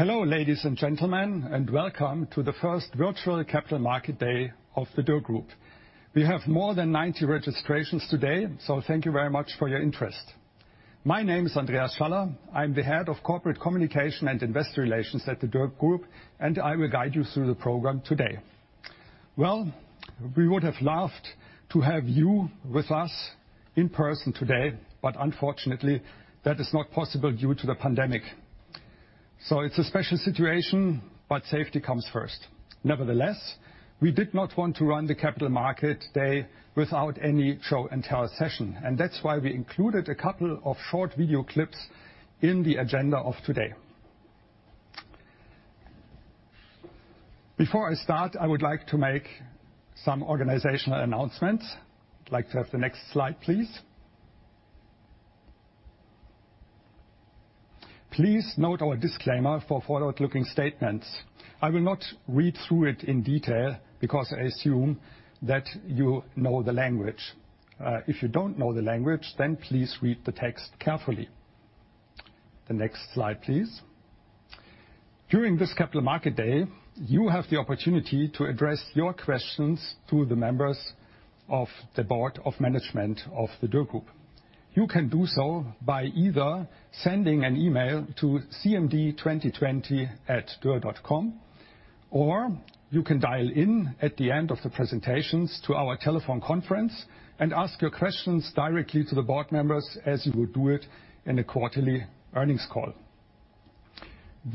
Hello, ladies and gentlemen, and welcome to the first virtual capital market day of the Dürr Group. We have more than 90 registrations today, so thank you very much for your interest. My name is Andreas Schaller. I'm the head of Corporate Communication and Investor Relations at the Dürr Group, and I will guide you through the program today. We would have loved to have you with us in person today, but unfortunately, that is not possible due to the pandemic. It's a special situation, but safety comes first. Nevertheless, we did not want to run the capital market day without any show-and-tell session, and that's why we included a couple of short video clips in the agenda of today. Before I start, I would like to make some organizational announcements. I'd like to have the next slide, please. Please note our disclaimer for forward-looking statements. I will not read through it in detail because I assume that you know the language. If you don't know the language, then please read the text carefully. The next slide, please. During this capital market day, you have the opportunity to address your questions to the members of the board of management of the Dürr Group. You can do so by either sending an email to cmd2020@durr.com, or you can dial in at the end of the presentations to our telephone conference and ask your questions directly to the board members as you would do it in a quarterly earnings call.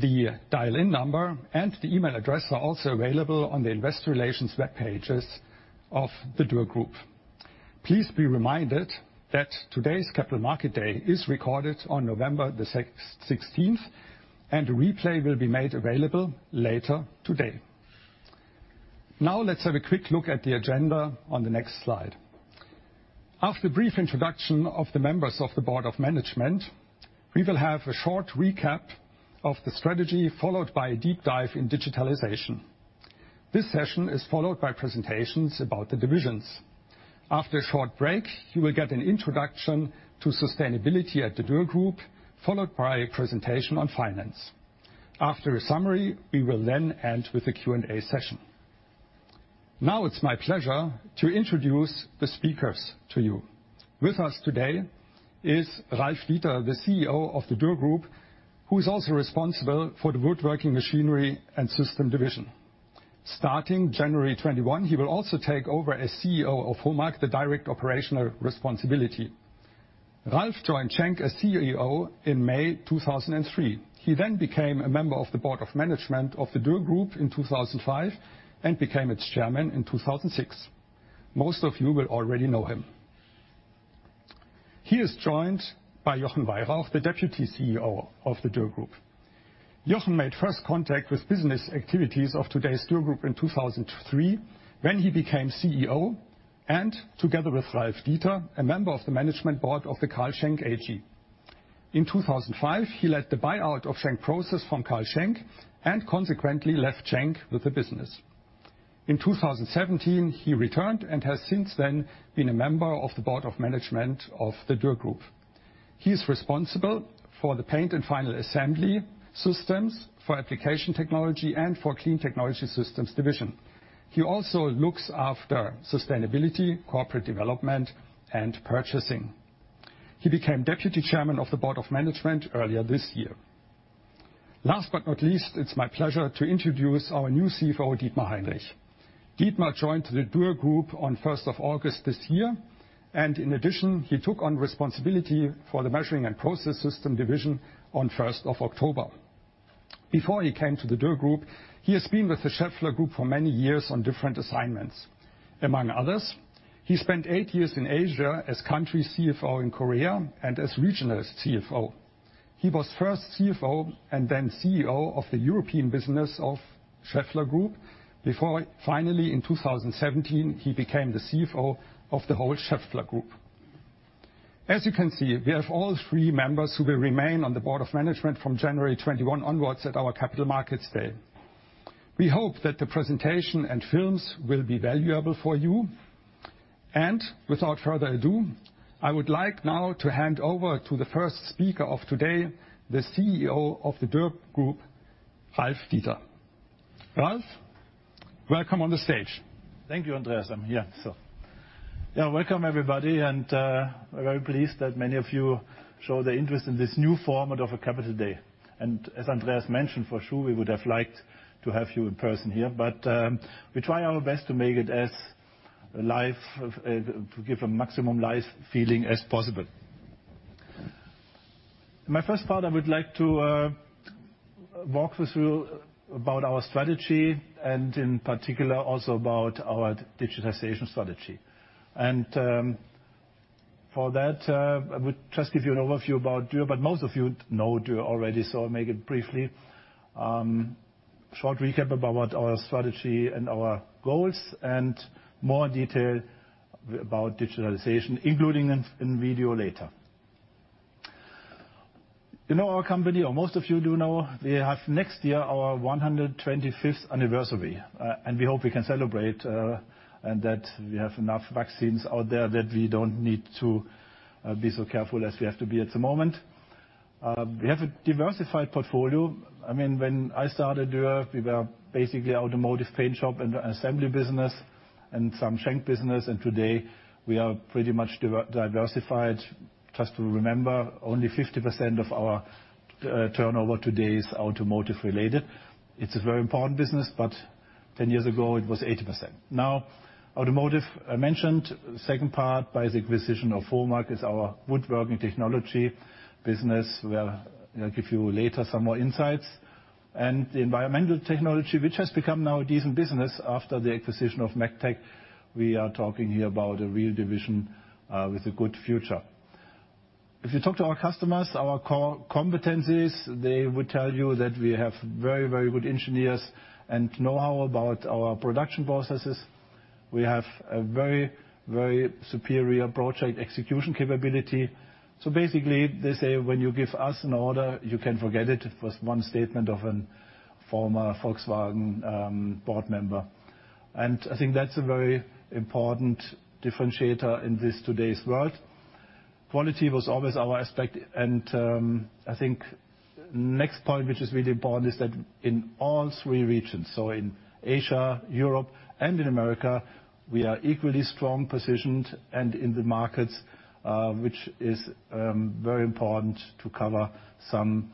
The dial-in number and the email address are also available on the investor relations web pages of the Dürr Group. Please be reminded that today's capital market day is recorded on November the 16th, and a replay will be made available later today. Now, let's have a quick look at the agenda on the next slide. After a brief introduction of the members of the Board of Management, we will have a short recap of the strategy, followed by a deep dive in digitalization. This session is followed by presentations about the divisions. After a short break, you will get an introduction to sustainability at the Dürr Group, followed by a presentation on finance. After a summary, we will then end with a Q&A session. Now, it's my pleasure to introduce the speakers to you. With us today is Ralf Dieter, the CEO of the Dürr Group, who is also responsible for the Woodworking Machinery and Systems division. Starting January 2021, he will also take over as CEO of HOMAG, the direct operational responsibility. Ralf joined Schenck as CEO in May 2003. He then became a member of the board of management of the Dürr Group in 2005 and became its chairman in 2006. Most of you will already know him. He is joined by Jochen Weyrauch, the deputy CEO of the Dürr Group. Jochen made first contact with business activities of today's Dürr Group in 2003 when he became CEO and together with Ralf Dieter, a member of the management board of the Carl Schenck AG. In 2005, he led the buyout of Schenck Process from Carl Schenck and consequently left Schenck with the business. In 2017, he returned and has since then been a member of the board of management of the Dürr Group. He is responsible for the paint and final assembly systems, for Application Technology, and for Clean Technology Systems division. He also looks after sustainability, corporate development, and purchasing. He became deputy chairman of the board of management earlier this year. Last but not least, it's my pleasure to introduce our new CFO, Dietmar Heinrich. Dietmar joined the Dürr Group on the 1st of August this year, and in addition, he took on responsibility for the measuring and process system division on the 1st of October. Before he came to the Dürr Group, he has been with the Schaeffler Group for many years on different assignments. Among others, he spent eight years in Asia as country CFO in Korea and as regional CFO. He was first CFO and then CEO of the European business of Schaeffler Group, before finally in 2017, he became the CFO of the whole Schaeffler Group. As you can see, we have all three members who will remain on the board of management from January 2021 onwards at our capital markets day. We hope that the presentation and films will be valuable for you. Without further ado, I would like now to hand over to the first speaker of today, the CEO of the Dürr Group, Ralf Dieter. Ralf, welcome on the stage. Thank you, Andreas. Yeah, welcome, everybody. And we're very pleased that many of you showed an interest in this new format of a capital day. And as Andreas mentioned, for sure, we would have liked to have you in person here, but we try our best to make it as live, to give a maximum live feeling as possible. In my first part, I would like to walk you through about our strategy and in particular also about our digitization strategy. And for that, I would just give you an overview about Dürr, but most of you know Dürr already, so I'll make it briefly. Short recap about our strategy and our goals and more detail about digitalization, including in video later. You know our company, or most of you do know. We have next year our 125th anniversary, and we hope we can celebrate and that we have enough vaccines out there that we don't need to be so careful as we have to be at the moment. We have a diversified portfolio. I mean, when I started Dürr, we were basically an automotive paint shop and assembly business and some Schenck business, and today we are pretty much diversified. Just to remember, only 50% of our turnover today is automotive related. It's a very important business, but 10 years ago, it was 80%. Now, automotive, I mentioned, second part by the acquisition of HOMAG is our woodworking technology business. We'll give you later some more insights. And the environmental technology, which has become now a decent business after the acquisition of Megtec, we are talking here about a real division with a good future. If you talk to our customers, our core competencies, they would tell you that we have very, very good engineers and know-how about our production processes. We have a very, very superior project execution capability. So basically, they say, when you give us an order, you can forget it, was one statement of a former Volkswagen board member. And I think that's a very important differentiator in this today's world. Quality was always our aspect. And I think the next point, which is really important, is that in all three regions, so in Asia, Europe, and in America, we are equally strong positioned in the markets, which is very important to cover some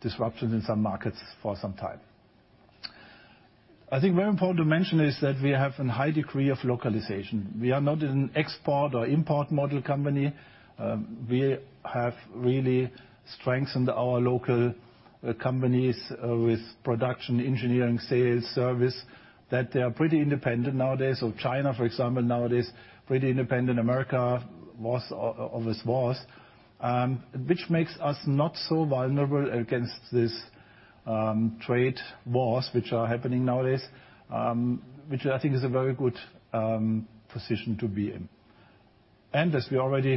disruptions in some markets for some time. I think very important to mention is that we have a high degree of localization. We are not an export or import model company. We have really strengthened our local companies with production, engineering, sales, service that they are pretty independent nowadays. So China, for example, nowadays is pretty independent. America was, always was, which makes us not so vulnerable against this trade wars, which are happening nowadays, which I think is a very good position to be in. And as we already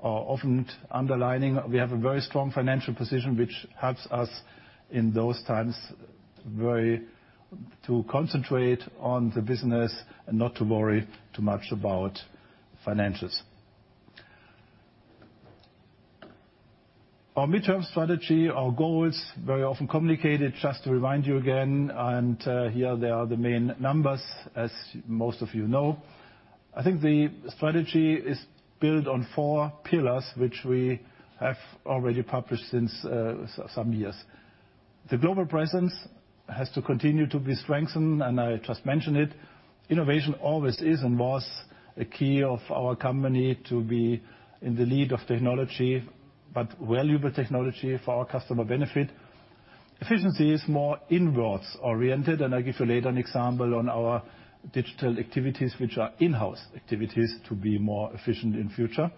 are often underlining, we have a very strong financial position, which helps us in those times very to concentrate on the business and not to worry too much about financials. Our midterm strategy, our goals, very often communicated, just to remind you again, and here they are the main numbers, as most of you know. I think the strategy is built on four pillars, which we have already published since some years. The global presence has to continue to be strengthened, and I just mentioned it. Innovation always is and was a key of our company to be in the lead of technology, but valuable technology for our customer benefit. Efficiency is more inwards oriented, and I'll give you later an example on our digital activities, which are in-house activities to be more efficient in the future,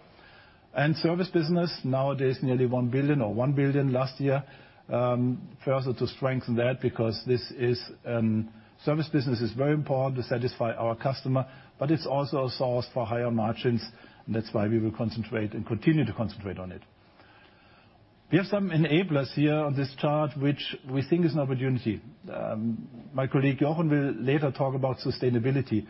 and service business nowadays, nearly one billion or one billion last year, further to strengthen that because this is a service business is very important to satisfy our customer, but it's also a source for higher margins, and that's why we will concentrate and continue to concentrate on it. We have some enablers here on this chart, which we think is an opportunity. My colleague Jochen will later talk about sustainability,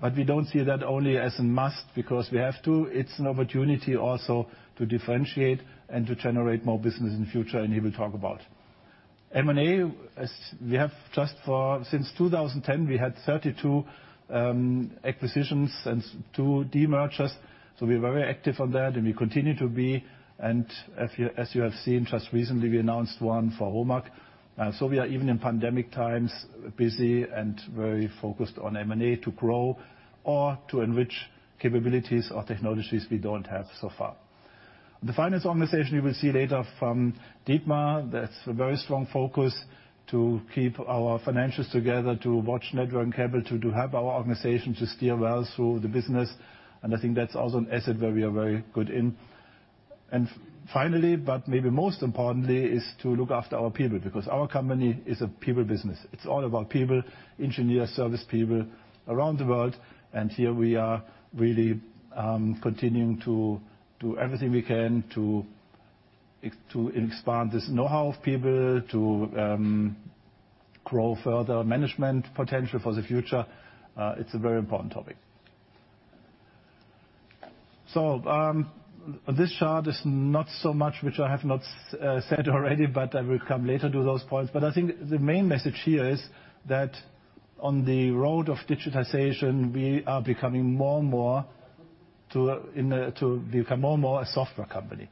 but we don't see that only as a must because we have to. It's an opportunity also to differentiate and to generate more business in the future, and he will talk about M&A, as we have just for since 2010, we had 32 acquisitions and two demergers, so we are very active on that, and we continue to be. And as you have seen, just recently, we announced one for HOMAG. So we are even in pandemic times busy and very focused on M&A to grow or to enrich capabilities or technologies we don't have so far. The finance organization, you will see later from Dietmar, that's a very strong focus to keep our financials together, to watch Net Working Capital, to help our organization to steer well through the business. I think that's also an asset where we are very good in. Finally, but maybe most importantly, is to look after our people because our company is a people business. It's all about people, engineers, service people around the world, and here we are really continuing to do everything we can to expand this know-how of people, to grow further management potential for the future. It's a very important topic. This chart is not so much, which I have not said already, but I will come later to those points. I think the main message here is that on the road of digitization, we are becoming more and more a software company.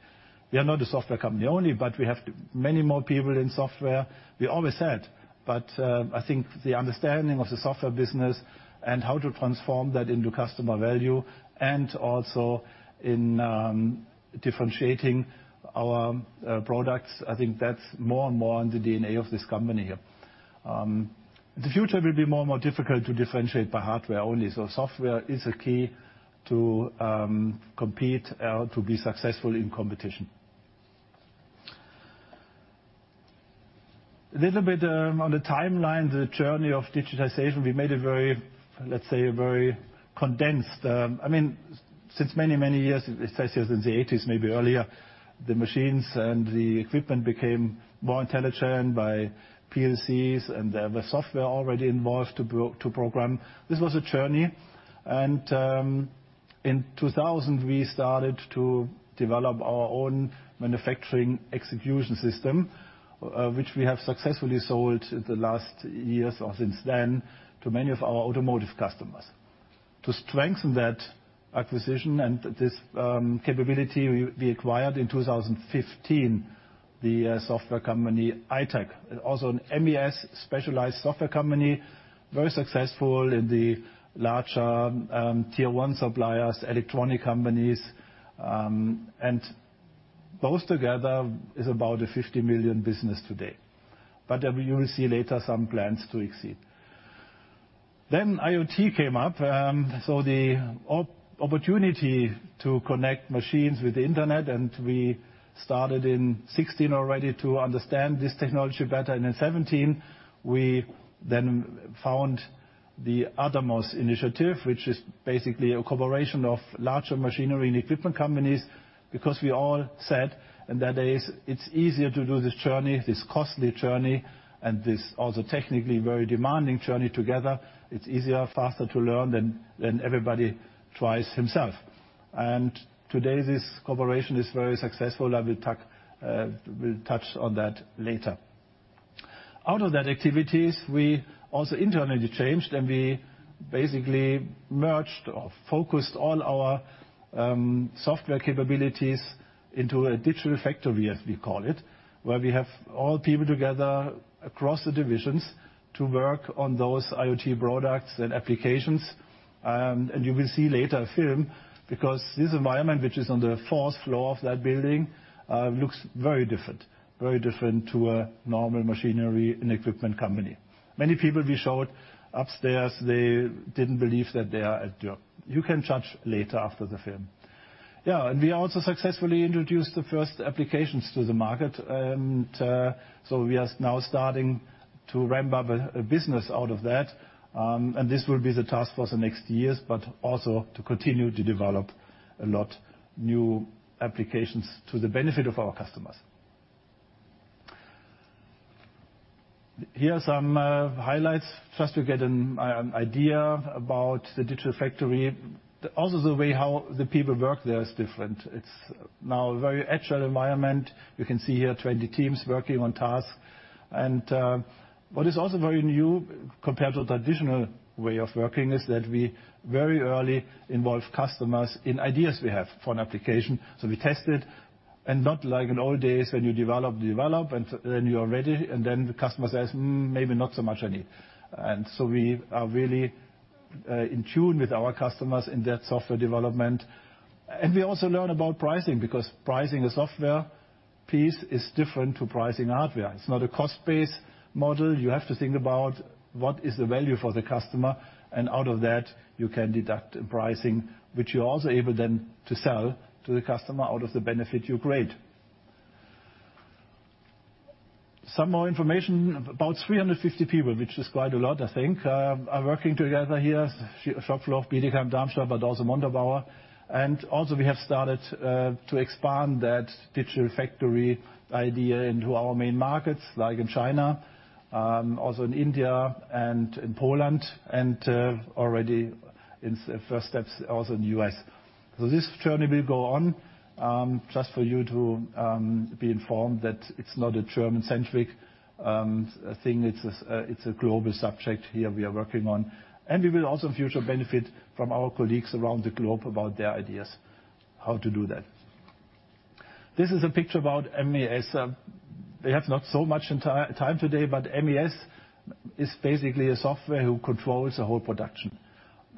We are not a software company only, but we have many more people in software. We always had, but I think the understanding of the software business and how to transform that into customer value and also in differentiating our products. I think that's more and more in the DNA of this company here. In the future, it will be more and more difficult to differentiate by hardware only. So software is a key to compete or to be successful in competition. A little bit on the timeline, the journey of digitization, we made a very, let's say, a very condensed. I mean, since many, many years, let's say since the 1980s, maybe earlier, the machines and the equipment became more intelligent by PLCs and there were software already involved to program. This was a journey. And in 2000, we started to develop our own Manufacturing Execution System, which we have successfully sold in the last years or since then to many of our automotive customers. To strengthen that acquisition and this capability, we acquired in 2015 the software company iTAC, also an MES specialized software company, very successful in the larger tier one suppliers, electronic companies. And both together is about a 50 million business today. But you will see later some plans to exceed. Then IoT came up. So the opportunity to connect machines with the internet, and we started in 2016 already to understand this technology better. And in 2017, we then founded the ADAMOS initiative, which is basically a corporation of larger machinery and equipment companies because we all said in those days, it's easier to do this journey, this costly journey, and this also technically very demanding journey together. It's easier, faster to learn than everybody tries himself. And today, this corporation is very successful. I will touch on that later. Out of that activities, we also internally changed, and we basically merged or focused all our software capabilities into a Digital Factory, as we call it, where we have all people together across the divisions to work on those IoT products and applications. And you will see later a film because this environment, which is on the fourth floor of that building, looks very different, very different to a normal machinery and equipment company. Many people we showed upstairs, they didn't believe that they are at Dürr. You can judge later after the film. Yeah, and we also successfully introduced the first applications to the market. And so we are now starting to ramp up a business out of that. This will be the task force for the next years, but also to continue to develop a lot of new applications to the benefit of our customers. Here are some highlights. Just to get an idea about the Digital Factory, also the way how the people work there is different. It's now a very agile environment. You can see here 20 teams working on tasks. And what is also very new compared to the traditional way of working is that we very early involve customers in ideas we have for an application. So we test it. And not like in old days when you develop, develop, and then you are ready, and then the customer says, "Maybe not so much I need." And so we are really in tune with our customers in that software development. We also learn about pricing because pricing a software piece is different from pricing hardware. It's not a cost-based model. You have to think about what is the value for the customer, and out of that, you can deduct pricing, which you're also able then to sell to the customer out of the benefit you create. Some more information about 350 people, which is quite a lot, I think, are working together here, shop floor of Bietigheim Darmstadt, but also Mondobau. We have started to expand that Digital Factory idea into our main markets, like in China, also in India and in Poland, and already in the first steps also in the U.S. This journey will go on. Just for you to be informed that it's not a German-centric thing. It's a global subject here we are working on. We will also in future benefit from our colleagues around the globe about their ideas how to do that. This is a picture about MES. We have not so much time today, but MES is basically a software who controls the whole production.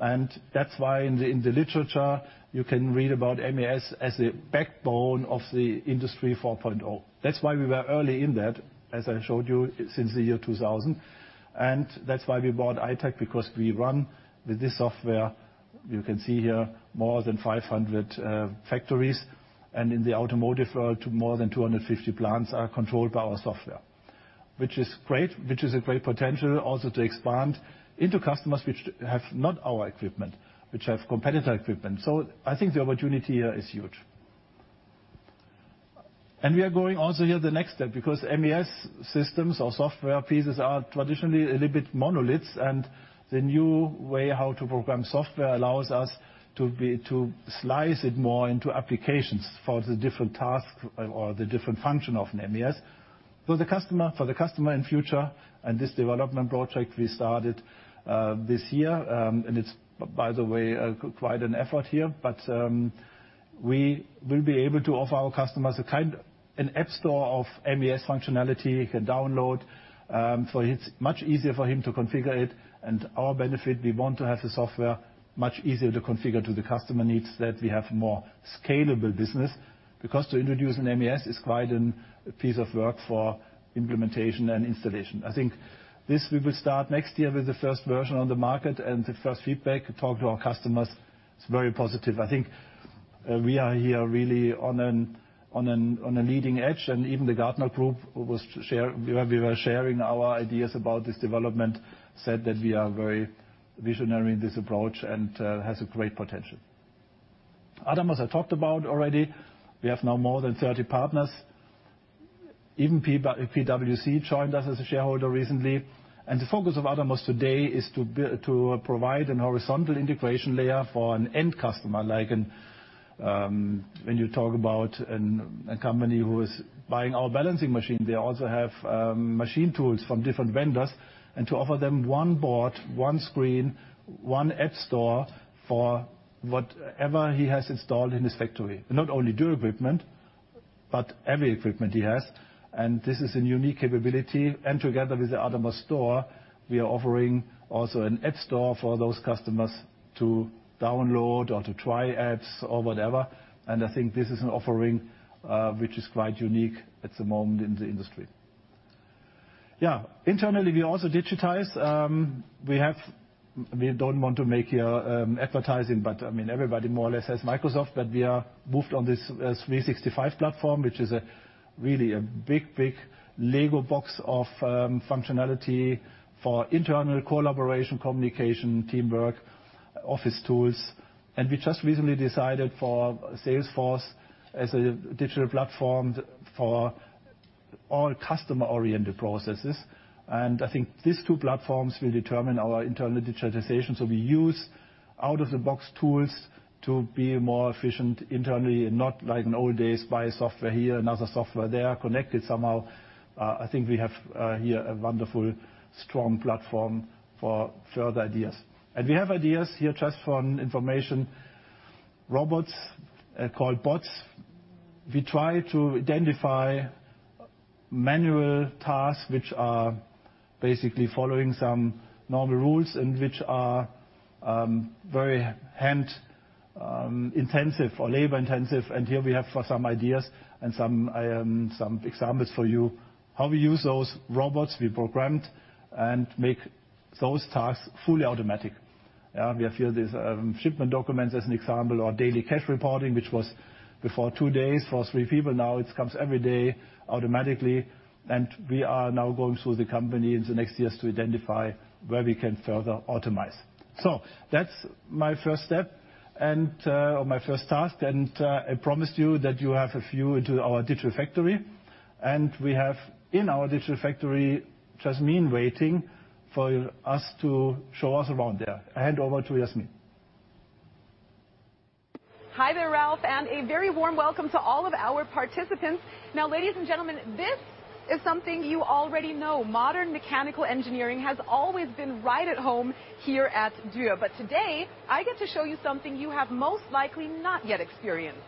And that's why in the literature, you can read about MES as the backbone of the industry 4.0. That's why we were early in that, as I showed you, since the year 2000. And that's why we bought iTAC because we run with this software. You can see here more than 500 factories. And in the automotive world, more than 250 plants are controlled by our software, which is great, which is a great potential also to expand into customers which have not our equipment, which have competitor equipment. So I think the opportunity here is huge. And we are going also here the next step because MES systems or software pieces are traditionally a little bit monoliths, and the new way how to program software allows us to slice it more into applications for the different tasks or the different function of an MES for the customer in the future. And this development project we started this year, and it's, by the way, quite an effort here, but we will be able to offer our customers an app store of MES functionality you can download. So it's much easier for him to configure it. And our benefit, we want to have the software much easier to configure to the customer needs that we have more scalable business because to introduce an MES is quite a piece of work for implementation and installation. I think this we will start next year with the first version on the market and the first feedback, talk to our customers. It's very positive. I think we are here really on a leading edge, and even the Gartner Group, where we were sharing our ideas about this development, said that we are very visionary in this approach and has a great potential. ADAMOS, I talked about already. We have now more than 30 partners. Even PwC joined us as a shareholder recently. And the focus of ADAMOS today is to provide a horizontal integration layer for an end customer. When you talk about a company who is buying our balancing machine, they also have machine tools from different vendors and to offer them one board, one screen, one app store for whatever he has installed in his factory, not only Dürr equipment, but heavy equipment he has. This is a unique capability. Together with the ADAMOS store, we are offering also an app store for those customers to download or to try apps or whatever. I think this is an offering which is quite unique at the moment in the industry. Yeah, internally, we also digitize. We don't want to make you advertising, but I mean, everybody more or less has Microsoft, but we are moved on this 365 platform, which is really a big, big Lego box of functionality for internal collaboration, communication, teamwork, office tools. We just recently decided for Salesforce as a digital platform for all customer-oriented processes. I think these two platforms will determine our internal digitization. We use out-of-the-box tools to be more efficient internally, not like in old days, buy software here, another software there, connect it somehow. I think we have here a wonderful, strong platform for further ideas. And we have ideas here just for information. Robots called bots. We try to identify manual tasks which are basically following some normal rules and which are very hand-intensive or labor-intensive. And here we have some ideas and some examples for you how we use those robots we programmed and make those tasks fully automatic. We have here these shipment documents as an example or daily cash reporting, which was before two days for three people. Now it comes every day automatically. And we are now going through the company in the next years to identify where we can further optimize. So that's my first step or my first task. And I promised you that you have a view into our Digital Factory. We have in our Digital Factory Yasmin waiting for us to show us around there. Hand over to Yasmin. Hi there, Ralf, and a very warm welcome to all of our participants. Now, ladies and gentlemen, this is something you already know. Modern mechanical engineering has always been right at home here at Dürr. But today, I get to show you something you have most likely not yet experienced.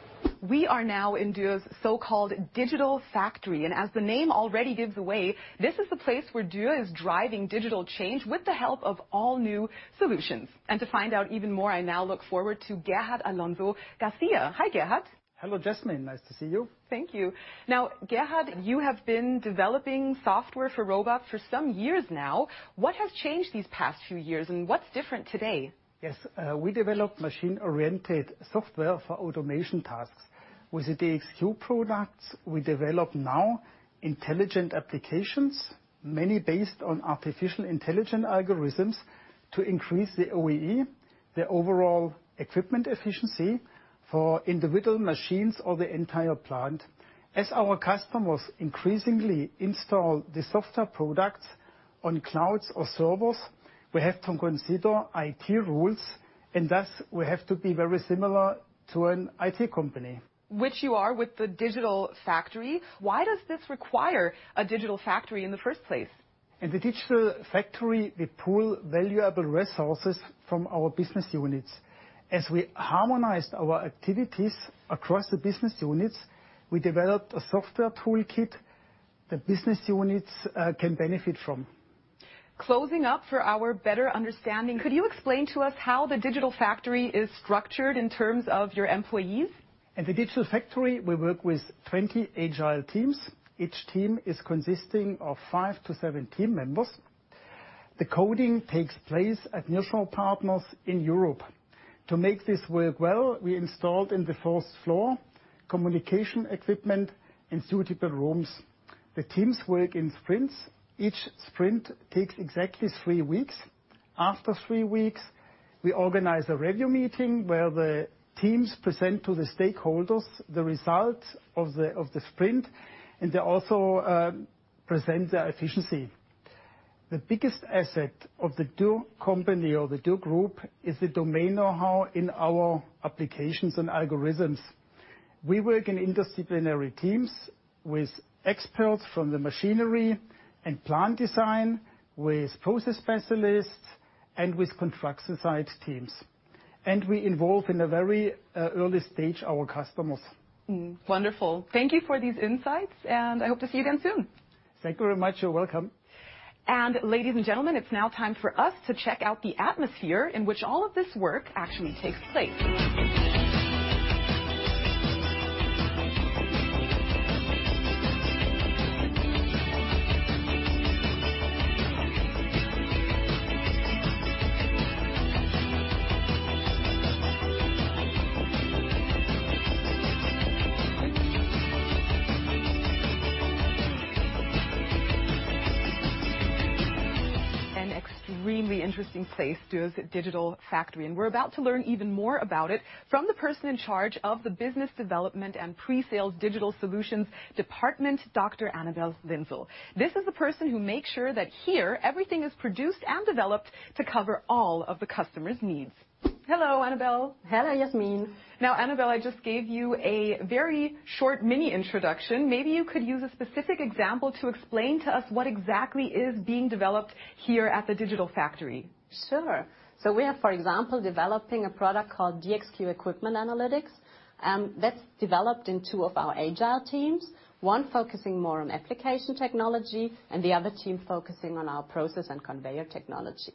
We are now in Dürr's so-called digital factory. And as the name already gives away, this is the place where Dürr is driving digital change with the help of all new solutions. And to find out even more, I now look forward to Gerhard Alonso Garcia. Hi, Gerhard. Hello, Yasmin. Nice to see you. Thank you. Now, Gerhard, you have been developing software for robots for some years now. What has changed these past few years, and what's different today? Yes, we developed machine-oriented software for automation tasks. With the DXQ products, we develop now intelligent applications, many based on artificial intelligence algorithms to increase the OEE, the overall equipment effectiveness for individual machines or the entire plant. As our customers increasingly install the software products on clouds or servers, we have to consider IT rules, and thus we have to be very similar to an IT company. Which you are with the Digital Factory. Why does this require a Digital Factory in the first place? In the Digital Factory, we pull valuable resources from our business units. As we harmonized our activities across the business units, we developed a software toolkit that business units can benefit from. Closing up for our better understanding, could you explain to us how the Digital Factory is structured in terms of your employees? In the Digital Factory, we work with 20 agile teams. Each team is consisting of five to seven team members. The coding takes place at mutual partners in Europe. To make this work well, we installed on the fourth floor communication equipment in suitable rooms. The teams work in sprints. Each sprint takes exactly three weeks. After three weeks, we organize a review meeting where the teams present to the stakeholders the results of the sprint, and they also present their efficiency. The biggest asset of the Dürr company or the Dürr Group is the domain know-how in our applications and algorithms. We work in interdisciplinary teams with experts from the machinery and plant design, with process specialists, and with construction site teams. We involve in a very early stage our customers. Wonderful. Thank you for these insights, and I hope to see you again soon. Thank you very much. You're welcome. Ladies and gentlemen, it's now time for us to check out the atmosphere in which all of this work actually takes place. An extremely interesting place, Dürr's Digital Factory. We're about to learn even more about it from the person in charge of the Business Development and Pre-Sales Digital Solutions Department, Dr. Annabel Linzel. This is the person who makes sure that here everything is produced and developed to cover all of the customer's needs. Hello, Annabel. Hello, Jasmine. Now, Annabel, I just gave you a very short mini introduction. Maybe you could use a specific example to explain to us what exactly is being developed here at the Digital Factory. Sure. So we are, for example, developing a product called DXQ Equipment Analytics. That's developed in two of our agile teams, one focusing more on Application Technology and the other team focusing on our process and conveyor technology.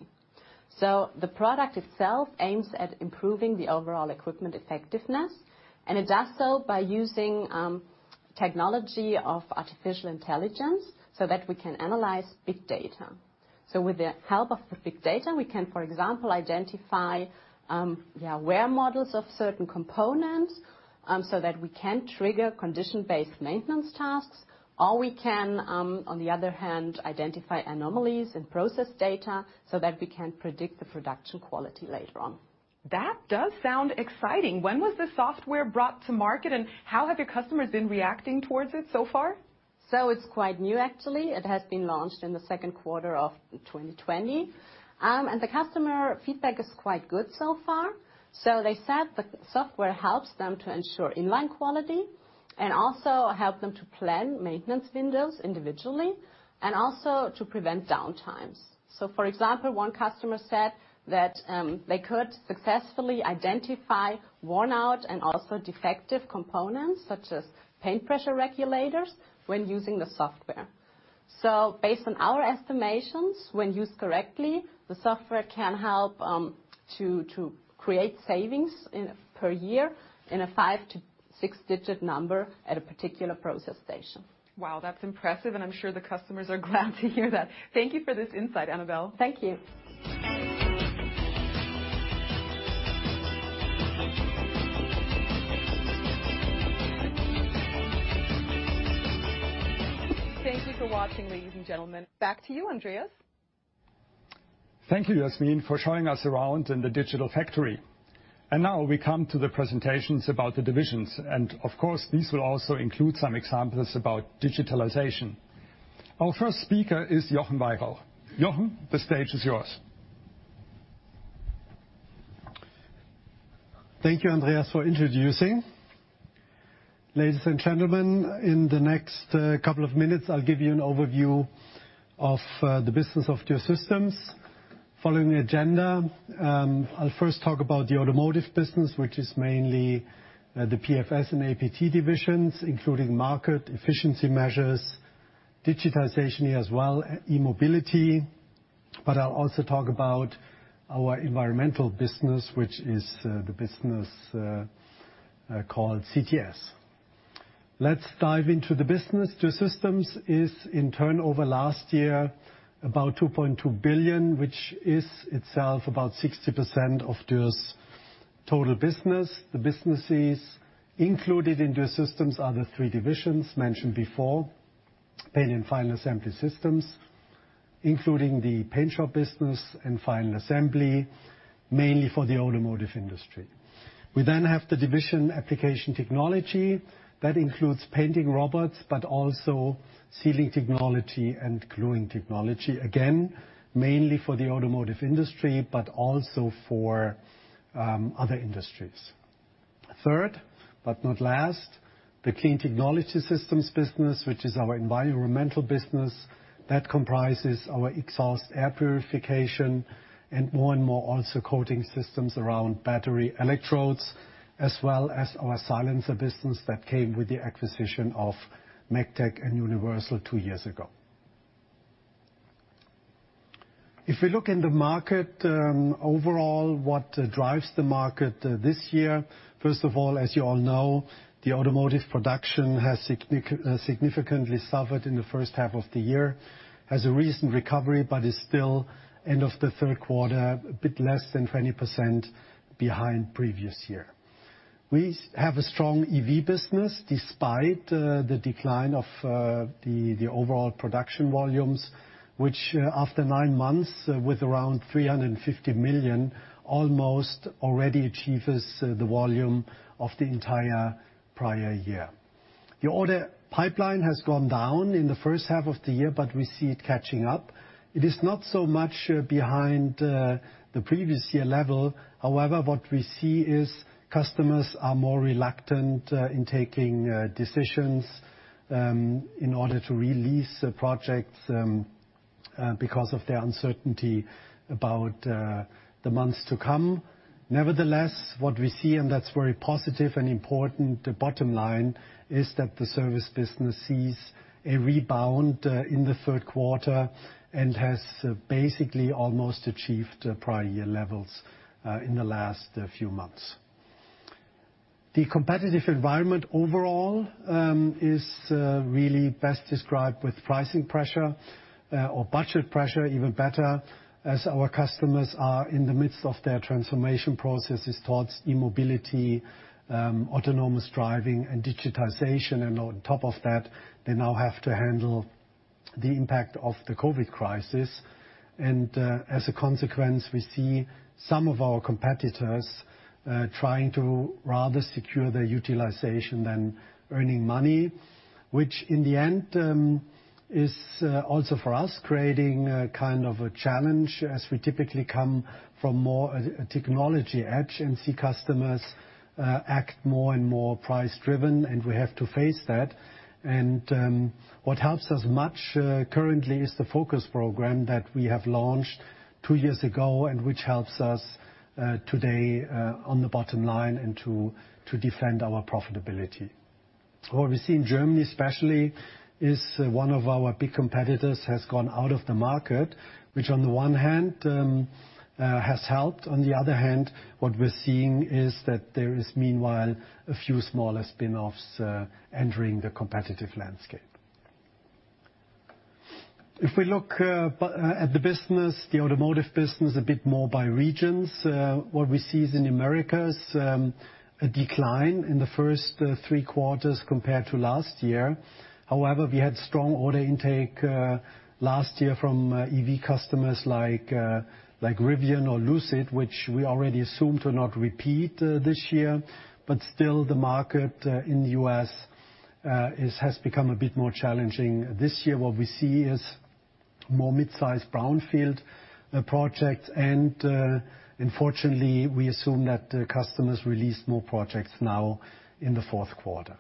So the product itself aims at improving the overall equipment effectiveness, and it does so by using technology of artificial intelligence so that we can analyze big data. So with the help of the big data, we can, for example, identify wear models of certain components so that we can trigger condition-based maintenance tasks, or we can, on the other hand, identify anomalies in process data so that we can predict the production quality later on. That does sound exciting. When was the software brought to market, and how have your customers been reacting towards it so far? So it's quite new, actually. It has been launched in the second quarter of 2020. And the customer feedback is quite good so far. So they said the software helps them to ensure inline quality and also helps them to plan maintenance windows individually and also to prevent downtimes. So, for example, one customer said that they could successfully identify worn-out and also defective components such as paint pressure regulators when using the software. So, based on our estimations, when used correctly, the software can help to create savings per year in a five to six-digit number at a particular process station. Wow, that's impressive, and I'm sure the customers are glad to hear that. Thank you for this insight, Annabel. Thank you. Thank you for watching, ladies and gentlemen. Back to you, Andreas. Thank you, Jasmine, for showing us around in the Digital Factory. And now we come to the presentations about the divisions. And of course, these will also include some examples about digitalization. Our first speaker is Jochen Weyrauch. Jochen, the stage is yours. Thank you, Andreas, for introducing. Ladies and gentlemen, in the next couple of minutes, I'll give you an overview of the business of Dürr Systems. Following agenda, I'll first talk about the automotive business, which is mainly the PFS and APT divisions, including market efficiency measures, digitization here as well, e-mobility. But I'll also talk about our environmental business, which is the business called CTS. Let's dive into the business. Dürr Systems is, in turn, over last year, about 2.2 billion, which is itself about 60% of Dürr's total business. The businesses included in Dürr Systems are the three divisions mentioned before: paint and final assembly systems, including the paint shop business and final assembly, mainly for the automotive industry. We then have the division Application Technology. That includes painting robots, but also sealing technology and gluing technology, again, mainly for the automotive industry, but also for other industries. Third, but not last, the Clean Technology Systems business, which is our environmental business. That comprises our exhaust air purification and more and more also coating systems around battery electrodes, as well as our silencer business that came with the acquisition of Megtec and Universal two years ago. If we look in the market overall, what drives the market this year? First of all, as you all know, the automotive production has significantly suffered in the first half of the year. It has a recent recovery, but is still, end of the third quarter, a bit less than 20% behind the previous year. We have a strong EV business despite the decline of the overall production volumes, which, after nine months with around 350 million, almost already achieves the volume of the entire prior year. The order pipeline has gone down in the first half of the year, but we see it catching up. It is not so much behind the previous year level. However, what we see is customers are more reluctant in taking decisions in order to release projects because of their uncertainty about the months to come. Nevertheless, what we see, and that's very positive and important, the bottom line is that the service business sees a rebound in the third quarter and has basically almost achieved prior year levels in the last few months. The competitive environment overall is really best described with pricing pressure or budget pressure, even better, as our customers are in the midst of their transformation processes towards e-mobility, autonomous driving, and digitization. And on top of that, they now have to handle the impact of the COVID crisis. And as a consequence, we see some of our competitors trying to rather secure their utilization than earning money, which in the end is also for us creating a kind of a challenge, as we typically come from more technology edge and see customers act more and more price-driven, and we have to face that. And what helps us much currently is the focus program that we have launched two years ago and which helps us today on the bottom line and to defend our profitability. What we see in Germany especially is one of our big competitors has gone out of the market, which on the one hand has helped. On the other hand, what we're seeing is that there is meanwhile a few smaller spinoffs entering the competitive landscape. If we look at the business, the automotive business a bit more by regions, what we see is in America a decline in the first three quarters compared to last year. However, we had strong order intake last year from EV customers like Rivian or Lucid, which we already assumed will not repeat this year. But still, the market in the U.S. has become a bit more challenging this year. What we see is more mid-sized brownfield projects, and unfortunately, we assume that customers released more projects now in the fourth quarter.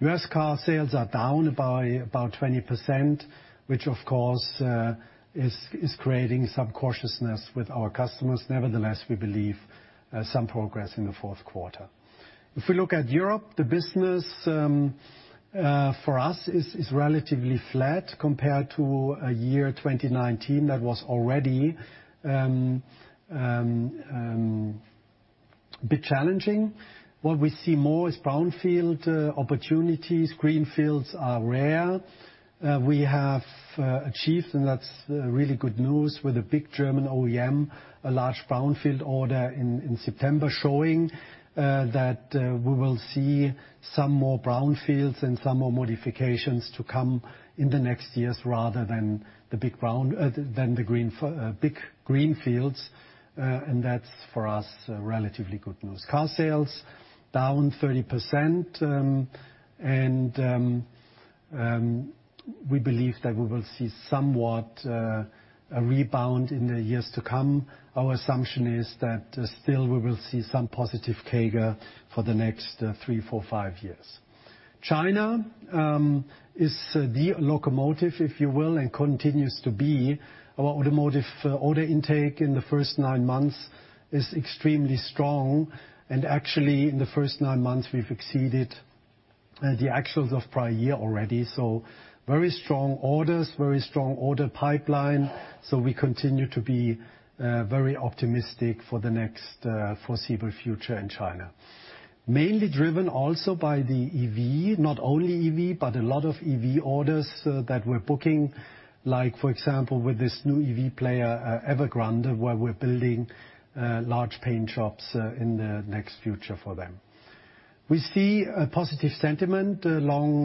U.S. car sales are down about 20%, which of course is creating some cautiousness with our customers. Nevertheless, we believe some progress in the fourth quarter. If we look at Europe, the business for us is relatively flat compared to a year 2019 that was already a bit challenging. What we see more is brownfield opportunities. Greenfields are rare. We have achieved, and that's really good news, with a big German OEM, a large brownfield order in September, showing that we will see some more brownfields and some more modifications to come in the next years rather than the big greenfields. That's for us relatively good news. Car sales down 30%. We believe that we will see somewhat a rebound in the years to come. Our assumption is that still we will see some positive CAGR for the next three, four, five years. China is the locomotive, if you will, and continues to be. Our automotive order intake in the first nine months is extremely strong. And actually, in the first nine months, we've exceeded the actuals of prior year already. So very strong orders, very strong order pipeline. So we continue to be very optimistic for the next foreseeable future in China, mainly driven also by the EV, not only EV, but a lot of EV orders that we're booking, like for example, with this new EV player, Evergrande, where we're building large paint shops in the next future for them. We see a positive sentiment along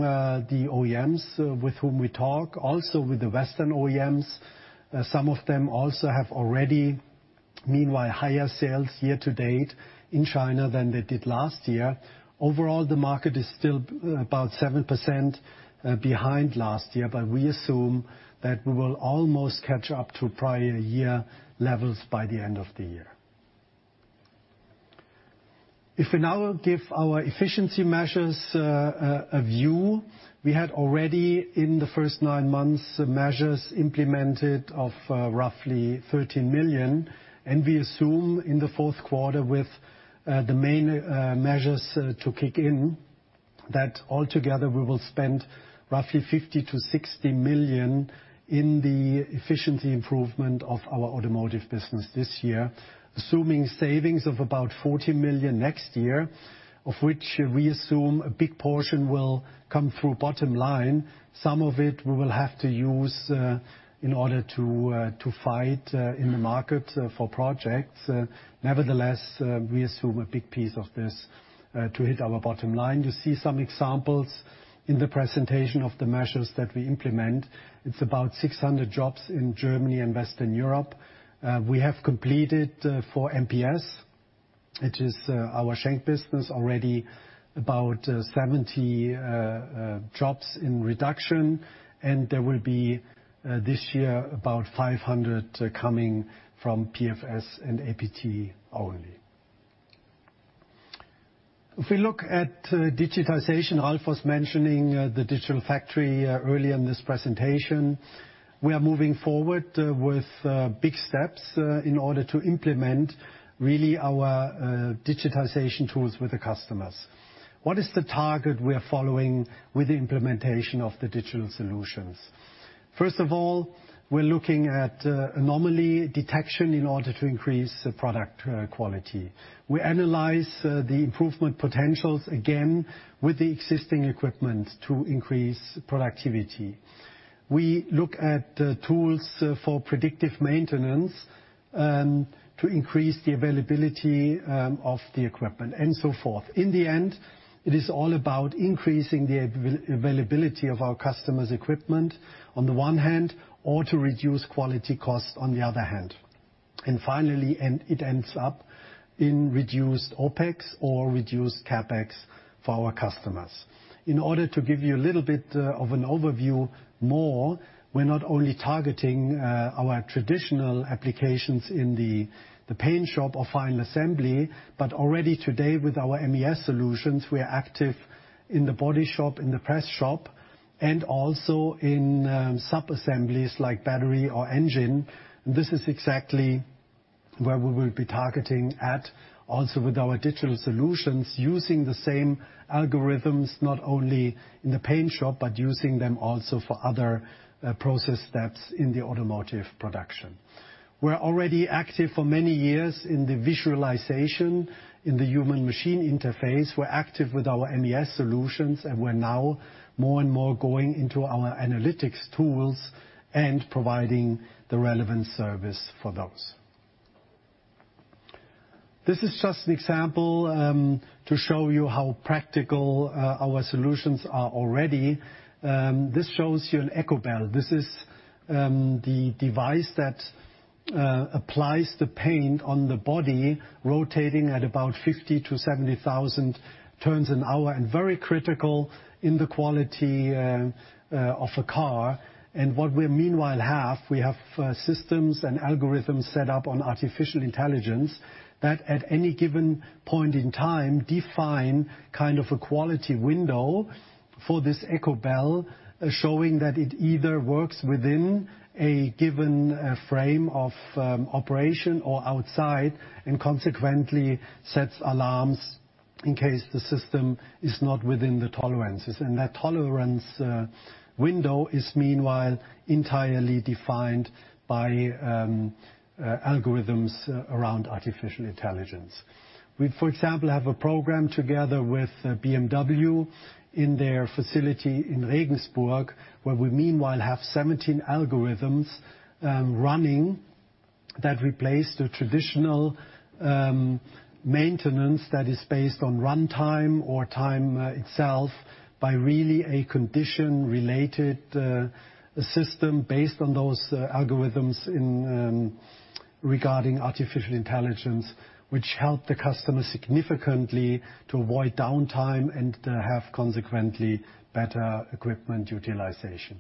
the OEMs with whom we talk, also with the Western OEMs. Some of them also have already, meanwhile, higher sales year to date in China than they did last year. Overall, the market is still about 7% behind last year, but we assume that we will almost catch up to prior year levels by the end of the year. If we now give our efficiency measures a view, we had already in the first nine months measures implemented of roughly 13 million. And we assume in the fourth quarter, with the main measures to kick in, that altogether we will spend roughly 50-60 million in the efficiency improvement of our automotive business this year, assuming savings of about 40 million next year, of which we assume a big portion will come through bottom line. Some of it we will have to use in order to fight in the market for projects. Nevertheless, we assume a big piece of this to hit our bottom line. You see some examples in the presentation of the measures that we implement. It's about 600 jobs in Germany and Western Europe. We have completed for MPS, which is our Schenck business, already about 70 jobs in reduction, and there will be this year about 500 coming from PFS and APT only. If we look at digitization, Ralf was mentioning the Digital Factory earlier in this presentation. We are moving forward with big steps in order to implement really our digitization tools with the customers. What is the target we are following with the implementation of the digital solutions? First of all, we're looking at anomaly detection in order to increase product quality. We analyze the improvement potentials again with the existing equipment to increase productivity. We look at tools for predictive maintenance to increase the availability of the equipment and so forth. In the end, it is all about increasing the availability of our customers' equipment on the one hand or to reduce quality cost on the other hand. Finally, it ends up in reduced OPEX or reduced CAPEX for our customers. In order to give you a little bit of an overview more, we're not only targeting our traditional applications in the paint shop or final assembly, but already today with our MES solutions, we are active in the body shop, in the press shop, and also in sub-assemblies like battery or engine. This is exactly where we will be targeting at also with our digital solutions using the same algorithms not only in the paint shop, but using them also for other process steps in the automotive production. We're already active for many years in the visualization in the human-machine interface. We're active with our MES solutions, and we're now more and more going into our analytics tools and providing the relevant service for those. This is just an example to show you how practical our solutions are already. This shows you an EcoBell. This is the device that applies the paint on the body, rotating at about 50,000-70,000 turns an hour and very critical in the quality of a car. What we meanwhile have, we have systems and algorithms set up on artificial intelligence that at any given point in time define kind of a quality window for this EcoBell showing that it either works within a given frame of operation or outside and consequently sets alarms in case the system is not within the tolerances. That tolerance window is meanwhile entirely defined by algorithms around artificial intelligence. We, for example, have a program together with BMW in their facility in Regensburg, where we meanwhile have 17 algorithms running that replace the traditional maintenance that is based on runtime or time itself by really a condition-related system based on those algorithms regarding artificial intelligence, which help the customer significantly to avoid downtime and have consequently better equipment utilization.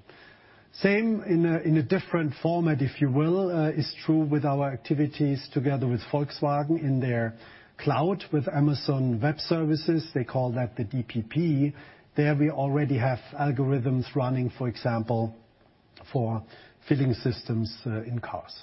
Same in a different format, if you will, is true with our activities together with Volkswagen in their cloud with Amazon Web Services. They call that the DPP. There we already have algorithms running, for example, for filling systems in cars.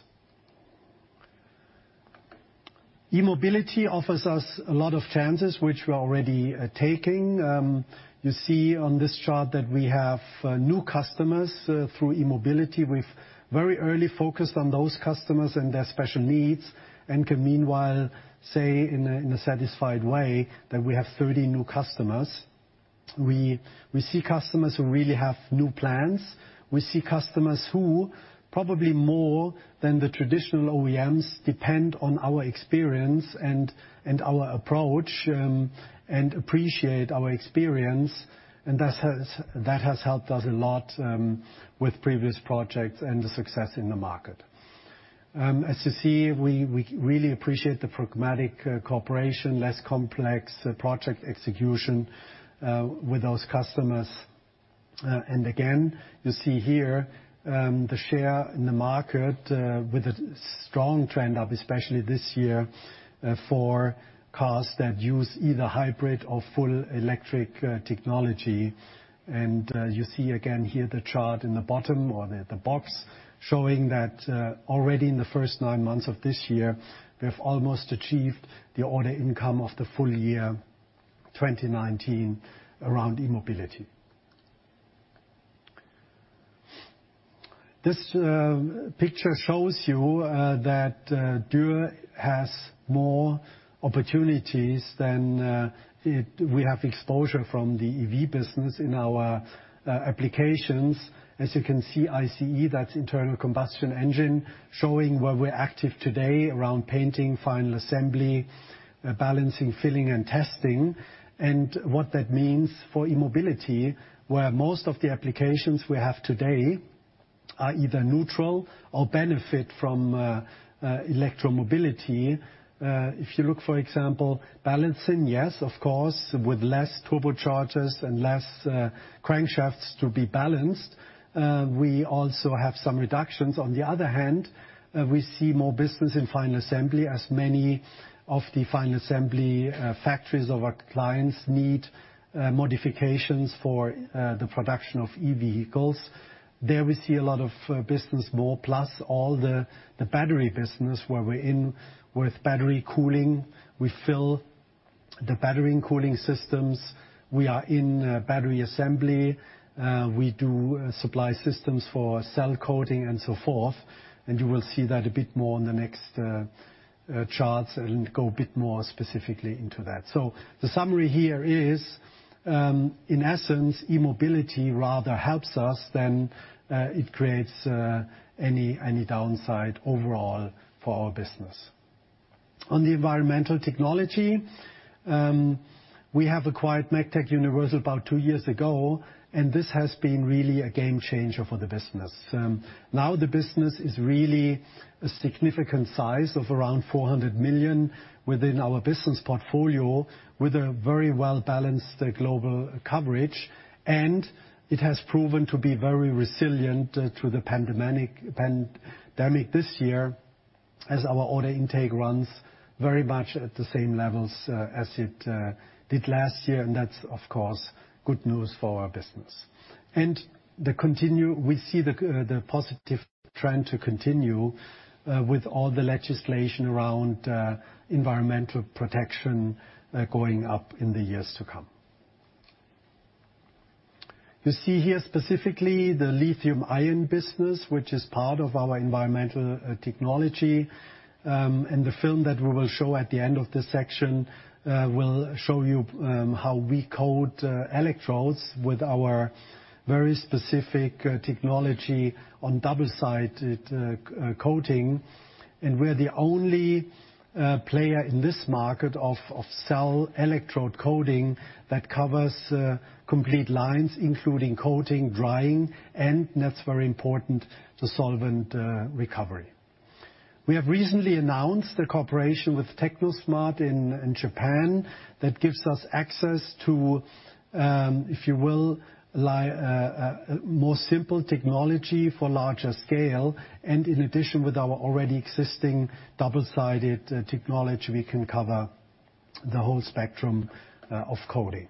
E-mobility offers us a lot of chances, which we're already taking. You see on this chart that we have new customers through E-mobility. We've very early focused on those customers and their special needs and can meanwhile say in a satisfied way that we have 30 new customers. We see customers who really have new plans. We see customers who probably more than the traditional OEMs depend on our experience and our approach and appreciate our experience, and that has helped us a lot with previous projects and the success in the market. As you see, we really appreciate the pragmatic cooperation, less complex project execution with those customers, and again, you see here the share in the market with a strong trend up, especially this year for cars that use either hybrid or full electric technology, and you see again here the chart in the bottom or the box showing that already in the first nine months of this year, we have almost achieved the order intake of the full year 2019 around E-mobility. This picture shows you that Dürr has more opportunities than we have exposure from the EV business in our applications. As you can see, ICE, that's internal combustion engine, showing where we're active today around painting, final assembly, balancing, filling, and testing, and what that means for e-mobility, where most of the applications we have today are either neutral or benefit from electromobility. If you look, for example, balancing, yes, of course, with less turbochargers and less crankshafts to be balanced. We also have some reductions. On the other hand, we see more business in final assembly as many of the final assembly factories of our clients need modifications for the production of e-vehicles. There we see a lot of business more, plus all the battery business where we're in with battery cooling. We fill the battery and cooling systems. We are in battery assembly. We do supply systems for cell coating and so forth. You will see that a bit more on the next charts and go a bit more specifically into that. The summary here is, in essence, E-mobility rather helps us than it creates any downside overall for our business. On the environmental technology, we have acquired Megtec Universal about two years ago, and this has been really a game changer for the business. Now the business is really a significant size of around 400 million within our business portfolio with a very well-balanced global coverage. It has proven to be very resilient to the pandemic this year as our order intake runs very much at the same levels as it did last year. That's, of course, good news for our business. We see the positive trend to continue with all the legislation around environmental protection going up in the years to come. You see here specifically the lithium-ion business, which is part of our environmental technology. And the film that we will show at the end of this section will show you how we coat electrodes with our very specific technology on double-sided coating. And we're the only player in this market of cell electrode coating that covers complete lines, including coating, drying, and that's very important to solvent recovery. We have recently announced a cooperation with Techno Smart in Japan that gives us access to, if you will, more simple technology for larger scale. And in addition, with our already existing double-sided technology, we can cover the whole spectrum of coating.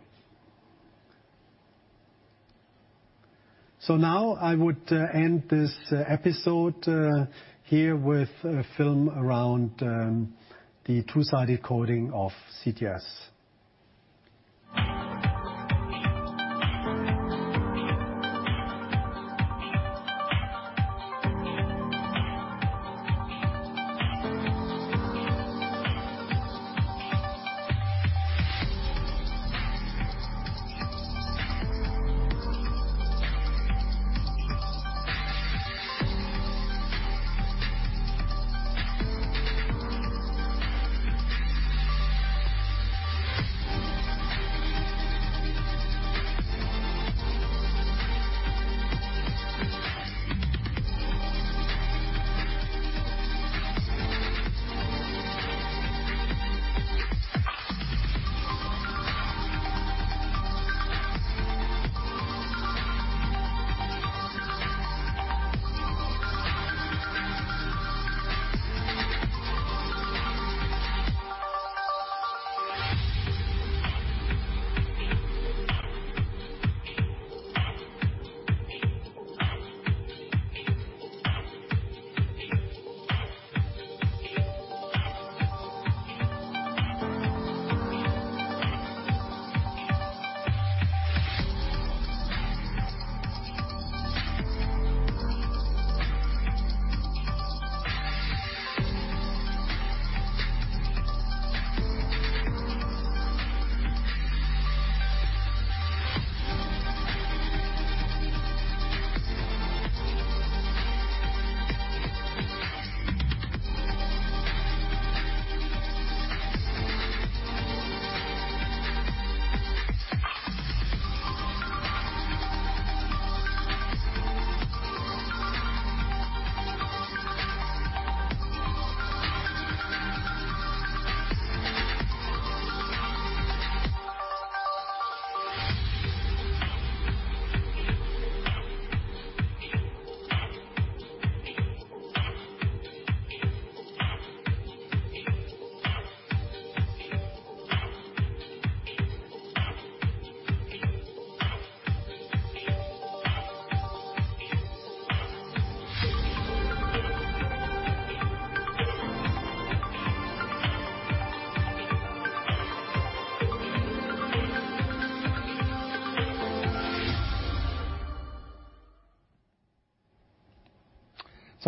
So now I would end this episode here with a film around the two-sided coating of CTS.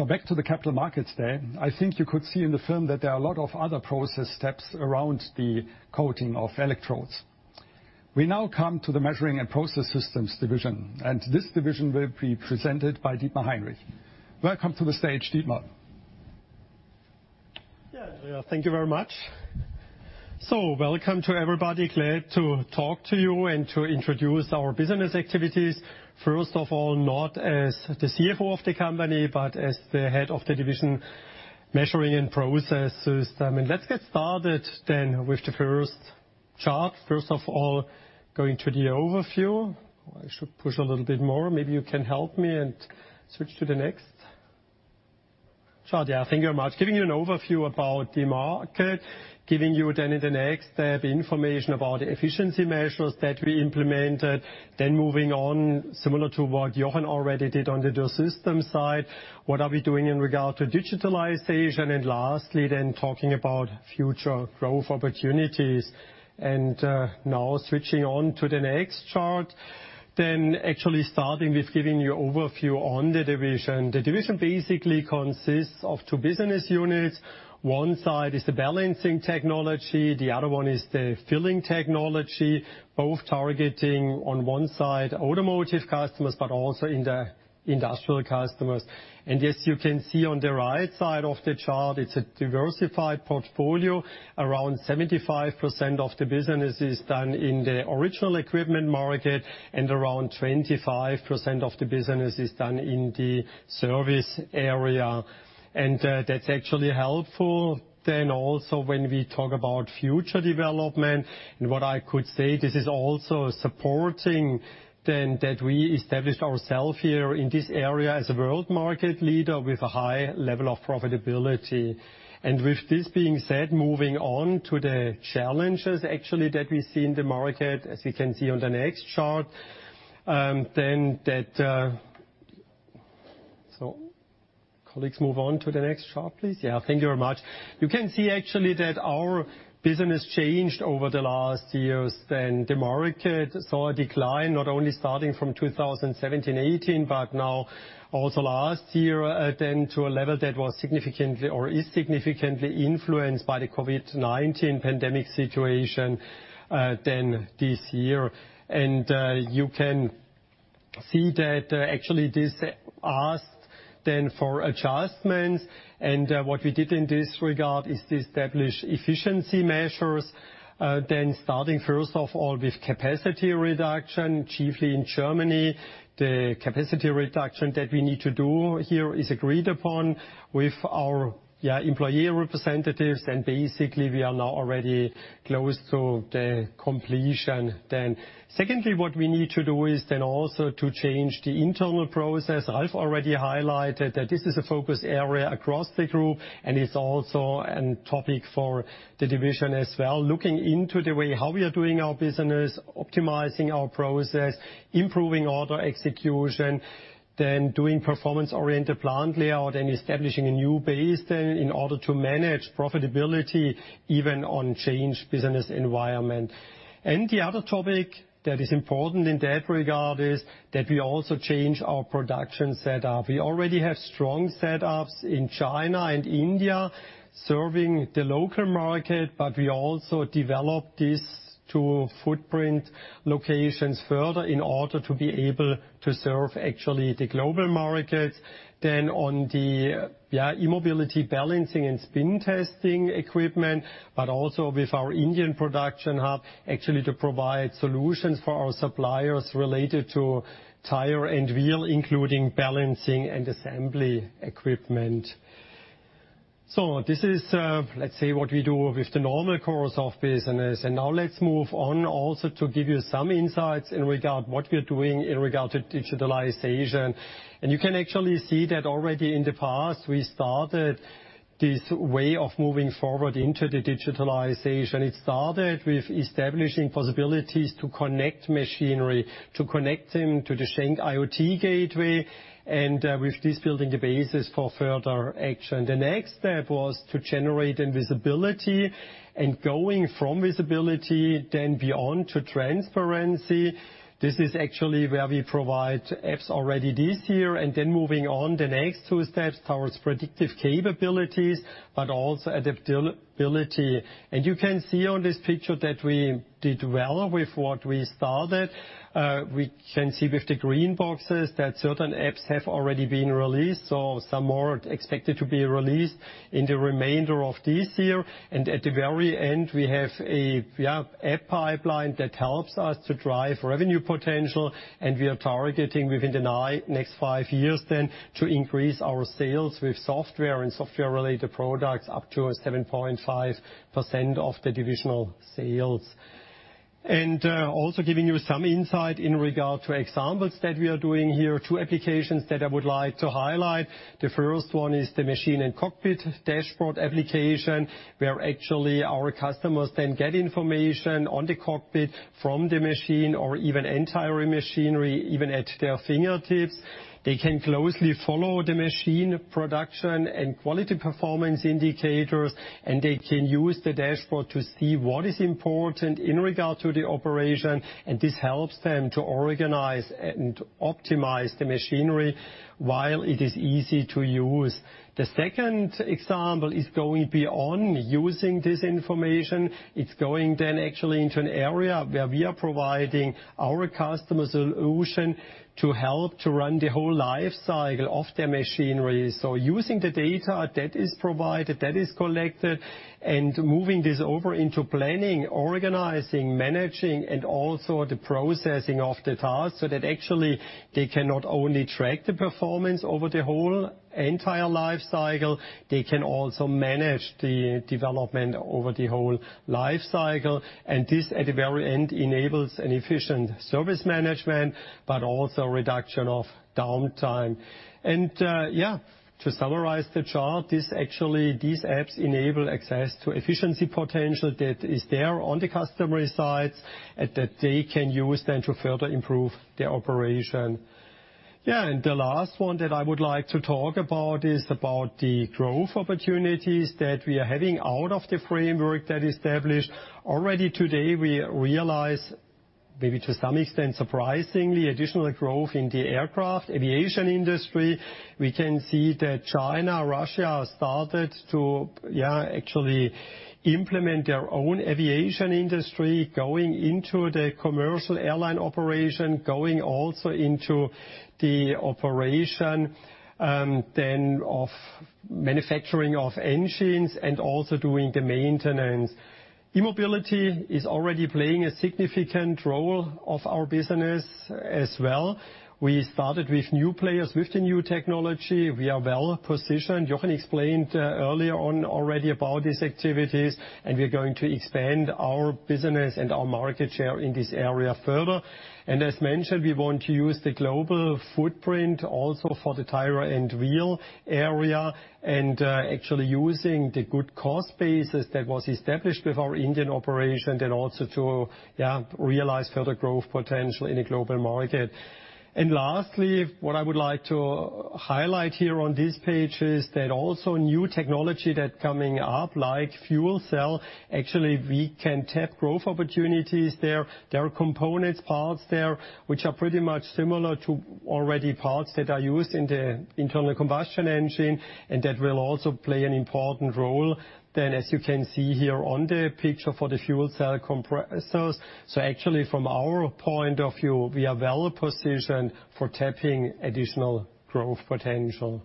So back to the capital markets there. I think you could see in the film that there are a lot of other process steps around the coating of electrodes. We now come to the Measuring and Process Systems division. This division will be presented by Dietmar Heinrich. Welcome to the stage, Dietmar. Yeah, thank you very much. Welcome to everybody. Glad to talk to you and to introduce our business activities. First of all, not as the CFO of the company, but as the head of the division, Measuring and Process Systems. Let's get started then with the first chart. First of all, going to the overview. I should push a little bit more. Maybe you can help me and switch to the next chart. Yeah, thank you very much. Giving you an overview about the market, giving you then in the next step information about the efficiency measures that we implemented, then moving on similar to what Jochen already did on the Dürr system side. What are we doing in regard to digitalization? And lastly, then talking about future growth opportunities. Now switching on to the next chart, then actually starting with giving you an overview on the division. The division basically consists of two business units. One side is the balancing technology. The other one is the filling technology, both targeting on one side automotive customers, but also industrial customers. And as you can see on the right side of the chart, it's a diversified portfolio. Around 75% of the business is done in the original equipment market, and around 25% of the business is done in the service area. And that's actually helpful then also when we talk about future development. And what I could say, this is also supporting then that we established ourselves here in this area as a world market leader with a high level of profitability. And with this being said, moving on to the challenges actually that we see in the market, as you can see on the next chart, then, so colleagues, move on to the next chart, please. Yeah, thank you very much. You can see actually that our business changed over the last years. Then the market saw a decline, not only starting from 2017, 2018, but now also last year then to a level that was significantly or is significantly influenced by the COVID-19 pandemic situation then this year. And you can see that actually this asked then for adjustments. What we did in this regard is to establish efficiency measures, then starting first of all with capacity reduction, chiefly in Germany. The capacity reduction that we need to do here is agreed upon with our employee representatives. Basically, we are now already close to the completion then. Secondly, what we need to do is then also to change the internal process. Ralf already highlighted that this is a focus area across the group, and it's also a topic for the division as well, looking into the way how we are doing our business, optimizing our process, improving order execution, then doing performance-oriented plant layout and establishing a new base then in order to manage profitability even on change business environment. The other topic that is important in that regard is that we also change our production setup. We already have strong setups in China and India serving the local market, but we also developed this to footprint locations further in order to be able to serve actually the global markets, then on the e-mobility balancing and spin testing equipment, but also with our Indian production hub actually to provide solutions for our suppliers related to tire and wheel, including balancing and assembly equipment, so this is, let's say, what we do with the normal course of business, and now let's move on also to give you some insights in regard to what we're doing in regard to digitalization, and you can actually see that already in the past, we started this way of moving forward into the digitalization. It started with establishing possibilities to connect machinery, to connect them to the Schenck IoT Gateway, and with this building a basis for further action. The next step was to generate invisibility, going from visibility then beyond to transparency. This is actually where we provide apps already this year. And then moving on, the next two steps towards predictive capabilities, but also adaptability. And you can see on this picture that we did well with what we started. We can see with the green boxes that certain apps have already been released, so some more expected to be released in the remainder of this year. And at the very end, we have a app pipeline that helps us to drive revenue potential. And we are targeting within the next five years then to increase our sales with software and software-related products up to 7.5% of the divisional sales. And also giving you some insight in regard to examples that we are doing here, two applications that I would like to highlight. The first one is the Machine and Cockpit Dashboard Application, where actually our customers then get information on the cockpit from the machine or even entire machinery, even at their fingertips. They can closely follow the machine production and quality performance indicators, and they can use the dashboard to see what is important in regard to the operation. And this helps them to organize and optimize the machinery while it is easy to use. The second example is going beyond using this information. It's going then actually into an area where we are providing our customer solution to help to run the whole lifecycle of their machinery. So using the data that is provided, that is collected, and moving this over into planning, organizing, managing, and also the processing of the task so that actually they can not only track the performance over the whole entire lifecycle, they can also manage the development over the whole lifecycle. And this at the very end enables an efficient service management, but also reduction of downtime. And yeah, to summarize the chart, these apps enable access to efficiency potential that is there on the customer's sides that they can use then to further improve their operation. Yeah, and the last one that I would like to talk about is about the growth opportunities that we are having out of the framework that is established. Already today, we realize, maybe to some extent surprisingly, additional growth in the aircraft aviation industry. We can see that China and Russia started to, yeah, actually implement their own aviation industry, going into the commercial airline operation, going also into the operation then of manufacturing of engines and also doing the maintenance. E-mobility is already playing a significant role of our business as well. We started with new players with the new technology. We are well positioned. Jochen explained earlier on already about these activities, and we're going to expand our business and our market share in this area further. And as mentioned, we want to use the global footprint also for the tire and wheel area and actually using the good cost basis that was established with our Indian operation then also to, yeah, realize further growth potential in a global market. And lastly, what I would like to highlight here on this page is that also new technology that's coming up like fuel cell, actually we can tap growth opportunities there. There are components, parts there, which are pretty much similar to already parts that are used in the internal combustion engine and that will also play an important role then, as you can see here on the picture for the fuel cell compressors. So actually from our point of view, we are well positioned for tapping additional growth potential.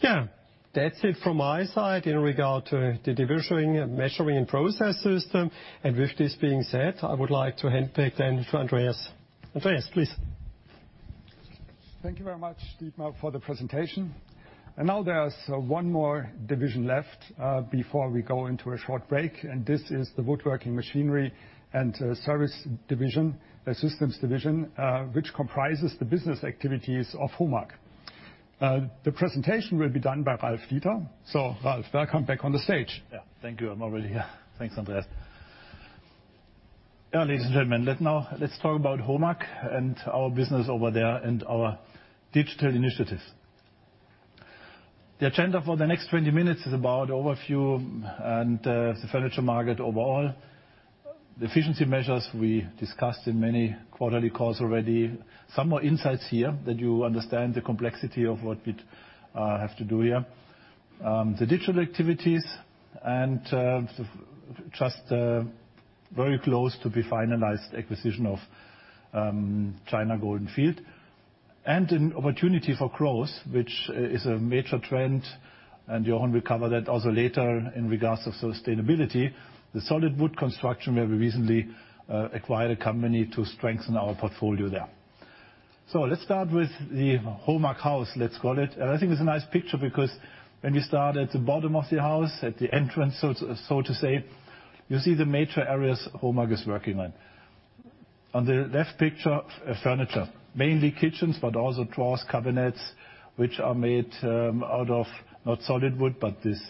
Yeah, that's it from my side in regard to the division, Measuring and Process Systems. And with this being said, I would like to hand back then to Andreas. Andreas, please. Thank you very much, Dietmar, for the presentation. And now there's one more division left before we go into a short break. This is the woodworking machinery and service division, the systems division, which comprises the business activities of HOMAG. The presentation will be done by Ralf Dieter. So Ralf, welcome back on the stage. Yeah, thank you. I'm already here. Thanks, Andreas. Yeah, ladies and gentlemen, let's talk about HOMAG and our business over there and our digital initiatives. The agenda for the next 20 minutes is about overview and the furniture market overall. The efficiency measures we discussed in many quarterly calls already. Some more insights here that you understand the complexity of what we have to do here. The digital activities and just very close to be finalized acquisition of China Golden Field and an opportunity for growth, which is a major trend. Jochen will cover that also later in regards to sustainability, the solid wood construction where we recently acquired a company to strengthen our portfolio there. Let's start with the HOMAG house, let's call it. I think it's a nice picture because when we start at the bottom of the house, at the entrance, so to say, you see the major areas HOMAG is working on. On the left picture, furniture, mainly kitchens, but also drawers, cabinets, which are made out of not solid wood, but this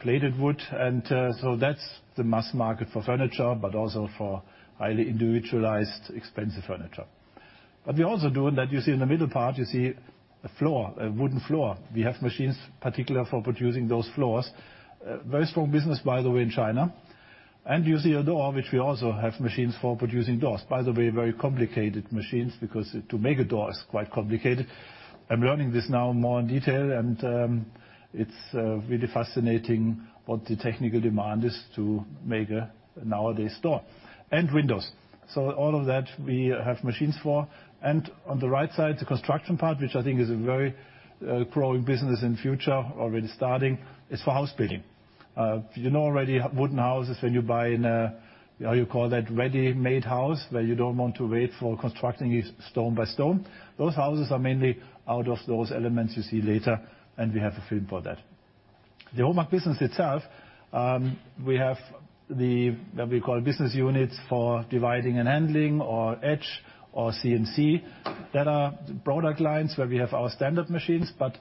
plated wood. That's the mass market for furniture, but also for highly individualized, expensive furniture. But we also do in that you see in the middle part, you see a floor, a wooden floor. We have machines particular for producing those floors. Very strong business, by the way, in China. You see a door, which we also have machines for producing doors. By the way, very complicated machines because to make a door is quite complicated. I'm learning this now more in detail, and it's really fascinating what the technical demand is to make a nowadays door and windows. All of that we have machines for. On the right side, the construction part, which I think is a very growing business in future, already starting, is for house building. You know already wooden houses when you buy in a, how you call that, ready-made house where you don't want to wait for constructing stone by stone. Those houses are mainly out of those elements you see later, and we have a film for that. The HOMAG business itself, we have what we call business units for dividing and handling or edge or CNC that are product lines where we have our standard machines. But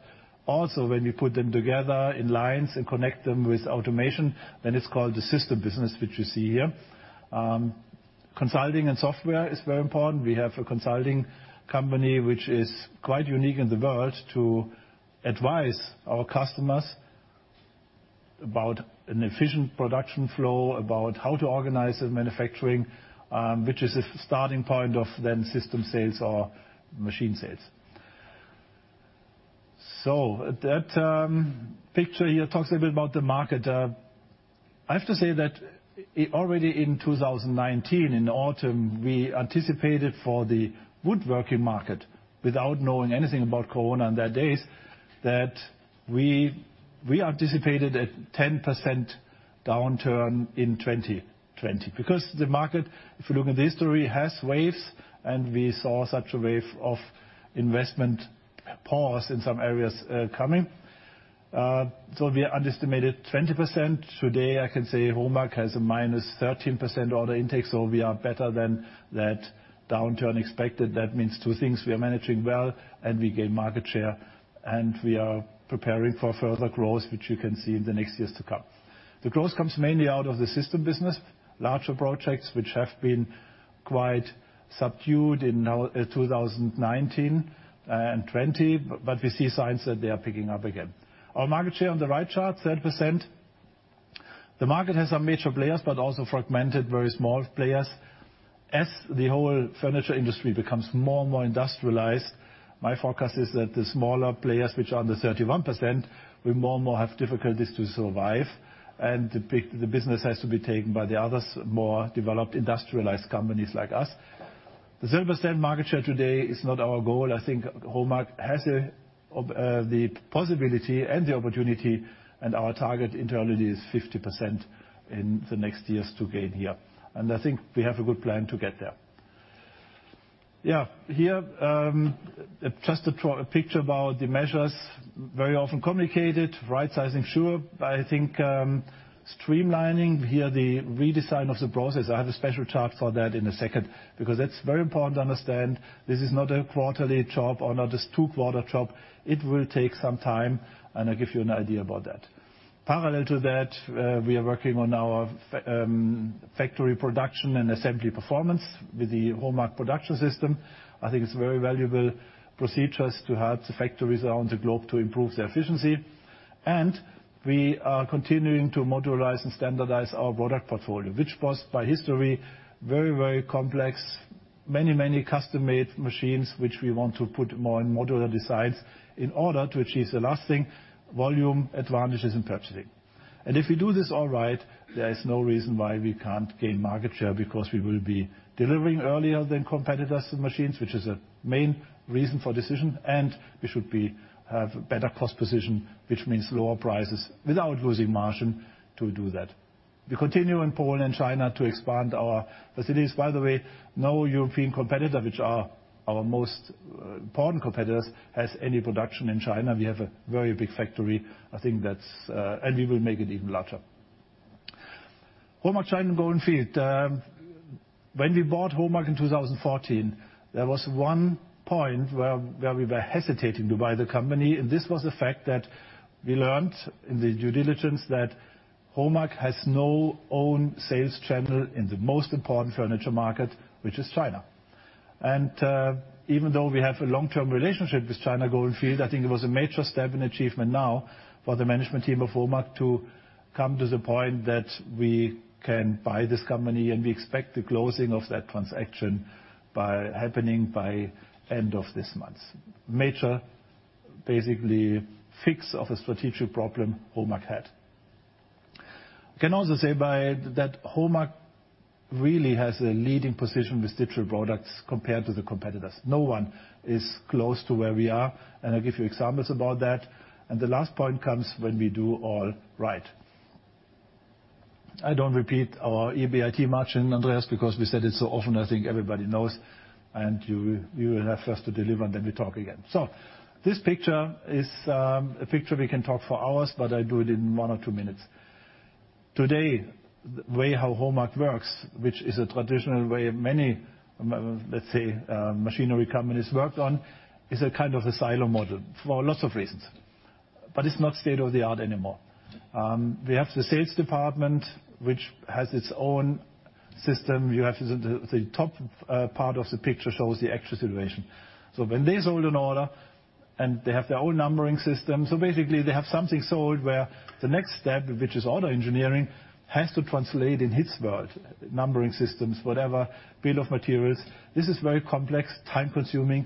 also when we put them together in lines and connect them with automation, then it's called the system business, which you see here. Consulting and software is very important. We have a consulting company which is quite unique in the world to advise our customers about an efficient production flow, about how to organize the manufacturing, which is a starting point of then system sales or machine sales. So that picture here talks a bit about the market. I have to say that already in 2019, in the autumn, we anticipated for the woodworking market without knowing anything about corona in those days that we anticipated a 10% downturn in 2020 because the market, if you look at the history, has waves, and we saw such a wave of investment pause in some areas coming, so we underestimated 20%. Today, I can say HOMAG has a minus 13% order intake, so we are better than that downturn expected. That means two things. We are managing well, and we gain market share, and we are preparing for further growth, which you can see in the next years to come. The growth comes mainly out of the system business, larger projects which have been quite subdued in 2019 and 2020, but we see signs that they are picking up again. Our market share on the right chart, 30%. The market has some major players, but also fragmented, very small players. As the whole furniture industry becomes more and more industrialized, my forecast is that the smaller players, which are under 31%, will more and more have difficulties to survive, and the business has to be taken by the others, more developed industrialized companies like us. The 30% market share today is not our goal. I think HOMAG has the possibility and the opportunity, and our target internally is 50% in the next years to gain here. And I think we have a good plan to get there. Yeah, here just a picture about the measures, very often communicated, right-sizing, sure, but I think streamlining here, the redesign of the process. I have a special chart for that in a second because that's very important to understand. This is not a quarterly chart or not a two-quarter chart. It will take some time, and I'll give you an idea about that. Parallel to that, we are working on our factory production and assembly performance with the HOMAG production system. I think it's very valuable procedures to help the factories around the globe to improve their efficiency. And we are continuing to modularize and standardize our product portfolio, which was by history very, very complex, many, many custom-made machines, which we want to put more in modular designs in order to achieve the last thing, volume advantages in purchasing. And if we do this all right, there is no reason why we can't gain market share because we will be delivering earlier than competitors' machines, which is a main reason for decision. And we should have a better cost position, which means lower prices without losing margin to do that. We continue in Poland and China to expand our facilities. By the way, no European competitor, which are our most important competitors, has any production in China. We have a very big factory. I think that's, and we will make it even larger. HOMAG China Golden Field. When we bought HOMAG in 2014, there was one point where we were hesitating to buy the company. This was the fact that we learned in the due diligence that HOMAG has no own sales channel in the most important furniture market, which is China. Even though we have a long-term relationship with China Golden Field, I think it was a major step in achievement now for the management team of HOMAG to come to the point that we can buy this company. We expect the closing of that transaction by happening by end of this month. Major, basically fix of a strategic problem HOMAG had. I can also say that HOMAG really has a leading position with digital products compared to the competitors. No one is close to where we are, and I'll give you examples about that, and the last point comes when we do all right. I don't repeat our EBIT margin, Andreas, because we said it so often. I think everybody knows, and you will have first to deliver, and then we talk again. This picture is a picture we can talk for hours, but I do it in one or two minutes. Today, the way how HOMAG works, which is a traditional way many, let's say, machinery companies worked on, is a kind of a silo model for lots of reasons, but it's not state of the art anymore. We have the sales department, which has its own system. You have the top part of the picture shows the actual situation. So when they sold an order, and they have their own numbering system. So basically, they have something sold where the next step, which is order engineering, has to translate in his world, numbering systems, whatever, bill of materials. This is a very complex, time-consuming,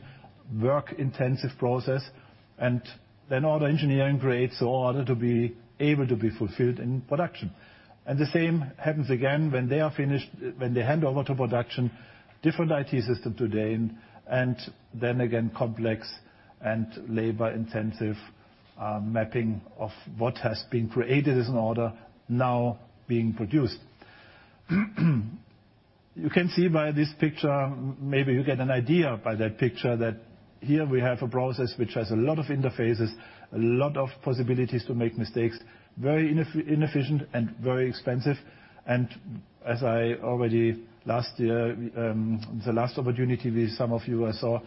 work-intensive process. And then order engineering creates an order to be able to be fulfilled in production. And the same happens again when they are finished, when they hand over to production, different IT system today, and then again, complex and labor-intensive mapping of what has been created as an order now being produced. You can see by this picture, maybe you get an idea by that picture that here we have a process which has a lot of interfaces, a lot of possibilities to make mistakes, very inefficient and very expensive. And as I already last year, the last opportunity with some of you I saw,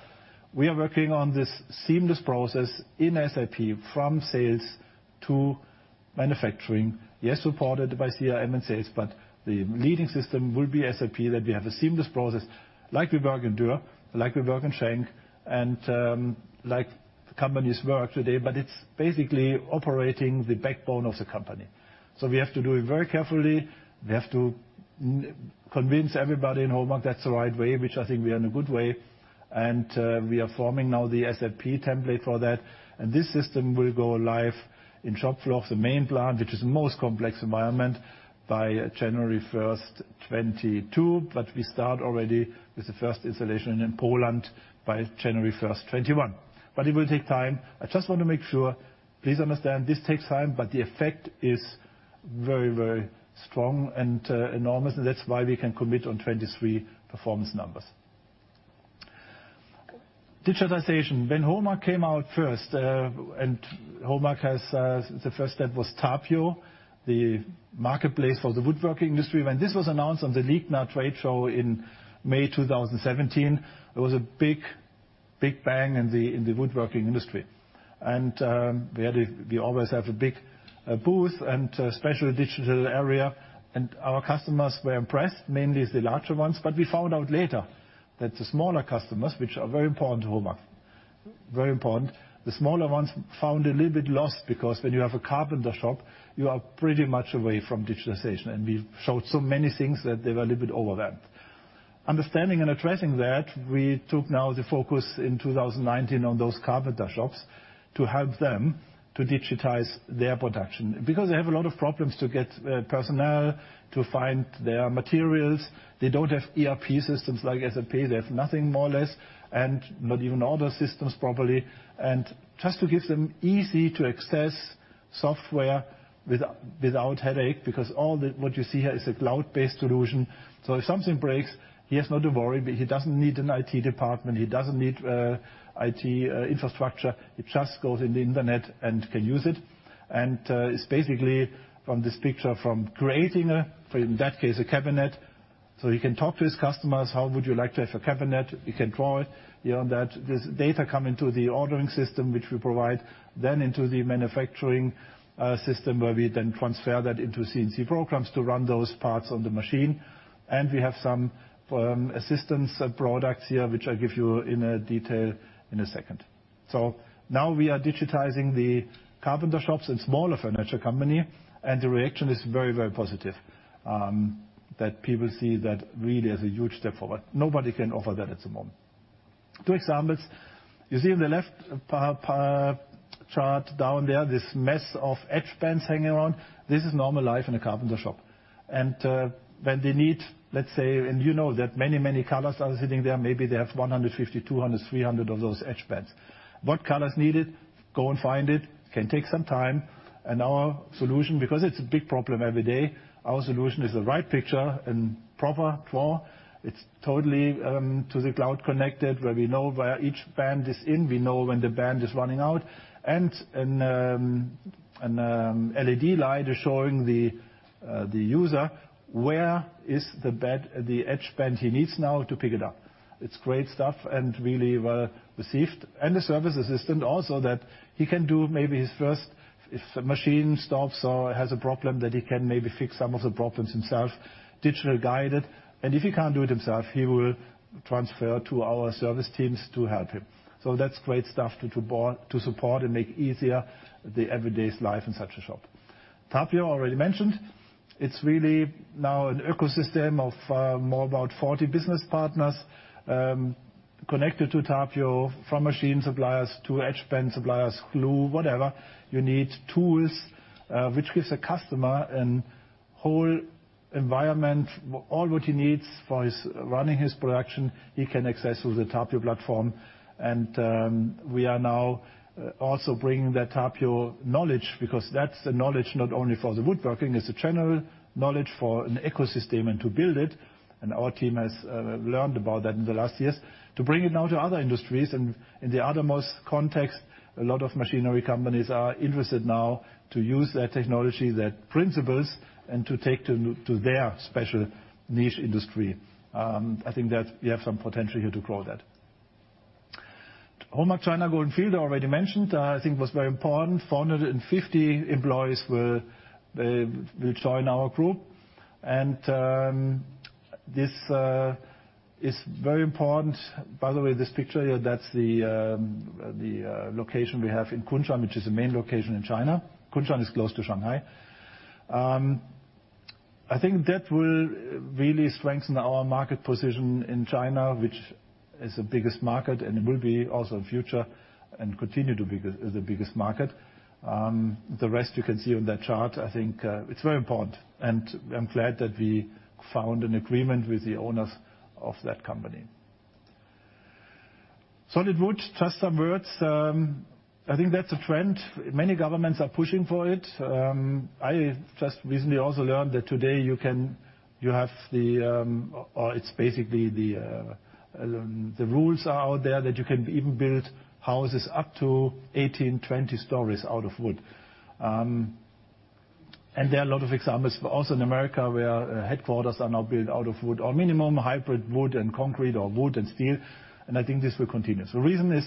we are working on this seamless process in SAP from sales to manufacturing, yes, supported by CRM and sales, but the leading system will be SAP, that we have a seamless process like we work in Dürr, like we work in Schenck, and like companies work today, but it's basically operating the backbone of the company so we have to do it very carefully, we have to convince everybody in HOMAG that's the right way, which I think we are in a good way, and we are forming now the SAP template for that, and this system will go live in shop floor of the main plant, which is the most complex environment by January 1st, 2022, but we start already with the first installation in Poland by January 1st, 2021. But it will take time. I just want to make sure, please understand, this takes time, but the effect is very, very strong and enormous. And that's why we can commit on 2023 performance numbers. Digitization. When HOMAG came out first, and HOMAG has the first step was tapio, the marketplace for the woodworking industry. When this was announced on the Ligna trade show in May 2017, there was a big, big bang in the woodworking industry. And we always have a big booth and special digital area. And our customers were impressed, mainly the larger ones. But we found out later that the smaller customers, which are very important to HOMAG, very important, the smaller ones found a little bit lost because when you have a carpenter shop, you are pretty much away from digitization. And we showed so many things that they were a little bit overwhelmed. Understanding and addressing that, we took now the focus in 2019 on those carpenter shops to help them to digitize their production because they have a lot of problems to get personnel to find their materials. They don't have ERP systems like SAP. They have nothing more or less and not even order systems properly. And just to give them easy-to-access software without headache because all that what you see here is a cloud-based solution. So if something breaks, he has no worry. He doesn't need an IT department. He doesn't need IT infrastructure. He just goes on the internet and can use it. And it's basically from this picture from creating, in that case, a cabinet. So he can talk to his customers, "How would you like to have a cabinet?" We can draw it here on that. This data comes into the ordering system, which we provide, then into the manufacturing system where we then transfer that into CNC programs to run those parts on the machine. And we have some assistance products here, which I'll give you in detail in a second. So now we are digitizing the carpenter shops and smaller furniture company. And the reaction is very, very positive that people see that really as a huge step forward. Nobody can offer that at the moment. Two examples. You see on the left chart down there, this mess of edge bands hanging around. This is normal life in a carpenter shop. And when they need, let's say, and you know that many, many colors are sitting there, maybe they have 150, 200, 300 of those edge bands. What colors needed? Go and find it. Can take some time. And our solution, because it's a big problem every day, our solution is the right picture and proper drawn. It's totally to the cloud connected where we know where each band is in. We know when the band is running out. And an LED light is showing the user where is the edge band he needs now to pick it up. It's great stuff and really well received. And the service assistant also that he can do maybe his first machine stops or has a problem that he can maybe fix some of the problems himself, digital-guided. And if he can't do it himself, he will transfer to our service teams to help him. So that's great stuff to support and make easier the everyday life in such a shop. Tapio already mentioned. It's really now an ecosystem of more about 40 business partners connected to tapio from machine suppliers to edge band suppliers, glue, whatever. You need tools, which gives a customer a whole environment, all what he needs for running his production. He can access through the tapio platform. And we are now also bringing that tapio knowledge because that's the knowledge not only for the woodworking. It's a general knowledge for an ecosystem and to build it. And our team has learned about that in the last years to bring it now to other industries. And in other contexts, a lot of machinery companies are interested now to use that technology, that principles, and to take to their special niche industry. I think that we have some potential here to grow that. HOMAG China Golden Field, I already mentioned. I think it was very important. 450 employees will join our group. And this is very important. By the way, this picture here, that's the location we have in Kunshan, which is the main location in China. Kunshan is close to Shanghai. I think that will really strengthen our market position in China, which is the biggest market, and it will be also in future and continue to be the biggest market. The rest you can see on that chart. I think it's very important. And I'm glad that we found an agreement with the owners of that company. Solid wood, just some words. I think that's a trend. Many governments are pushing for it. I just recently also learned that today you have the, or it's basically the rules are out there that you can even build houses up to 18-20 stories out of wood. There are a lot of examples also in America where headquarters are now built out of wood or minimum hybrid wood and concrete or wood and steel. I think this will continue. The reason is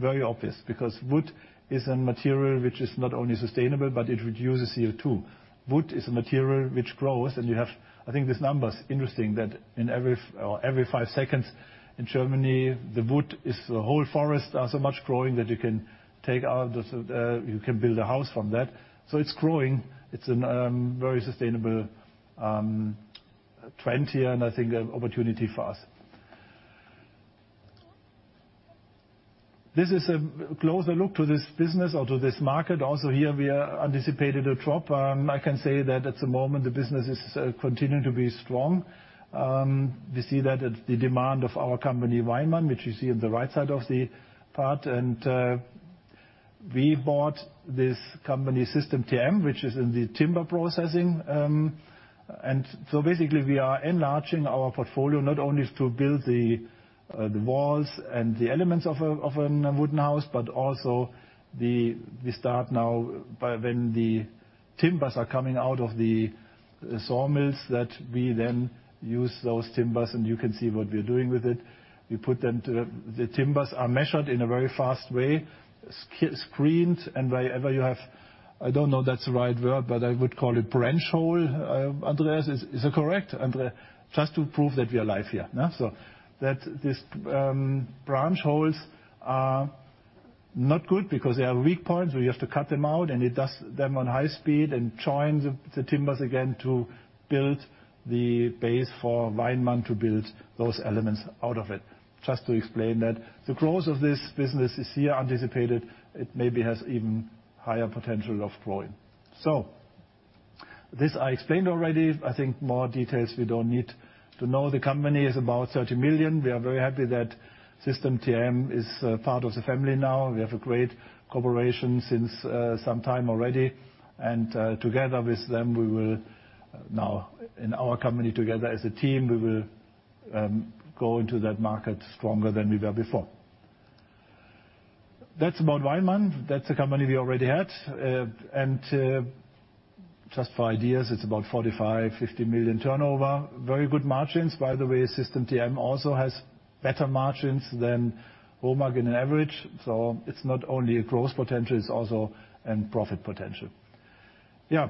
very obvious because wood is a material which is not only sustainable, but it reduces CO2. Wood is a material which grows. You have, I think this number's interesting that in every five seconds in Germany, the wood is the whole forest are so much growing that you can take out, you can build a house from that. It's growing. It's a very sustainable trend here, and I think an opportunity for us. This is a closer look to this business or to this market. Also here, we anticipated a drop. I can say that at the moment, the business is continuing to be strong. We see that the demand of our company, Weinmann, which you see on the right side of the part, and we bought this company System TM, which is in the timber processing. And so basically, we are enlarging our portfolio not only to build the walls and the elements of a wooden house, but also we start now when the timbers are coming out of the sawmills that we then use those timbers. And you can see what we are doing with it. We put them to the timbers are measured in a very fast way, screened. And wherever you have, I don't know that's the right word, but I would call it branch hole, Andreas. Is it correct? Just to prove that we are live here. So that these branch holes are not good because they have weak points. We have to cut them out and it does them on high speed and join the timbers again to build the base for Weinmann to build those elements out of it. Just to explain that the growth of this business is here anticipated. It maybe has even higher potential of growing. So this I explained already. I think more details we don't need to know. The company is about €30 million. We are very happy that System TM is part of the family now. We have a great cooperation since some time already. And together with them, we will now in our company together as a team, we will go into that market stronger than we were before. That's about Weinmann. That's a company we already had. And just for ideas, it's about €45-50 million turnover. Very good margins. By the way, System TM also has better margins than HOMAG on average. So it's not only a growth potential, it's also a profit potential. Yeah.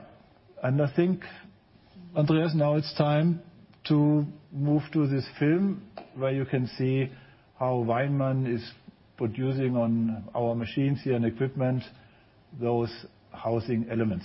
And I think, Andreas, now it's time to move to this film where you can see how Weinmann is producing on our machines here and equipment, those housing elements.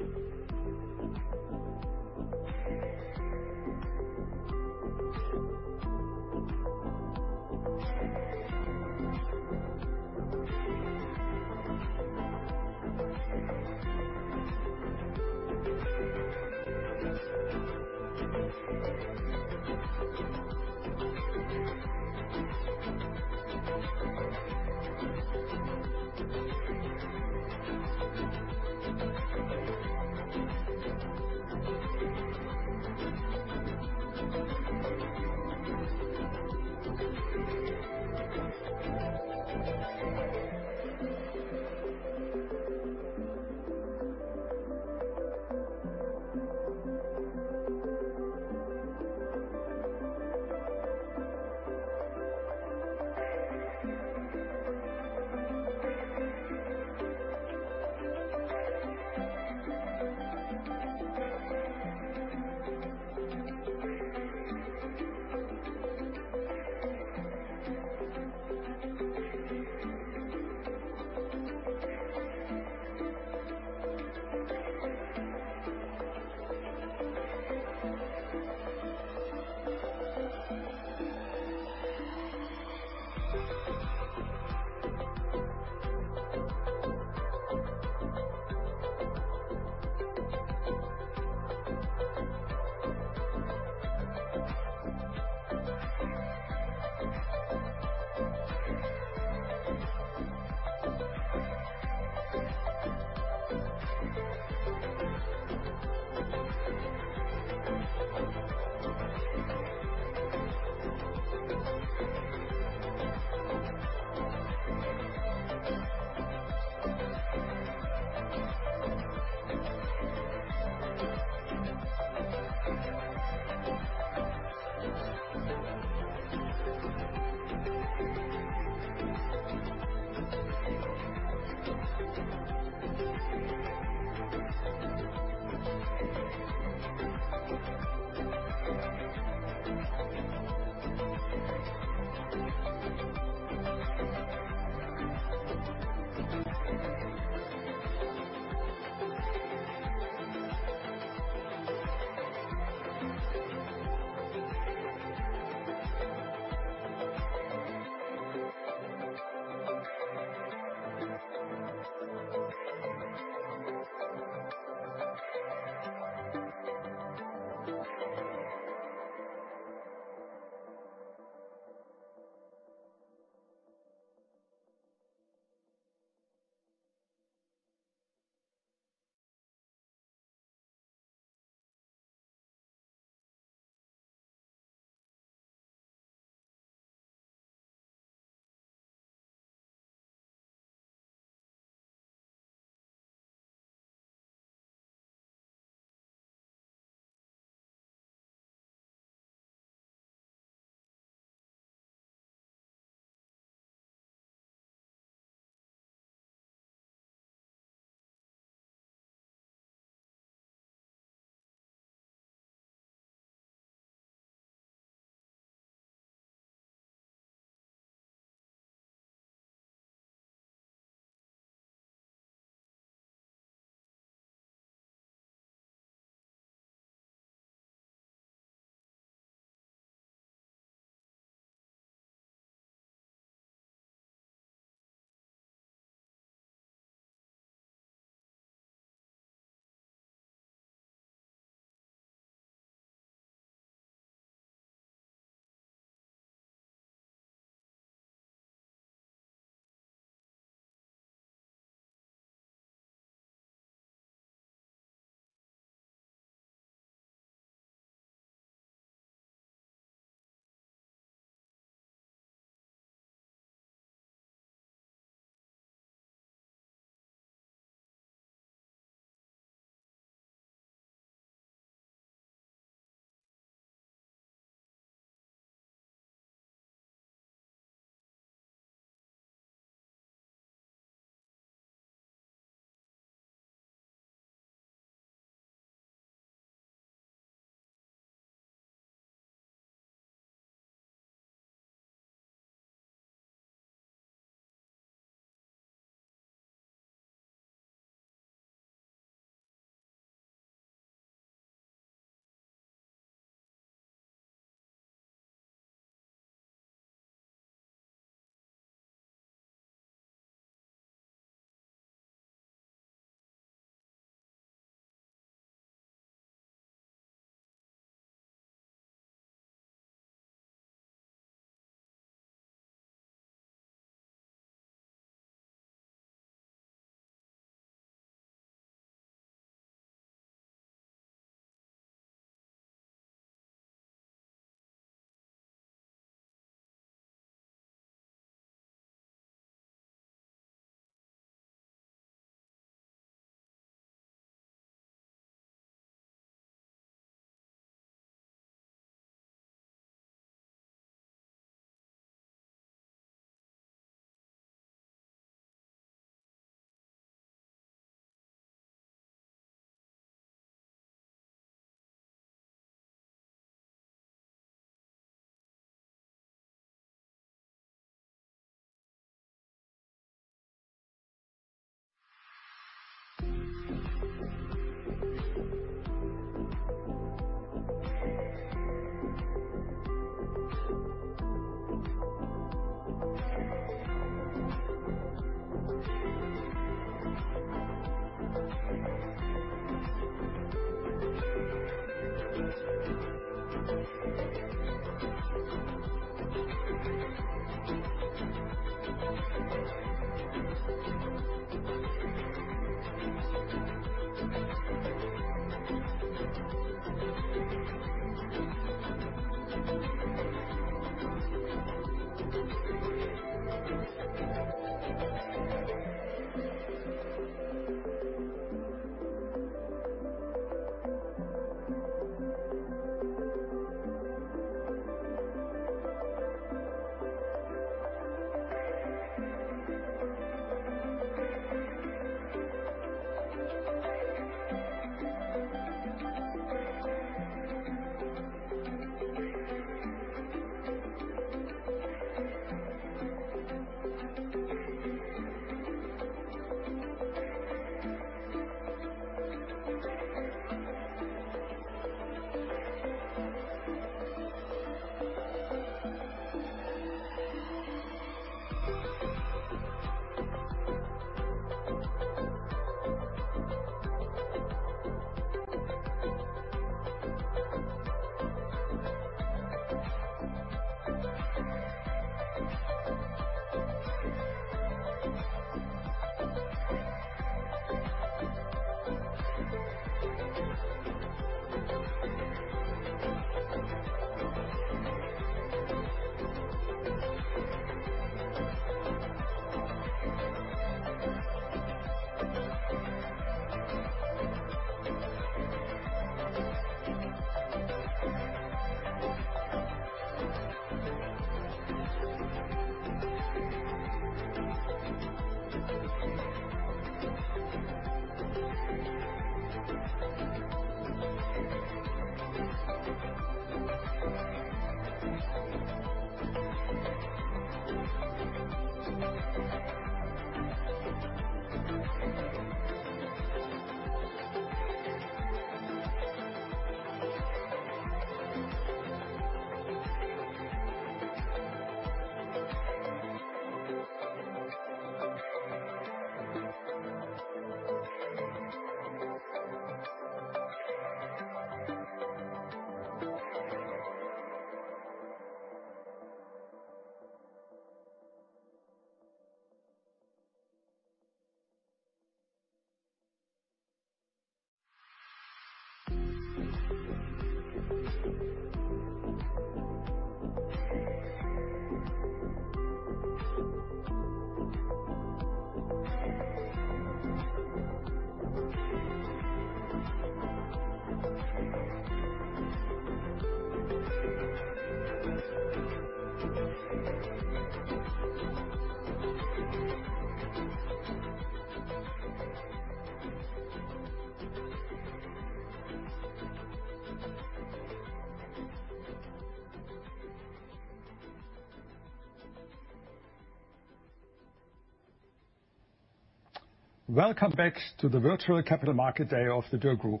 Welcome back to the Virtual Capital Market Day of the Dürr Group.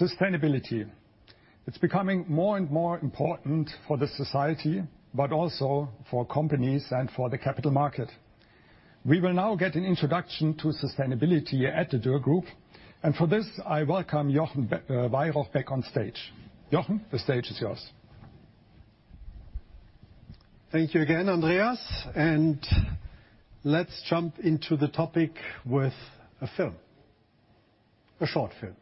Sustainability. It's becoming more and more important for the society, but also for companies and for the capital market. We will now get an introduction to sustainability at the Dürr Group. And for this, I welcome Jochen Weyrauch back on stage. Jochen, the stage is yours. Thank you again, Andreas. And let's jump into the topic with a film, a short film.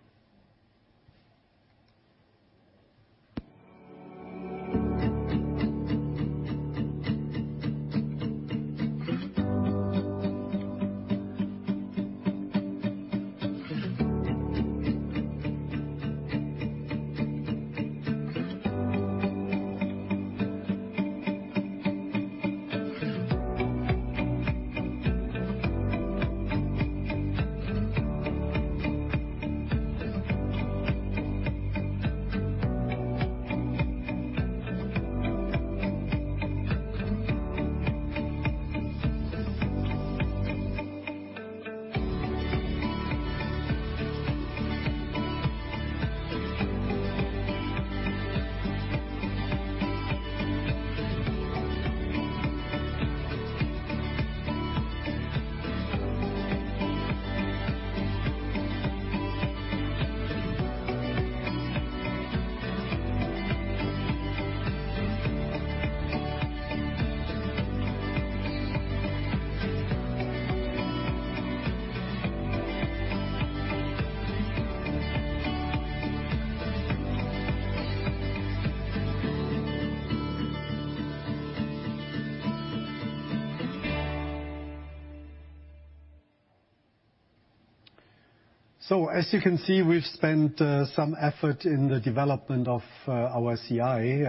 So, as you can see, we've spent some effort in the development of our CI,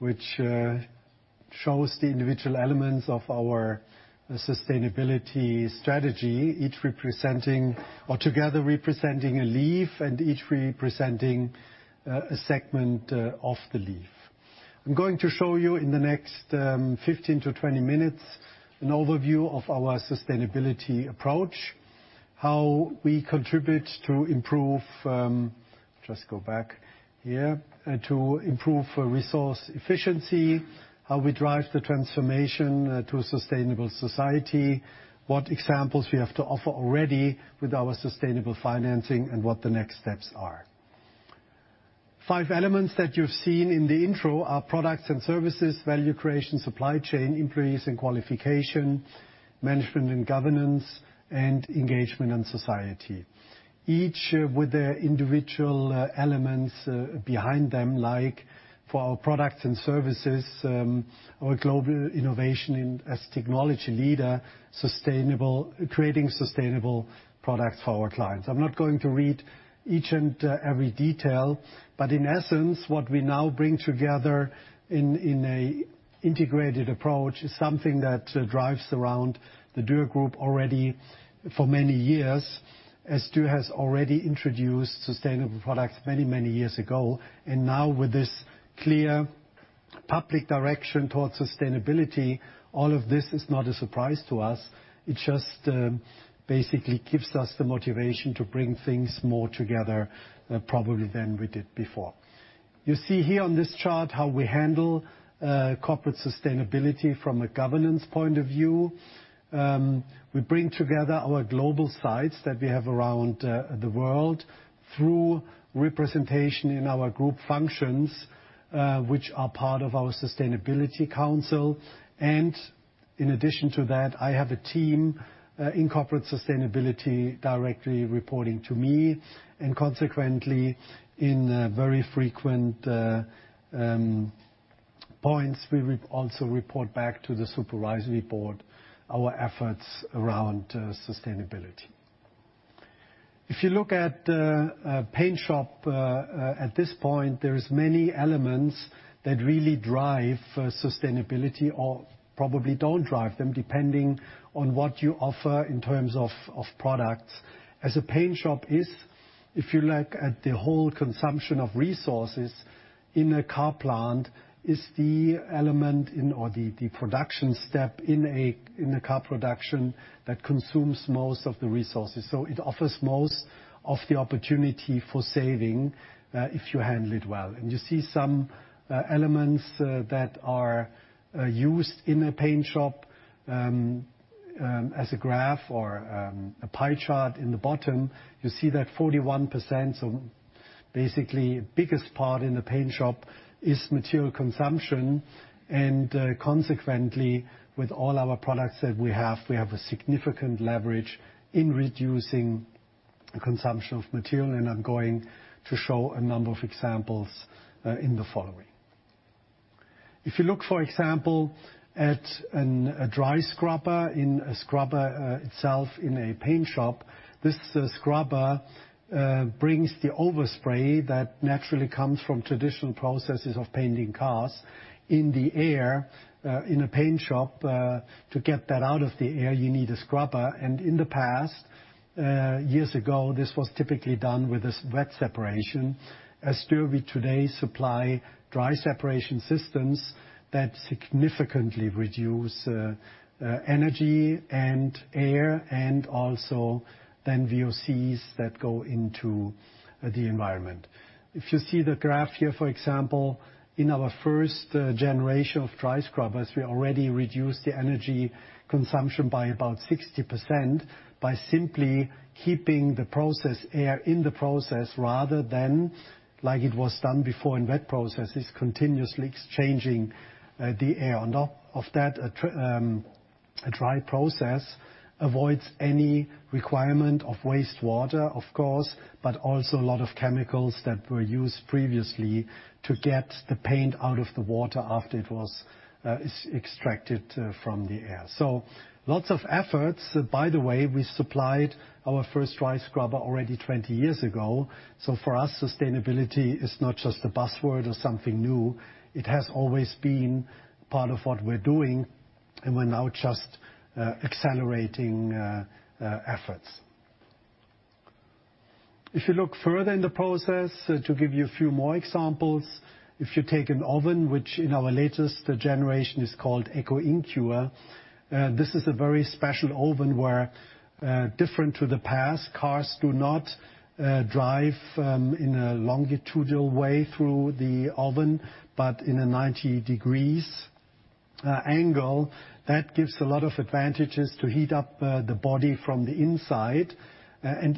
which shows the individual elements of our sustainability strategy, each representing, or together representing, a leaf and each representing a segment of the leaf. I'm going to show you in the next 15-20 minutes an overview of our sustainability approach, how we contribute to improve, just go back here, to improve resource efficiency, how we drive the transformation to a sustainable society, what examples we have to offer already with our sustainable financing, and what the next steps are. Five elements that you've seen in the intro are products and services, value creation, supply chain, employees and qualification, management and governance, and engagement and society, each with their individual elements behind them, like for our products and services, our global innovation as technology leader, creating sustainable products for our clients. I'm not going to read each and every detail, but in essence, what we now bring together in an integrated approach is something that drives around the Dürr Group already for many years, as Dürr has already introduced sustainable products many, many years ago, and now, with this clear public direction towards sustainability, all of this is not a surprise to us. It just basically gives us the motivation to bring things more together, probably than we did before. You see here on this chart how we handle corporate sustainability from a governance point of view. We bring together our global sites that we have around the world through representation in our group functions, which are part of our sustainability council, and in addition to that, I have a team in corporate sustainability directly reporting to me. And consequently, in very frequent points, we also report back to the supervisory board our efforts around sustainability. If you look at a paint shop at this point, there are many elements that really drive sustainability or probably don't drive them, depending on what you offer in terms of products. As a paint shop is, if you look at the whole consumption of resources in a car plant, is the element or the production step in a car production that consumes most of the resources. So it offers most of the opportunity for saving if you handle it well. And you see some elements that are used in a paint shop as a graph or a pie chart in the bottom. You see that 41%, so basically the biggest part in the paint shop, is material consumption. Consequently, with all our products that we have, we have a significant leverage in reducing consumption of material. I'm going to show a number of examples in the following. If you look, for example, at a dry scrubber in a scrubber itself in a paint shop, this scrubber brings the overspray that naturally comes from traditional processes of painting cars in the air. In a paint shop, to get that out of the air, you need a scrubber. In the past, years ago, this was typically done with this wet separation. As Dürr today supplies dry separation systems that significantly reduce energy and air and also then VOCs that go into the environment. If you see the graph here, for example, in our first generation of dry scrubbers, we already reduced the energy consumption by about 60% by simply keeping the air in the process rather than like it was done before in wet processes, continuously exchanging the air. And of that, a dry process avoids any requirement of wastewater, of course, but also a lot of chemicals that were used previously to get the paint out of the water after it was extracted from the air. So lots of efforts. By the way, we supplied our first dry scrubber already 20 years ago. So for us, sustainability is not just a buzzword or something new. It has always been part of what we're doing. And we're now just accelerating efforts. If you look further in the process, to give you a few more examples, if you take an oven, which in our latest generation is called EcoInCure, this is a very special oven where, different to the past, cars do not drive in a longitudinal way through the oven, but in a 90-degree angle. That gives a lot of advantages to heat up the body from the inside and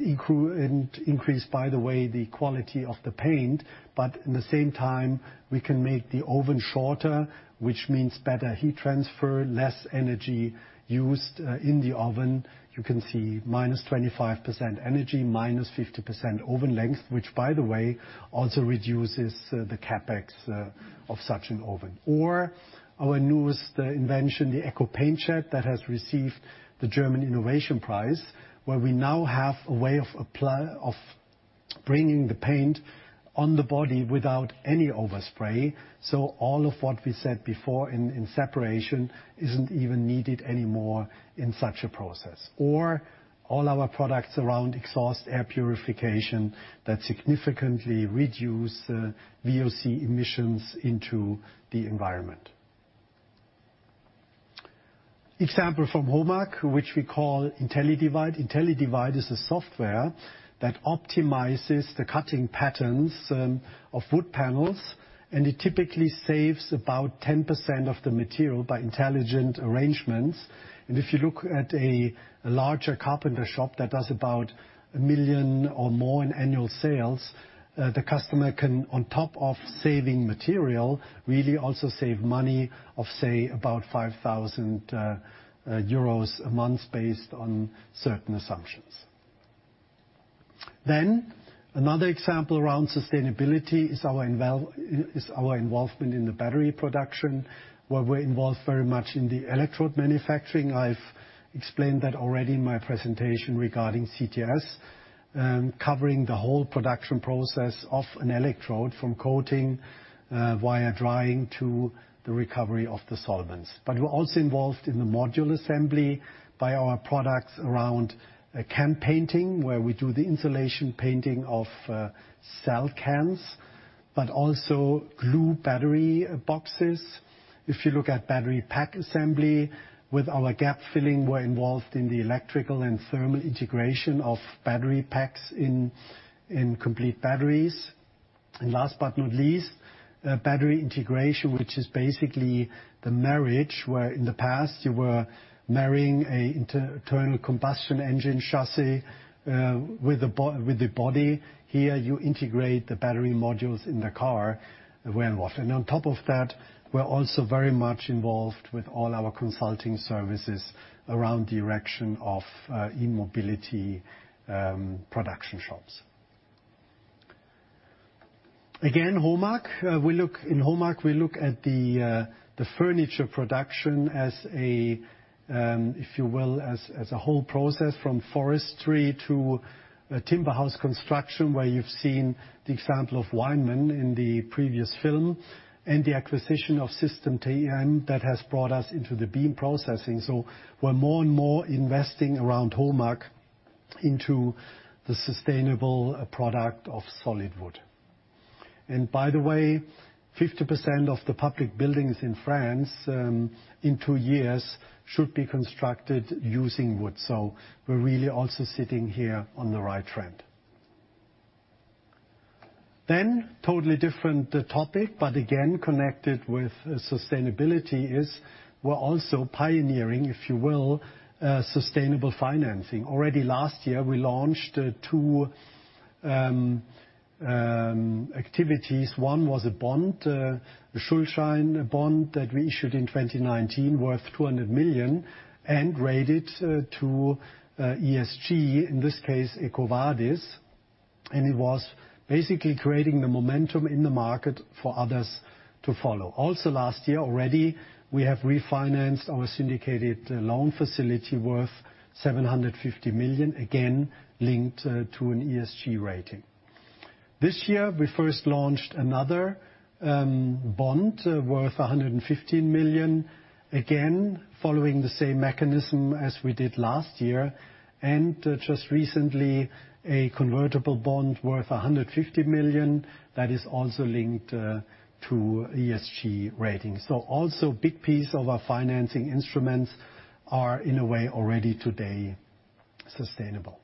increase, by the way, the quality of the paint. But in the same time, we can make the oven shorter, which means better heat transfer, less energy used in the oven. You can see minus 25% energy, minus 50% oven length, which, by the way, also reduces the CapEx of such an oven. Or our newest invention, the EcoPaintJet, that has received the German Innovation Prize, where we now have a way of bringing the paint on the body without any overspray. So all of what we said before in separation isn't even needed anymore in such a process. Or all our products around exhaust air purification that significantly reduce VOC emissions into the environment. Example from HOMAG, which we call IntelliDivide. IntelliDivide is a software that optimizes the cutting patterns of wood panels. And it typically saves about 10% of the material by intelligent arrangements. And if you look at a larger carpenter shop that does about a million or more in annual sales, the customer can, on top of saving material, really also save money of, say, about 5,000 euros a month based on certain assumptions. Another example around sustainability is our involvement in the battery production, where we're involved very much in the electrode manufacturing. I've explained that already in my presentation regarding CTS, covering the whole production process of an electrode from coating via drying to the recovery of the solvents. But we're also involved in the module assembly by our products around can painting, where we do the insulation painting of cell cans, but also glue battery boxes. If you look at battery pack assembly with our gap filling, we're involved in the electrical and thermal integration of battery packs in complete batteries. And last but not least, battery integration, which is basically the marriage, where in the past you were marrying an internal combustion engine chassis with the body. Here, you integrate the battery modules in the car, the where and how. And on top of that, we're also very much involved with all our consulting services around the erection of e-mobility production shops. Again, HOMAG, we look in HOMAG, we look at the furniture production as a, if you will, as a whole process from forestry to timber house construction, where you've seen the example of Weinmann in the previous film and the acquisition of System TM that has brought us into the beam processing. So we're more and more investing around HOMAG into the sustainable product of solid wood. And by the way, 50% of the public buildings in France in two years should be constructed using wood. So we're really also sitting here on the right trend. Then totally different topic, but again connected with sustainability is we're also pioneering, if you will, sustainable financing. Already last year, we launched two activities. One was a bond, a Schuldschein bond that we issued in 2019 worth 200 million and rated to ESG, in this case, EcoVadis, and it was basically creating the momentum in the market for others to follow. Also last year already, we have refinanced our syndicated loan facility worth 750 million, again linked to an ESG rating. This year, we first launched another bond worth 115 million, again following the same mechanism as we did last year, and just recently, a convertible bond worth 150 million that is also linked to ESG rating, so also big piece of our financing instruments are in a way already today sustainable.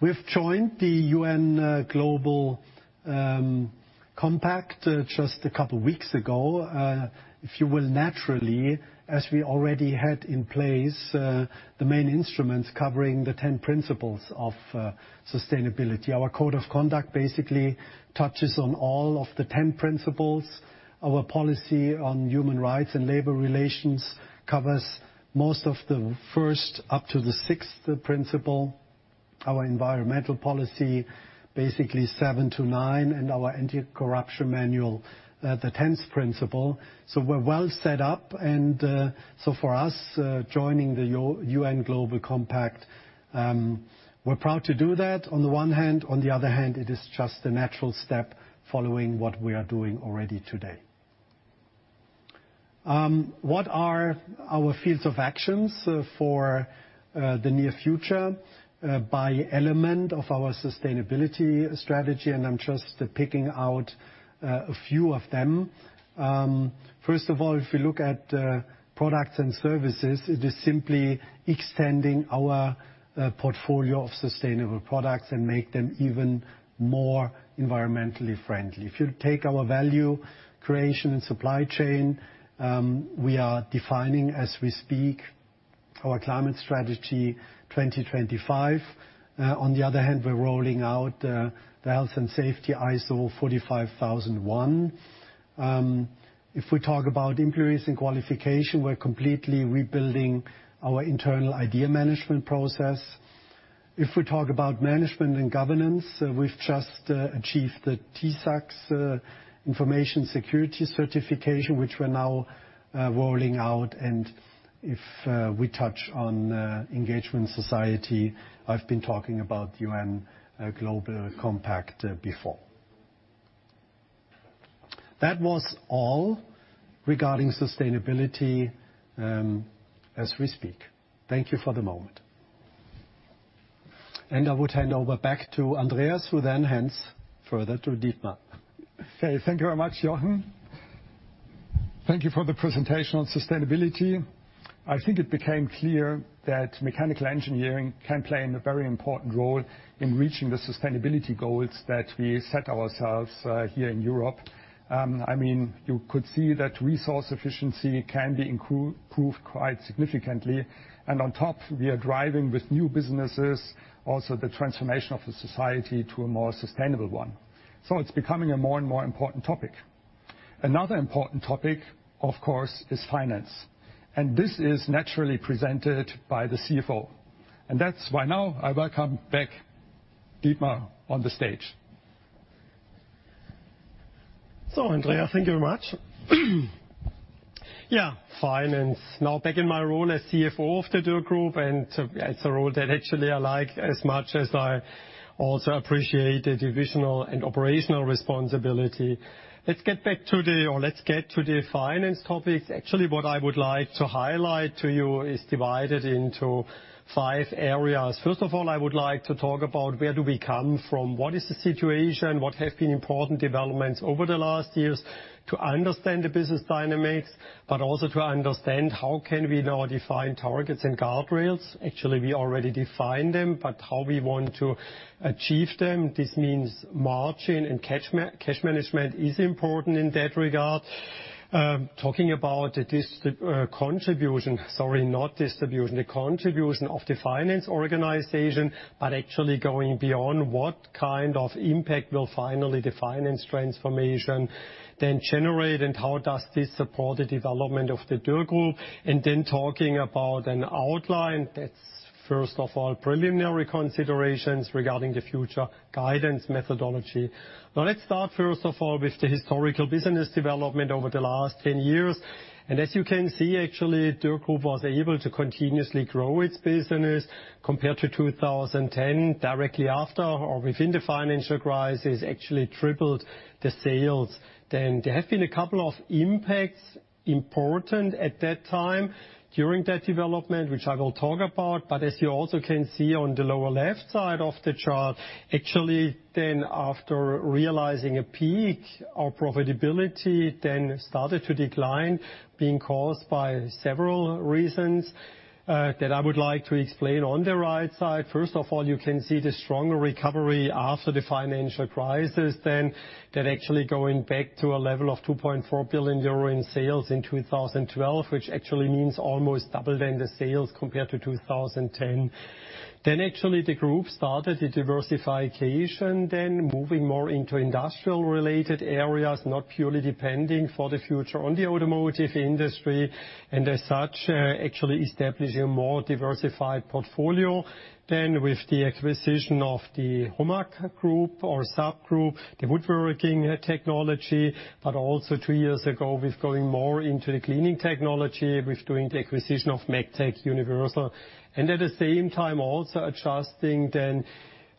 We've joined the U.N. Global Compact just a couple of weeks ago. If you will, naturally, as we already had in place the main instruments covering the 10 principles of sustainability. Our code of conduct basically touches on all of the 10 principles. Our policy on human rights and labor relations covers most of the first up to the sixth principle. Our environmental policy basically seven to nine, and our anti-corruption manual, the 10th principle. So we're well set up. And so for us joining the UN Global Compact, we're proud to do that on the one hand. On the other hand, it is just a natural step following what we are doing already today. What are our fields of actions for the near future by element of our sustainability strategy? And I'm just picking out a few of them. First of all, if we look at products and services, it is simply extending our portfolio of sustainable products and make them even more environmentally friendly. If you take our value creation and supply chain, we are defining as we speak our climate strategy 2025. On the other hand, we're rolling out the health and safety ISO 45001. If we talk about employees and qualification, we're completely rebuilding our internal idea management process. If we talk about management and governance, we've just achieved the TISAX information security certification, which we're now rolling out. And if we touch on engagement society, I've been talking about UN Global Compact before. That was all regarding sustainability as we speak. Thank you for the moment. And I would hand over back to Andreas, who then hands further to Dietmar. Okay, thank you very much, Jochen. Thank you for the presentation on sustainability. I think it became clear that mechanical engineering can play a very important role in reaching the sustainability goals that we set ourselves here in Europe. I mean, you could see that resource efficiency can be improved quite significantly. And on top, we are driving with new businesses also the transformation of the society to a more sustainable one. So it's becoming a more and more important topic. Another important topic, of course, is finance. And this is naturally presented by the CFO. And that's why now I welcome back Dietmar on the stage. So Andreas, thank you very much. Yeah, finance. Now back in my role as CFO of the Dürr Group. And it's a role that actually I like as much as I also appreciate the divisional and operational responsibility. Let's get back to the, or let's get to the finance topics. Actually, what I would like to highlight to you is divided into five areas. First of all, I would like to talk about where do we come from, what is the situation, what have been important developments over the last years to understand the business dynamics, but also to understand how can we now define targets and guardrails. Actually, we already define them, but how we want to achieve them. This means margin and cash management is important in that regard. Talking about the contribution, sorry, not distribution, the contribution of the finance organization, but actually going beyond what kind of impact will finally the finance transformation then generate and how does this support the development of the Dürr Group. And then talking about an outline that's first of all preliminary considerations regarding the future guidance methodology. Now let's start first of all with the historical business development over the last 10 years. As you can see, actually, Dürr Group was able to continuously grow its business compared to 2010 directly after or within the financial crisis actually tripled the sales. There have been a couple of impacts important at that time during that development, which I will talk about. As you also can see on the lower left side of the chart, actually then after realizing a peak, our profitability then started to decline being caused by several reasons that I would like to explain on the right side. First of all, you can see the stronger recovery after the financial crisis. That actually going back to a level of 2.4 billion euro in sales in 2012, which actually means almost double than the sales compared to 2010. Then, actually, the group started the diversification, then moving more into industrial related areas, not purely depending for the future on the automotive industry and as such actually establishing a more diversified portfolio. Then, with the acquisition of the HOMAG group or subgroup, the woodworking technology, but also two years ago with going more into the cleaning technology with doing the acquisition of Megtec Universal. And at the same time also adjusting then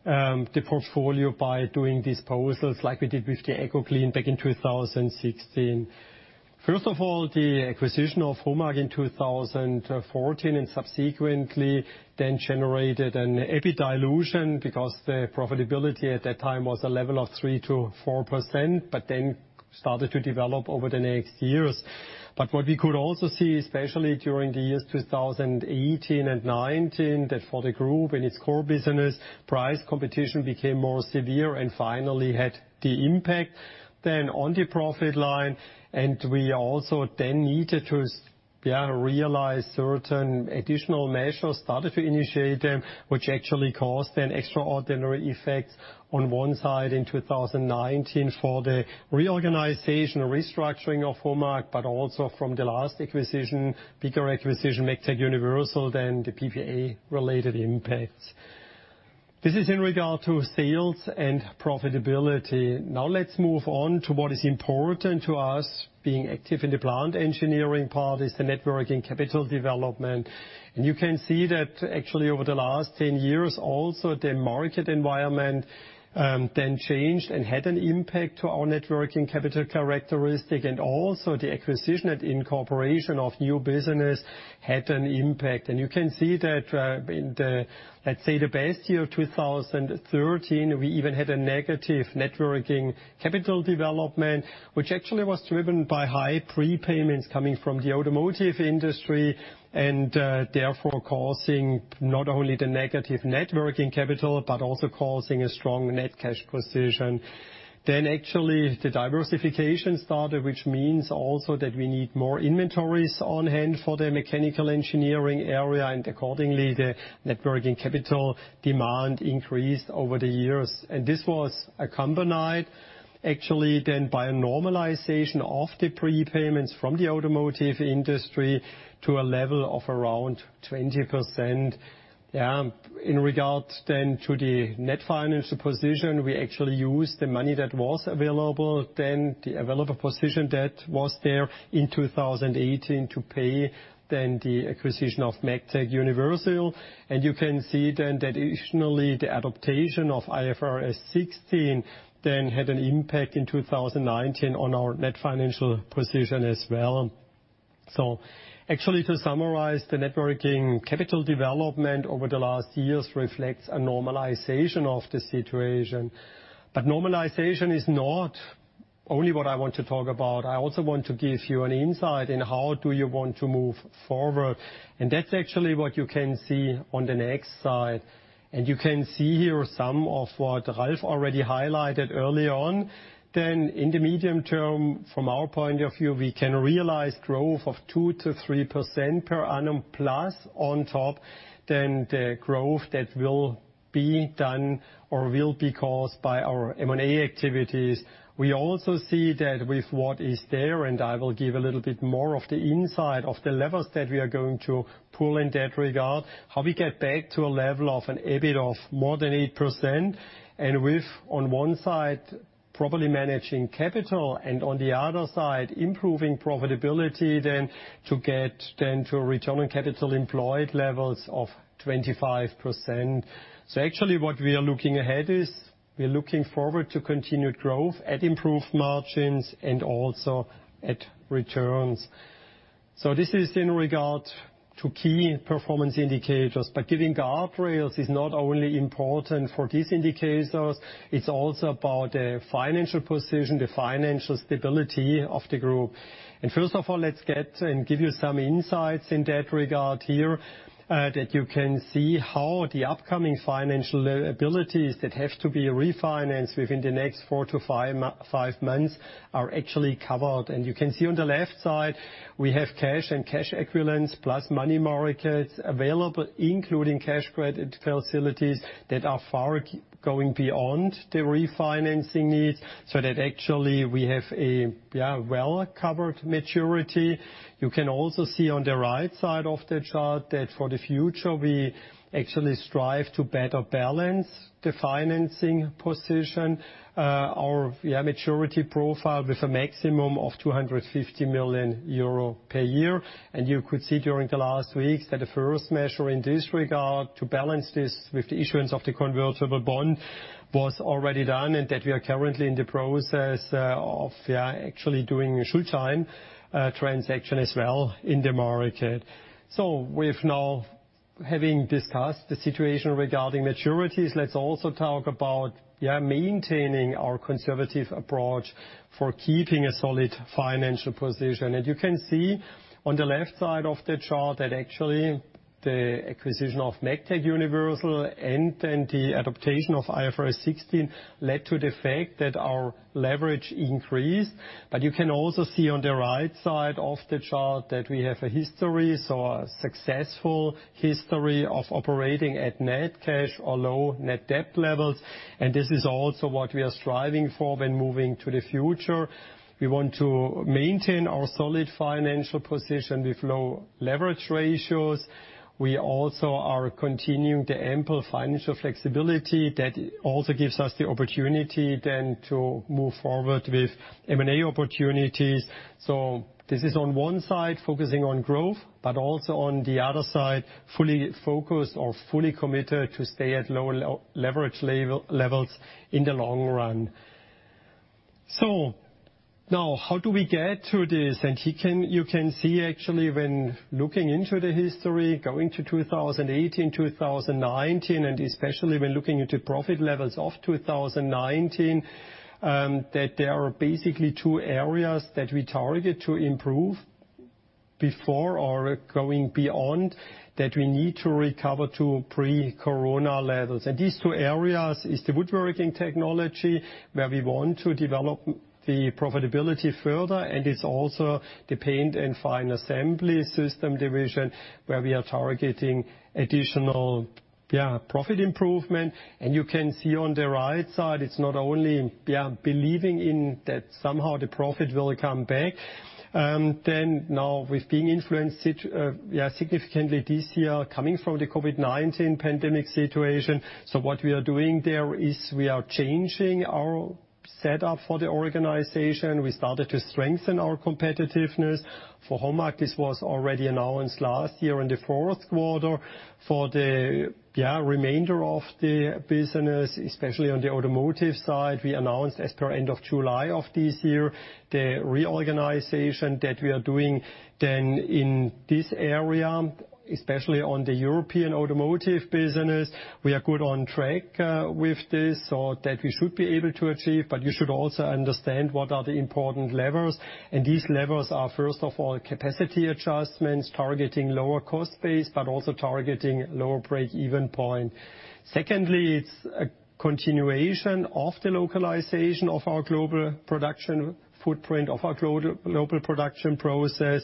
the portfolio by doing disposals like we did with the Ecoclean back in 2016. First of all, the acquisition of HOMAG in 2014 and subsequently then generated an EBIT dilution because the profitability at that time was a level of 3%-4%, but then started to develop over the next years. But what we could also see, especially during the years 2018 and 2019, that for the group and its core business, price competition became more severe and finally had the impact then on the profit line. And we also then needed to realize certain additional measures, started to initiate them, which actually caused then extraordinary effects on one side in 2019 for the reorganization, restructuring of HOMAG, but also from the last acquisition, bigger acquisition, Megtec Universal, then the PPA related impacts. This is in regard to sales and profitability. Now let's move on to what is important to us being active in the plant engineering part is the net working capital development. And you can see that actually over the last 10 years also the market environment then changed and had an impact to our net working capital characteristic and also the acquisition and incorporation of new business had an impact. You can see that in the, let's say the best year of 2013, we even had a negative net working capital development, which actually was driven by high prepayments coming from the automotive industry and therefore causing not only the negative net working capital, but also causing a strong net cash position. Actually the diversification started, which means also that we need more inventories on hand for the mechanical engineering area and accordingly the net working capital demand increased over the years. This was accompanied actually then by a normalization of the prepayments from the automotive industry to a level of around 20%. Yeah, in regard then to the net financial position, we actually used the money that was available, then the available position that was there in 2018 to pay then the acquisition of Megtec Universal. You can see then that additionally the adaptation of IFRS 16 then had an impact in 2019 on our net financial position as well. Actually to summarize, the net working capital development over the last years reflects a normalization of the situation. Normalization is not only what I want to talk about. I also want to give you an insight in how do you want to move forward. That's actually what you can see on the next slide. You can see here some of what Ralf already highlighted early on. In the medium term, from our point of view, we can realize growth of 2%-3% per annum plus on top than the growth that will be done or will be caused by our M&A activities. We also see that with what is there, and I will give a little bit more of the insight of the levels that we are going to pull in that regard, how we get back to a level of an EBIT of more than 8%. And with, on one side, probably managing capital and on the other side improving profitability, then to get to return on capital employed levels of 25%. So actually what we are looking ahead is we are looking forward to continued growth at improved margins and also at returns. So this is in regard to key performance indicators, but giving guardrails is not only important for these indicators; it's also about the financial position, the financial stability of the group. First of all, let's get and give you some insights in that regard here that you can see how the upcoming financial liabilities that have to be refinanced within the next four to five months are actually covered. You can see on the left side we have cash and cash equivalents plus money markets available, including cash credit facilities that are far going beyond the refinancing needs so that actually we have a well-covered maturity. You can also see on the right side of the chart that for the future we actually strive to better balance the financing position, our maturity profile with a maximum of €250 million per year. You could see during the last weeks that the first measure in this regard to balance this with the issuance of the convertible bond was already done and that we are currently in the process of actually doing a Schuldschein transaction as well in the market. So we've now having discussed the situation regarding maturities, let's also talk about maintaining our conservative approach for keeping a solid financial position. You can see on the left side of the chart that actually the acquisition of Megtec Universal and then the adaptation of IFRS 16 led to the fact that our leverage increased. But you can also see on the right side of the chart that we have a history, so a successful history of operating at net cash or low net debt levels. And this is also what we are striving for when moving to the future. We want to maintain our solid financial position with low leverage ratios. We also are continuing the ample financial flexibility that also gives us the opportunity then to move forward with M&A opportunities. So this is on one side focusing on growth, but also on the other side fully focused or fully committed to stay at low leverage levels in the long run. So now how do we get to this? And you can see actually when looking into the history going to 2018, 2019, and especially when looking into profit levels of 2019, that there are basically two areas that we target to improve before or going beyond that we need to recover to pre-Corona levels. And these two areas is the woodworking technology where we want to develop the profitability further. And it's also the Paint and Final Assembly Systems division where we are targeting additional profit improvement. You can see on the right side it's not only believing in that somehow the profit will come back. Then, now we've been influenced significantly this year coming from the COVID-19 pandemic situation. What we are doing there is we are changing our setup for the organization. We started to strengthen our competitiveness for HOMAG. This was already announced last year in the fourth quarter for the remainder of the business, especially on the automotive side. We announced as per end of July of this year the reorganization that we are doing then in this area, especially on the European automotive business. We are good on track with this so that we should be able to achieve, but you should also understand what are the important levers. These levers are first of all capacity adjustments targeting lower cost base, but also targeting lower break-even point. Secondly, it's a continuation of the localization of our global production footprint, of our global production process.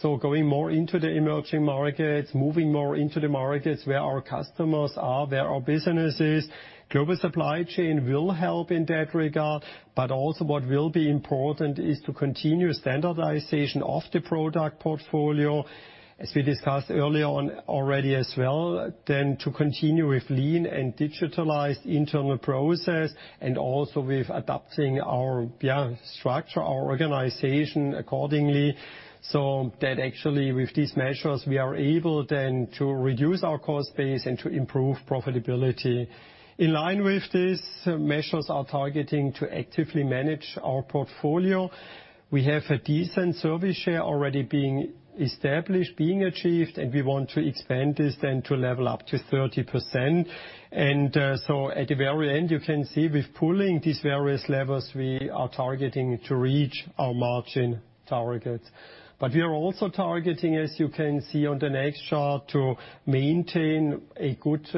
So going more into the emerging markets, moving more into the markets where our customers are, where our business is, global supply chain will help in that regard. But also what will be important is to continue standardization of the product portfolio. As we discussed earlier on already as well, then to continue with lean and digitalized internal process and also with adapting our structure, our organization accordingly. So that actually with these measures we are able then to reduce our cost base and to improve profitability. In line with these measures are targeting to actively manage our portfolio. We have a decent service share already being established, being achieved, and we want to expand this then to level up to 30%. So at the very end, you can see with pulling these various levers we are targeting to reach our margin targets. We are also targeting, as you can see on the next chart, to maintain a good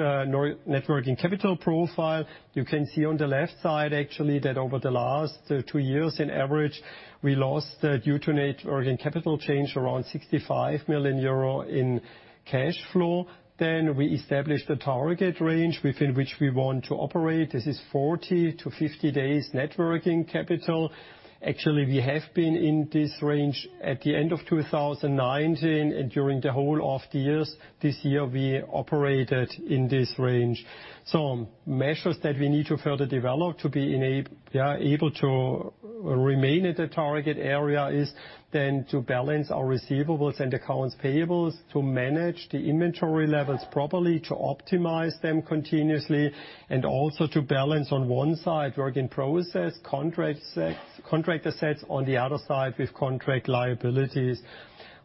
net working capital profile. You can see on the left side actually that over the last two years on average we lost due to net working capital change around €65 million in cash flow. We established a target range within which we want to operate. This is 40-50 days net working capital. Actually, we have been in this range at the end of 2019 and during the whole of the years. This year we operated in this range. So, measures that we need to further develop to be able to remain at the target area is then to balance our receivables and accounts payables to manage the inventory levels properly, to optimize them continuously and also to balance on one side work in process, contract assets, contract assets on the other side with contract liabilities.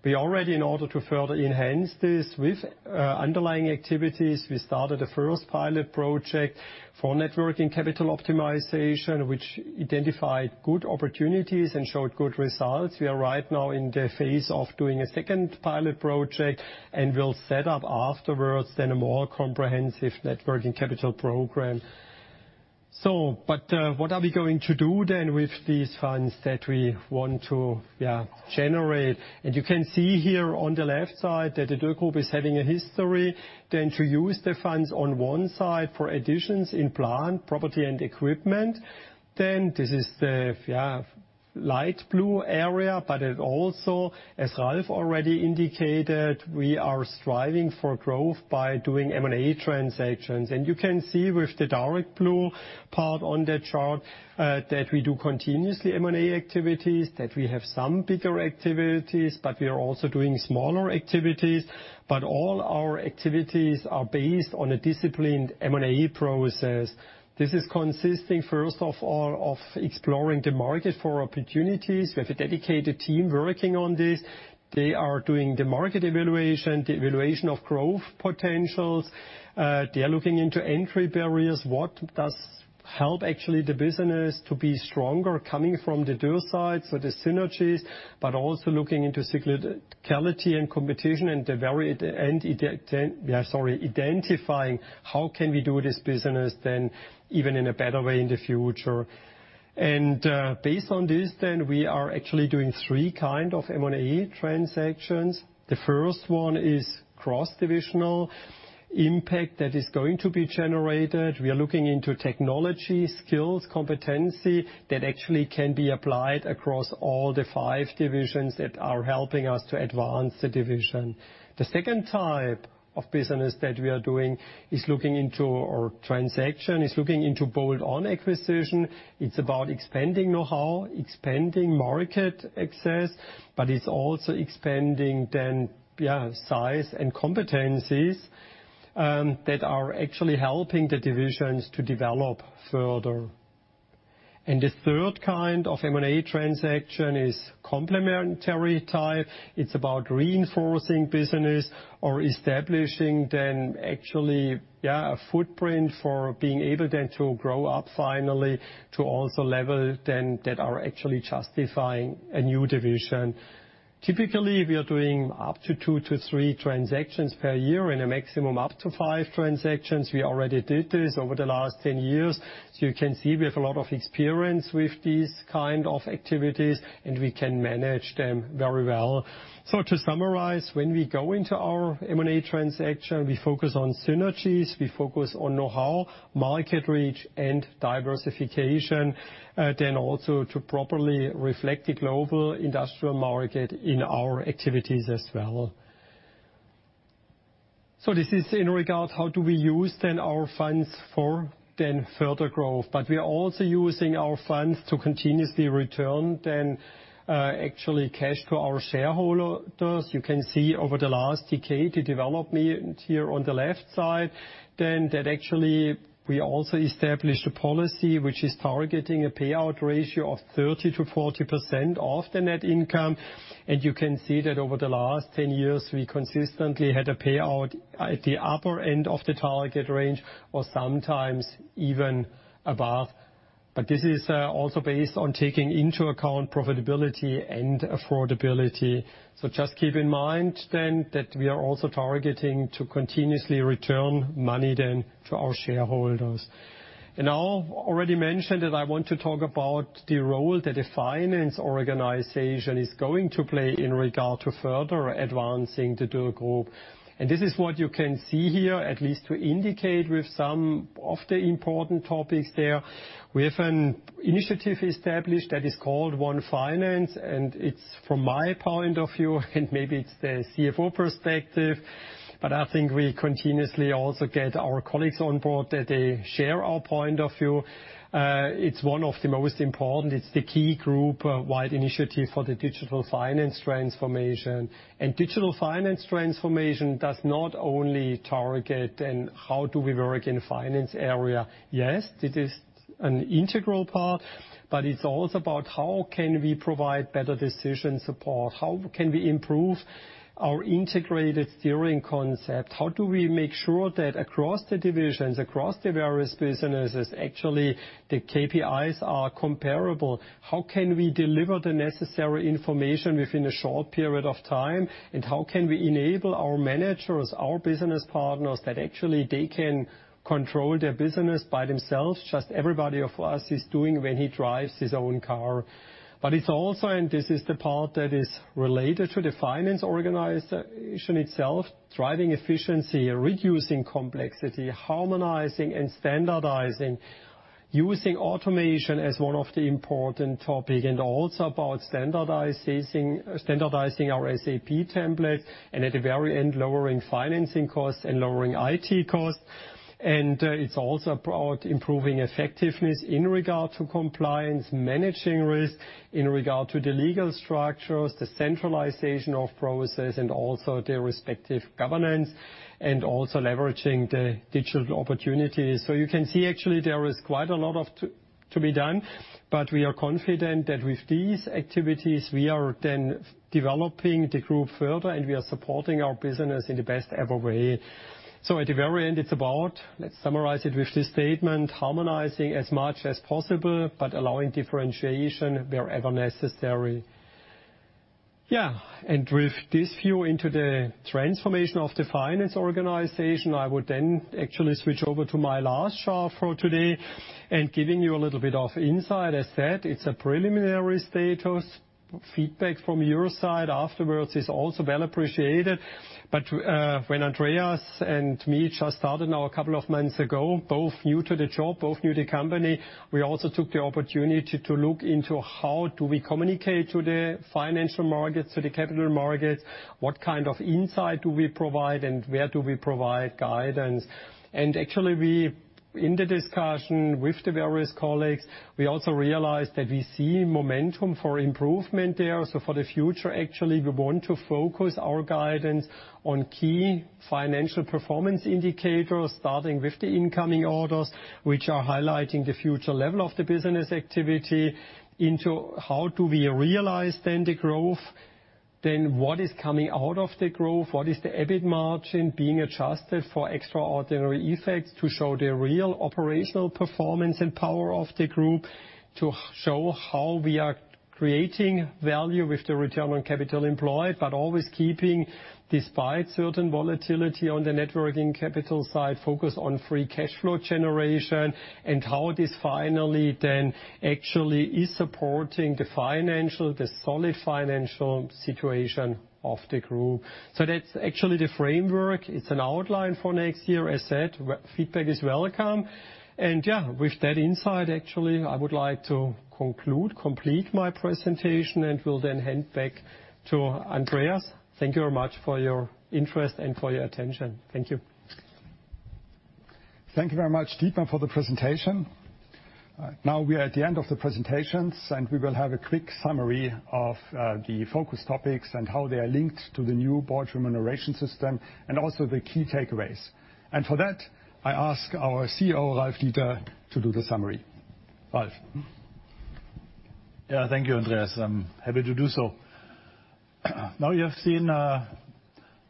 We already, in order to further enhance this with underlying activities, we started a first pilot project for net working capital optimization, which identified good opportunities and showed good results. We are right now in the phase of doing a second pilot project and will set up afterwards then a more comprehensive net working capital program. So, but what are we going to do then with these funds that we want to generate? You can see here on the left side that the Dürr Group is having a history then to use the funds on one side for additions in plant property and equipment. This is the light blue area, but it also, as Ralf already indicated, we are striving for growth by doing M&A transactions. You can see with the dark blue part on the chart that we do continuously M&A activities, that we have some bigger activities, but we are also doing smaller activities. All our activities are based on a disciplined M&A process. This is consisting first of all of exploring the market for opportunities. We have a dedicated team working on this. They are doing the market evaluation, the evaluation of growth potentials. They are looking into entry barriers. What does help actually the business to be stronger coming from the Dürr side? The synergies, but also looking into cyclicality and competition and the very end, sorry, identifying how can we do this business then even in a better way in the future. Based on this then, we are actually doing three kinds of M&A transactions. The first one is cross-divisional impact that is going to be generated. We are looking into technology, skills, competency that actually can be applied across all the five divisions that are helping us to advance the division. The second type of business that we are doing is looking into our transaction bolt-on acquisition. It's about expanding know-how, expanding market access, but it's also expanding the size and competencies that are actually helping the divisions to develop further. The third kind of M&A transaction is complementary type. It's about reinforcing business or establishing then actually a footprint for being able then to grow up finally to also level then that are actually justifying a new division. Typically, we are doing up to two to three transactions per year and a maximum up to five transactions. We already did this over the last 10 years. So you can see we have a lot of experience with these kinds of activities and we can manage them very well. So to summarize, when we go into our M&A transaction, we focus on synergies, we focus on know-how, market reach, and diversification, then also to properly reflect the global industrial market in our activities as well. So this is in regard how do we use then our funds for then further growth, but we are also using our funds to continuously return then actually cash to our shareholders. You can see over the last decade the development here on the left side, then that actually we also established a policy which is targeting a payout ratio of 30%-40% of the net income, and you can see that over the last 10 years we consistently had a payout at the upper end of the target range or sometimes even above, but this is also based on taking into account profitability and affordability, so just keep in mind then that we are also targeting to continuously return money then to our shareholders, and I already mentioned that I want to talk about the role that a finance organization is going to play in regard to further advancing the Dürr Group, and this is what you can see here, at least to indicate with some of the important topics there. We have an initiative established that is called One Finance, and it's from my point of view, and maybe it's the CFO perspective, but I think we continuously also get our colleagues on board that they share our point of view. It's one of the most important. It's the key group-wide initiative for the digital finance transformation. And digital finance transformation does not only target then how do we work in the finance area. Yes, it is an integral part, but it's also about how can we provide better decision support, how can we improve our integrated steering concept, how do we make sure that across the divisions, across the various businesses, actually the KPIs are comparable, how can we deliver the necessary information within a short period of time, and how can we enable our managers, our business partners that actually they can control their business by themselves, just everybody of us is doing when he drives his own car. But it's also, and this is the part that is related to the finance organization itself, driving efficiency, reducing complexity, harmonizing and standardizing, using automation as one of the important topics, and also about standardizing our SAP templates and at the very end lowering financing costs and lowering IT costs. It's also about improving effectiveness in regard to compliance, managing risk in regard to the legal structures, the centralization of process and also their respective governance, and also leveraging the digital opportunities. You can see actually there is quite a lot to be done, but we are confident that with these activities we are then developing the group further and we are supporting our business in the best ever way. At the very end, it's about, let's summarize it with this statement, harmonizing as much as possible, but allowing differentiation wherever necessary. Yeah. With this view into the transformation of the finance organization, I would then actually switch over to my last chart for today and giving you a little bit of insight. As said, it's a preliminary status. Feedback from your side afterwards is also well appreciated. But when Andreas and me just started now a couple of months ago, both new to the job, both new to the company, we also took the opportunity to look into how do we communicate to the financial markets, to the capital markets, what kind of insight do we provide and where do we provide guidance. Actually we, in the discussion with the various colleagues, we also realized that we see momentum for improvement there. For the future, actually we want to focus our guidance on key financial performance indicators, starting with the incoming orders, which are highlighting the future level of the business activity into how do we realize then the growth, then what is coming out of the growth, what is the EBIT margin being adjusted for extraordinary effects to show the real operational performance and power of the group, to show how we are creating value with the return on capital employed, but always keeping, despite certain volatility on the net working capital side, focus on free cash flow generation and how this finally then actually is supporting the financial, the solid financial situation of the group. That's actually the framework. It's an outline for next year. As said, feedback is welcome. Yeah, with that insight, actually I would like to conclude, complete my presentation and will then hand back to Andreas. Thank you very much for your interest and for your attention. Thank you. Thank you very much, Dietmar, for the presentation. Now we are at the end of the presentations and we will have a quick summary of the focus topics and how they are linked to the new board remuneration system and also the key takeaways. For that, I ask our CEO, Ralf Dieter, to do the summary. Ralf. Yeah, thank you, Andreas. I'm happy to do so. Now you have seen not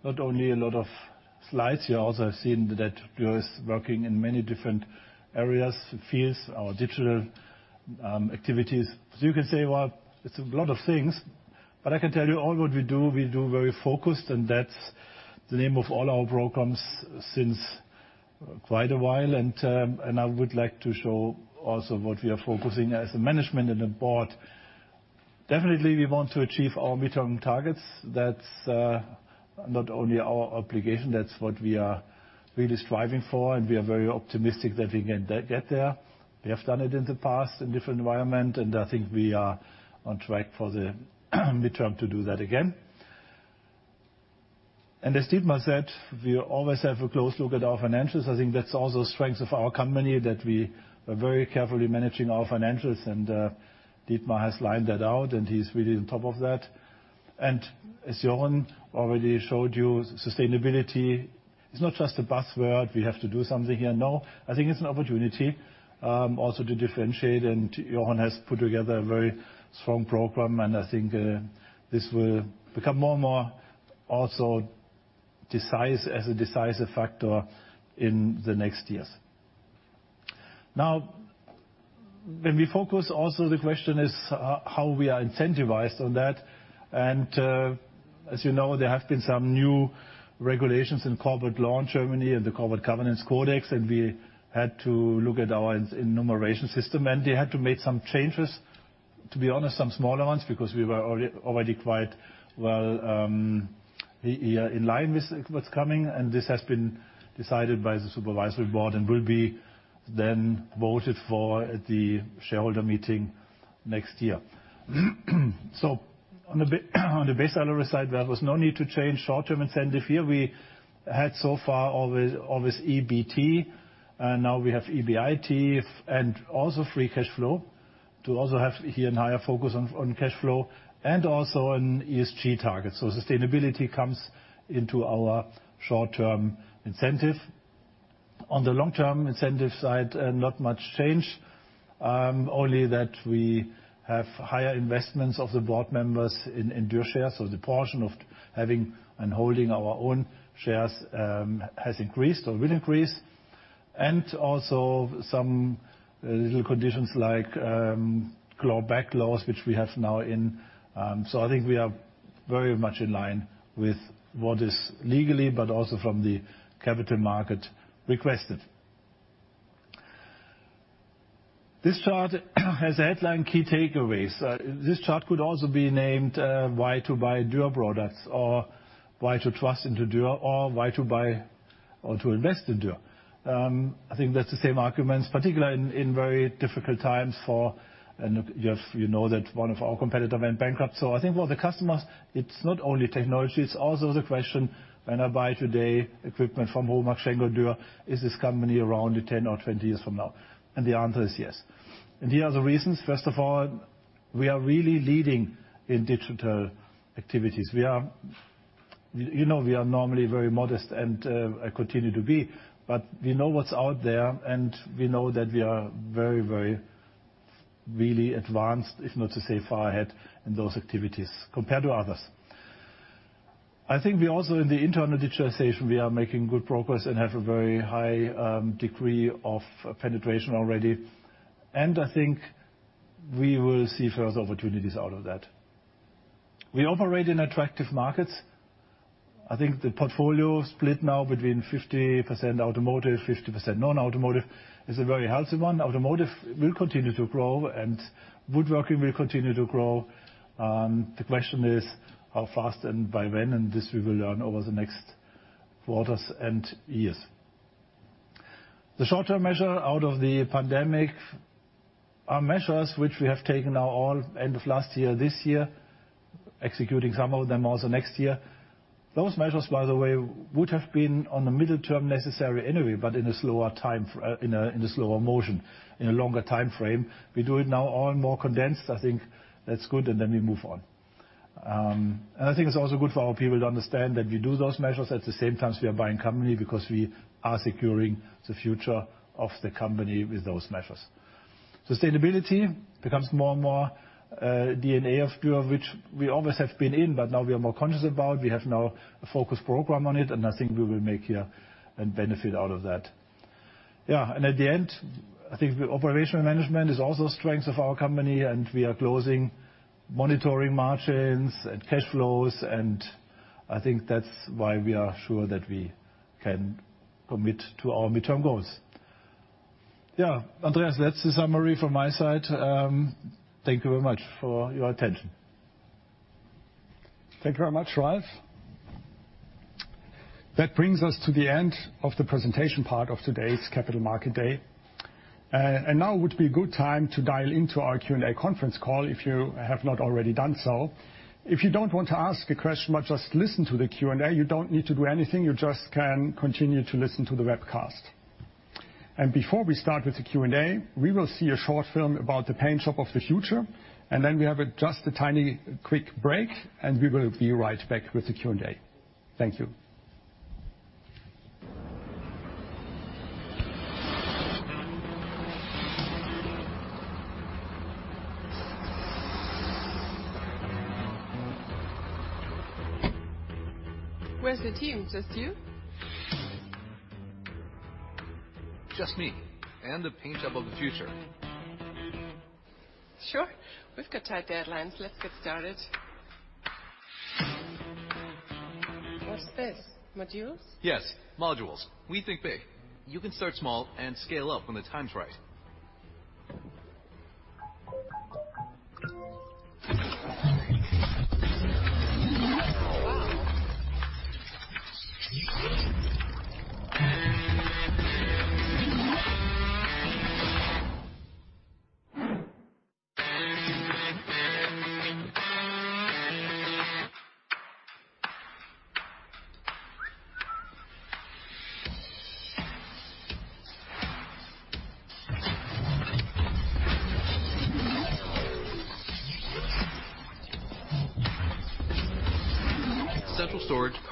only a lot of slides here, also I've seen that Dürr is working in many different areas, fields, our digital activities. So you can say, well, it's a lot of things, but I can tell you all what we do, we do very focused and that's the name of all our programs since quite a while, and I would like to show also what we are focusing as a management and a board. Definitely, we want to achieve our midterm targets. That's not only our obligation, that's what we are really striving for and we are very optimistic that we can get there. We have done it in the past in different environments and I think we are on track for the midterm to do that again. And as Dietmar said, we always have a close look at our financials. I think that's also a strength of our company that we are very carefully managing our financials and Dietmar has lined that out and he's really on top of that. And as Jorunn already showed you, sustainability is not just a buzzword, we have to do something here. No, I think it's an opportunity also to differentiate and Jorunn has put together a very strong program and I think this will become more and more also as a decisive factor in the next years. Now, when we focus also, the question is how we are incentivized on that. As you know, there have been some new regulations in corporate law in Germany and the corporate governance code, and we had to look at our remuneration system and they had to make some changes, to be honest, some smaller ones because we were already quite well in line with what's coming. This has been decided by the supervisory board and will be then voted for at the shareholder meeting next year. On the base salary side, there was no need to change short-term incentive. Here we had so far always EBT and now we have EBIT and also free cash flow to also have here a higher focus on cash flow and also on ESG targets. So sustainability comes into our short-term incentive. On the long-term incentive side, not much change, only that we have higher investments of the board members in Dürr shares. So the portion of having and holding our own shares has increased or will increase. And also some little conditions like clawback clauses, which we have now in. So I think we are very much in line with what is legally, but also from the capital market requested. This chart has a headline key takeaways. This chart could also be named why to buy Dürr products or why to trust into Dürr or why to buy or to invest in Dürr. I think that's the same arguments, particularly in very difficult times for, and you know that one of our competitors went bankrupt. So I think for the customers, it's not only technology, it's also the question when I buy today equipment from HOMAG, Schenck, Dürr, is this company around in 10 or 20 years from now? And the answer is yes. And here are the reasons. First of all, we are really leading in digital activities. We are, you know, we are normally very modest and continue to be, but we know what's out there and we know that we are very, very really advanced, if not to say far ahead in those activities compared to others. I think we also in the internal digitization, we are making good progress and have a very high degree of penetration already, and I think we will see further opportunities out of that. We operate in attractive markets. I think the portfolio split now between 50% automotive, 50% non-automotive is a very healthy one. Automotive will continue to grow and woodworking will continue to grow. The question is how fast and by when, and this we will learn over the next quarters and years. The short-term measures out of the pandemic, our measures which we have taken now all end of last year, this year, executing some of them also next year. Those measures, by the way, would have been on the medium term necessary anyway, but in a slower time, in a slower motion, in a longer timeframe. We do it now all more condensed. I think that's good and then we move on, and I think it's also good for our people to understand that we do those measures at the same time we are buying companies because we are securing the future of the company with those measures. Sustainability becomes more and more DNA of Dürr, which we always have been in, but now we are more conscious about. We have now a focus program on it and I think we will make headway and benefit out of that. Yeah. And at the end, I think operational management is also a strength of our company and we are closely monitoring margins and cash flows. And I think that's why we are sure that we can commit to our midterm goals. Yeah. Andreas, that's the summary from my side. Thank you very much for your attention. Thank you very much, Ralf. That brings us to the end of the presentation part of today's Capital Market Day. And now would be a good time to dial into our Q&A conference call if you have not already done so. If you don't want to ask a question, but just listen to the Q&A, you don't need to do anything. You just can continue to listen to the webcast. And before we start with the Q&A, we will see a short film about the paint shop of the future. And then we have just a tiny quick break and we will be right back with the Q&A. Thank you. Where's the team? Just you? Just me and the paint shop of the future. Sure. We've got tight deadlines. Let's get started. What's this? Modules? Yes, modules. We think big. You can start small and scale up when the time's right.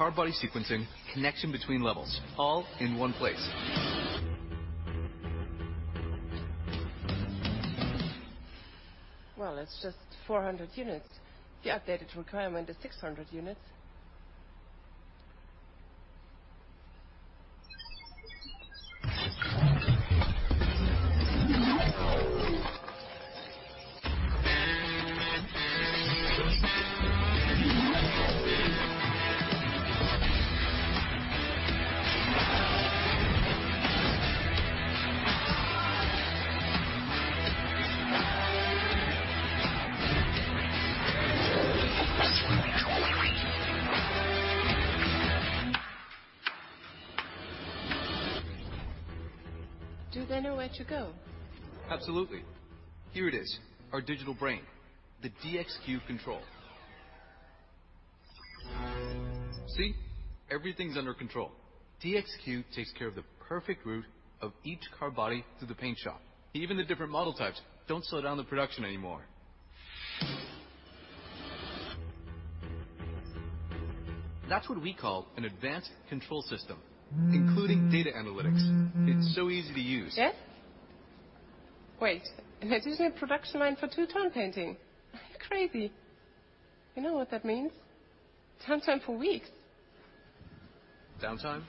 Wow. Central storage, car body sequencing, connection between levels, all in one place. It's just 400 units. The updated requirement is 600 units. Do they know where to go? Absolutely. Here it is, our digital brain, the DXQ control. See, everything's under control. DXQ takes care of the perfect route of each car body through the paint shop. Even the different model types don't slow down the production anymore. That's what we call an advanced control system, including data analytics. It's so easy to use. Yeah? Wait, and it isn't a production line for two-tone painting. Are you crazy? You know what that means? Downtime for weeks. Downtime?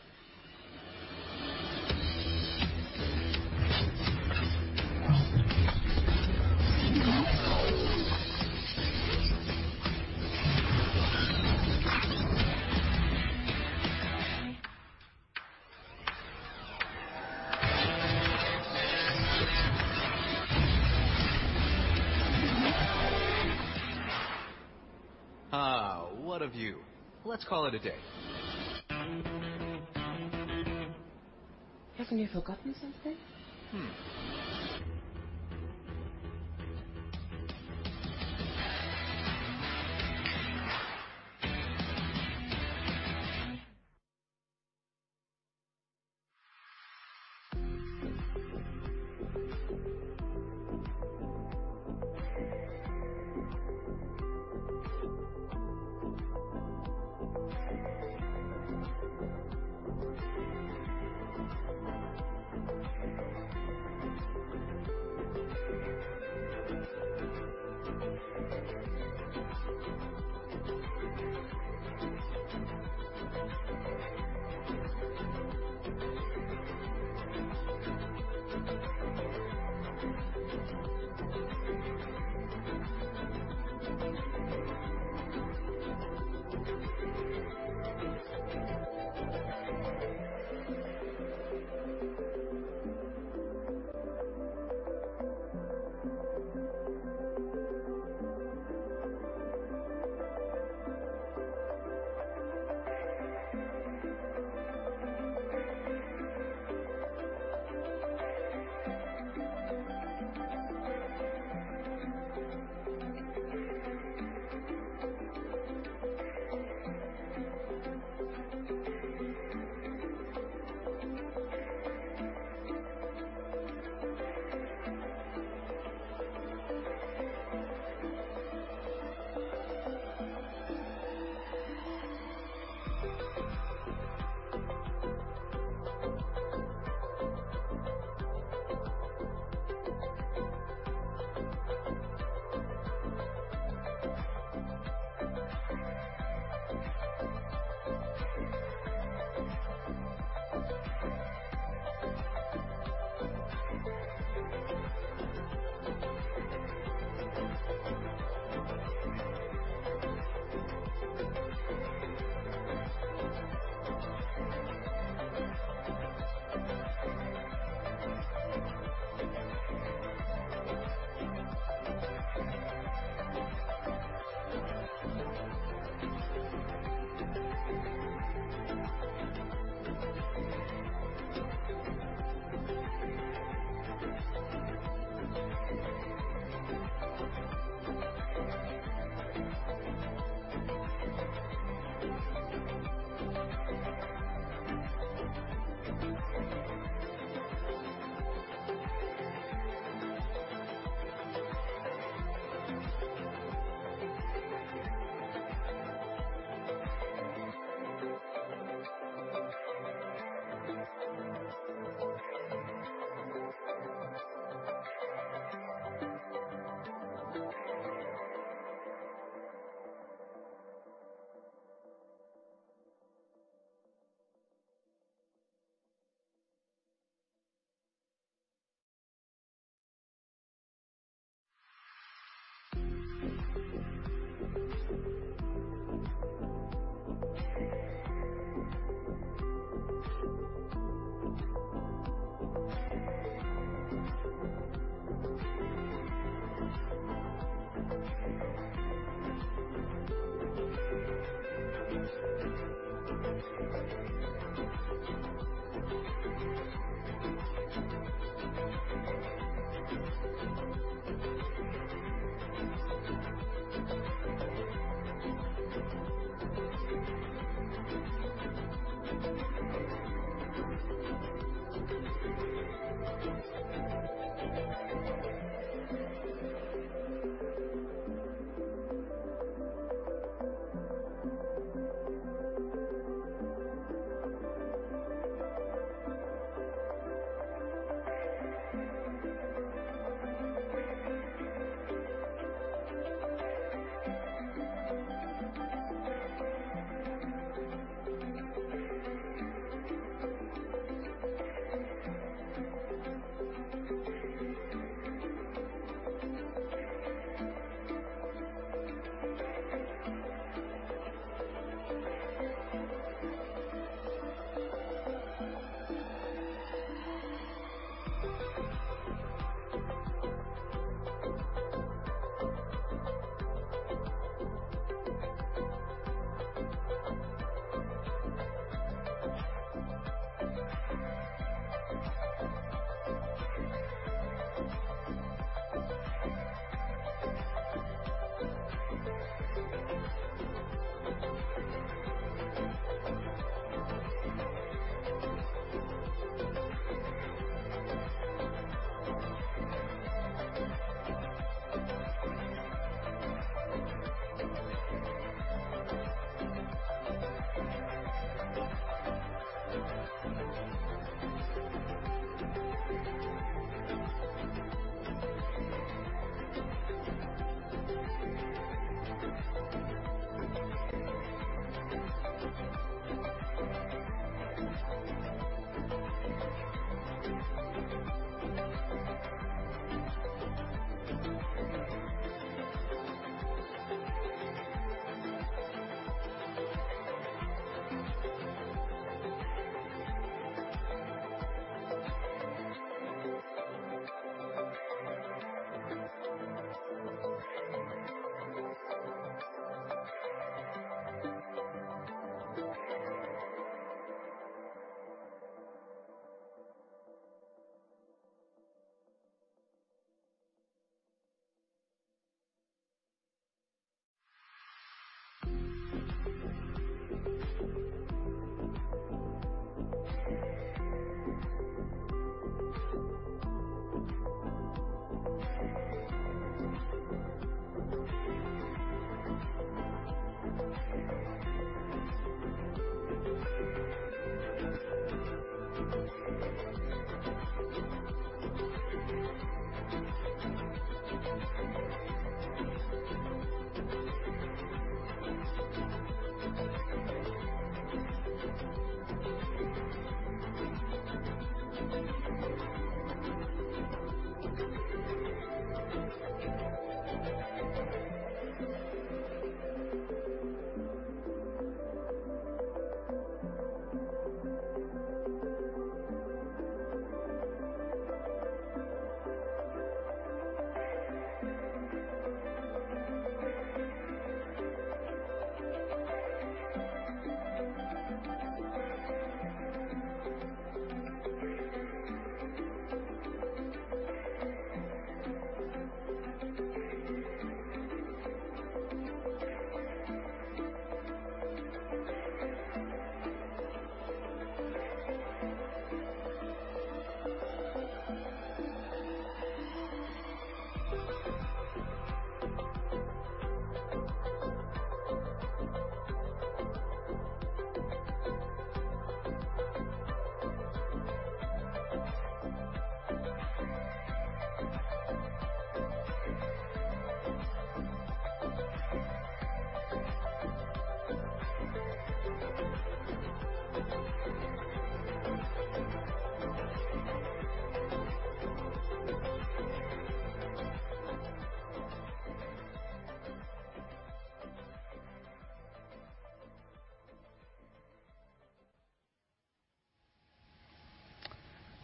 What a view. Let's call it a day. Haven't you forgotten something?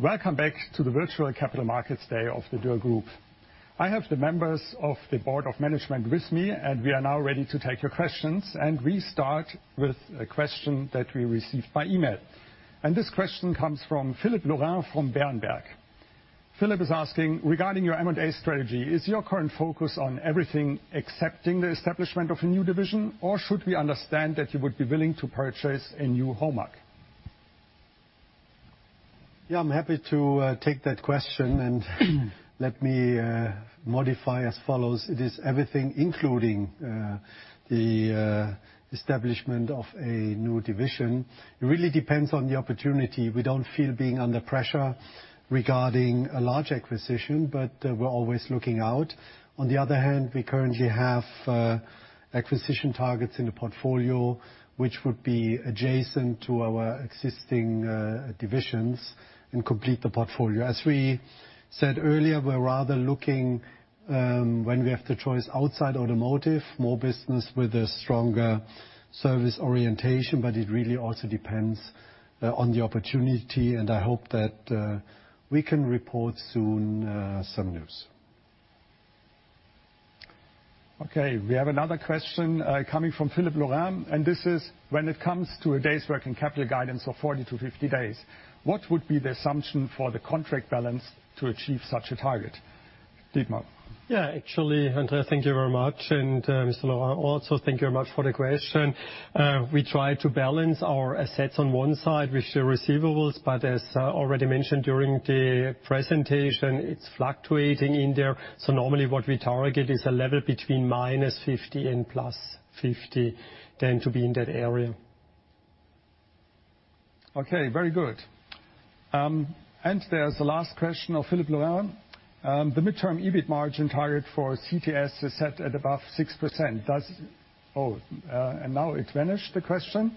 Welcome back to the virtual Capital Market Day of the Dürr Group. I have the members of the board of management with me, and we are now ready to take your questions. And we start with a question that we received by email. And this question comes from Philippe Laurent from Berenberg. Philippe is asking, regarding your M&A strategy, is your current focus on everything excepting the establishment of a new division, or should we understand that you would be willing to purchase a new hallmark? Yeah, I'm happy to take that question, and let me modify as follows. It is everything, including the establishment of a new division. It really depends on the opportunity. We don't feel being under pressure regarding a large acquisition, but we're always looking out. On the other hand, we currently have acquisition targets in the portfolio, which would be adjacent to our existing divisions and complete the portfolio. As we said earlier, we're rather looking, when we have the choice, outside automotive, more business with a stronger service orientation. But it really also depends on the opportunity, and I hope that we can report soon some news. Okay. We have another question coming from Philippe Laurent, and this is, when it comes to a day's working capital guidance of 40-50 days, what would be the assumption for the contract balance to achieve such a target? Dietmar. Yeah, actually, Andreas, thank you very much. And Mr. Laurent, also thank you very much for the question. We try to balance our assets on one side with the receivables, but as already mentioned during the presentation, it's fluctuating in there. So normally what we target is a level between minus 50 and plus 50, then to be in that area. Okay, very good. And there's the last question of Philippe Laurent. The midterm EBIT margin target for CTS is set at above 6%. Does - oh, and now it vanished, the question.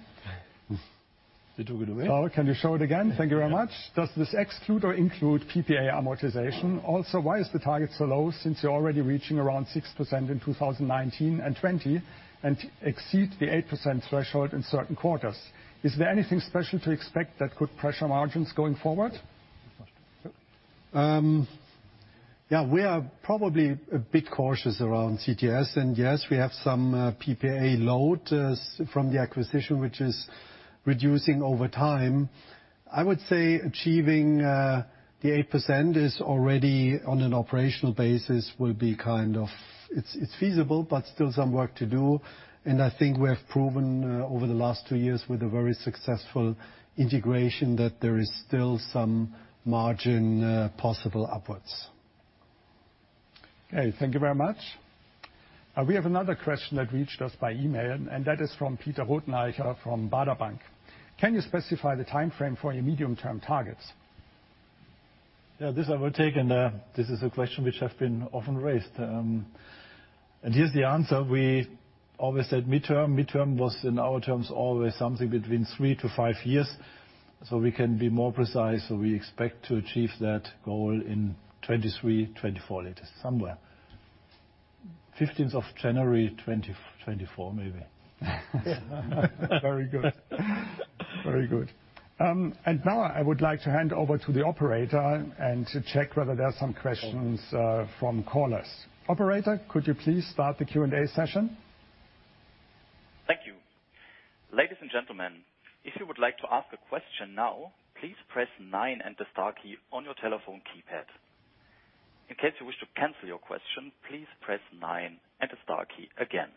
Did you get away? Sorry, can you show it again? Thank you very much. Does this exclude or include PPA amortization? Also, why is the target so low since you're already reaching around 6% in 2019 and 2020 and exceed the 8% threshold in certain quarters? Is there anything special to expect that could pressure margins going forward? Yeah, we are probably a bit cautious around CTS, and yes, we have some PPA load from the acquisition, which is reducing over time. I would say achieving the 8% is already on an operational basis will be kind of, it's feasible, but still some work to do. And I think we have proven over the last two years with a very successful integration that there is still some margin possible upwards. Okay, thank you very much. We have another question that reached us by email, and that is from Peter Rothenaicher from Baader Bank. Can you specify the timeframe for your medium-term targets? Yeah, this I will take, and this is a question which has been often raised, and here's the answer. We always said midterm. Midterm was, in our terms, always something between three to five years, so we can be more precise, so we expect to achieve that goal in 2023, 2024, latest, somewhere, 15th of January 2024, maybe. Very good. Very good, and now I would like to hand over to the operator and check whether there are some questions from callers. Operator, could you please start the Q&A session? Thank you. Ladies and gentlemen, if you would like to ask a question now, please press 9 and the star key on your telephone keypad. In case you wish to cancel your question, please press 9 and the star key again.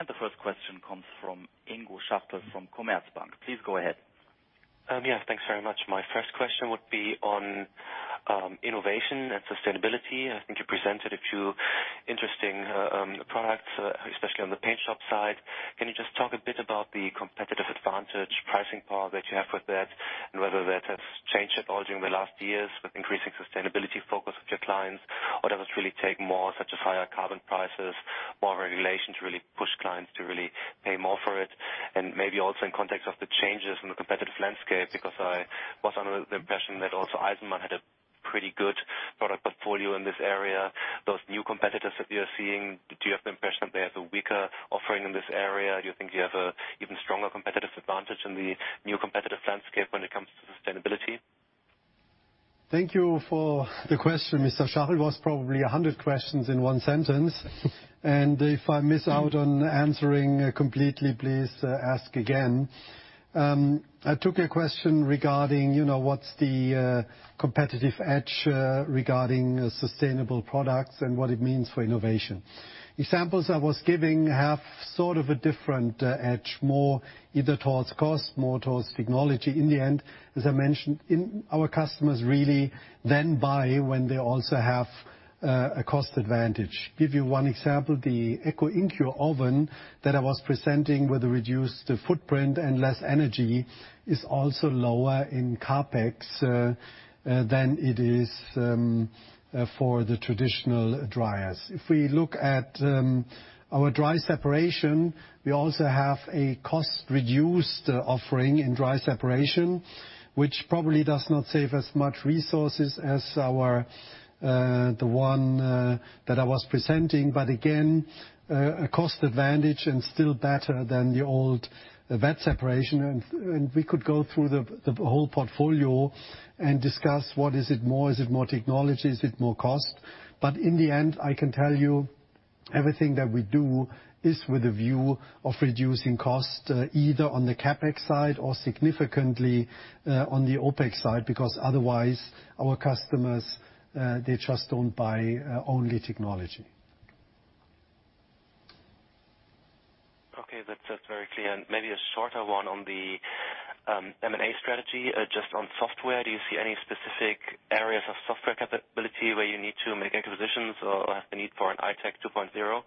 And the first question comes from Ingo Schachel from Commerzbank. Please go ahead. Yes, thanks very much. My first question would be on innovation and sustainability. I think you presented a few interesting products, especially on the paint shop side. Can you just talk a bit about the competitive advantage, pricing power that you have with that, and whether that has changed at all during the last years with increasing sustainability focus of your clients? Or does it really take more such as higher carbon prices, more regulation to really push clients to really pay more for it? And maybe also in context of the changes in the competitive landscape, because I was under the impression that also Eisenmann had a pretty good product portfolio in this area. Those new competitors that you're seeing, do you have the impression that they have a weaker offering in this area? Do you think you have an even stronger competitive advantage in the new competitive landscape when it comes to sustainability? Thank you for the question, Mr. Schachel. It was probably 100 questions in one sentence. If I miss out on answering completely, please ask again. I took a question regarding what's the competitive edge regarding sustainable products and what it means for innovation. Examples I was giving have sort of a different edge, more either towards cost, more towards technology. In the end, as I mentioned, our customers really then buy when they also have a cost advantage. To give you one example, the EcoInCure oven that I was presenting with a reduced footprint and less energy is also lower in capex than it is for the traditional dryers. If we look at our dry separation, we also have a cost-reduced offering in dry separation, which probably does not save as much resources as the one that I was presenting. But again, a cost advantage and still better than the old wet separation. And we could go through the whole portfolio and discuss what is it more? Is it more technology? Is it more cost? But in the end, I can tell you everything that we do is with a view of reducing cost, either on the CapEx side or significantly on the OpEx side, because otherwise our customers, they just don't buy only technology. Okay, that's very clear. And maybe a shorter one on the M&A strategy, just on software. Do you see any specific areas of software capability where you need to make acquisitions or have the need for an iTAC 2.0?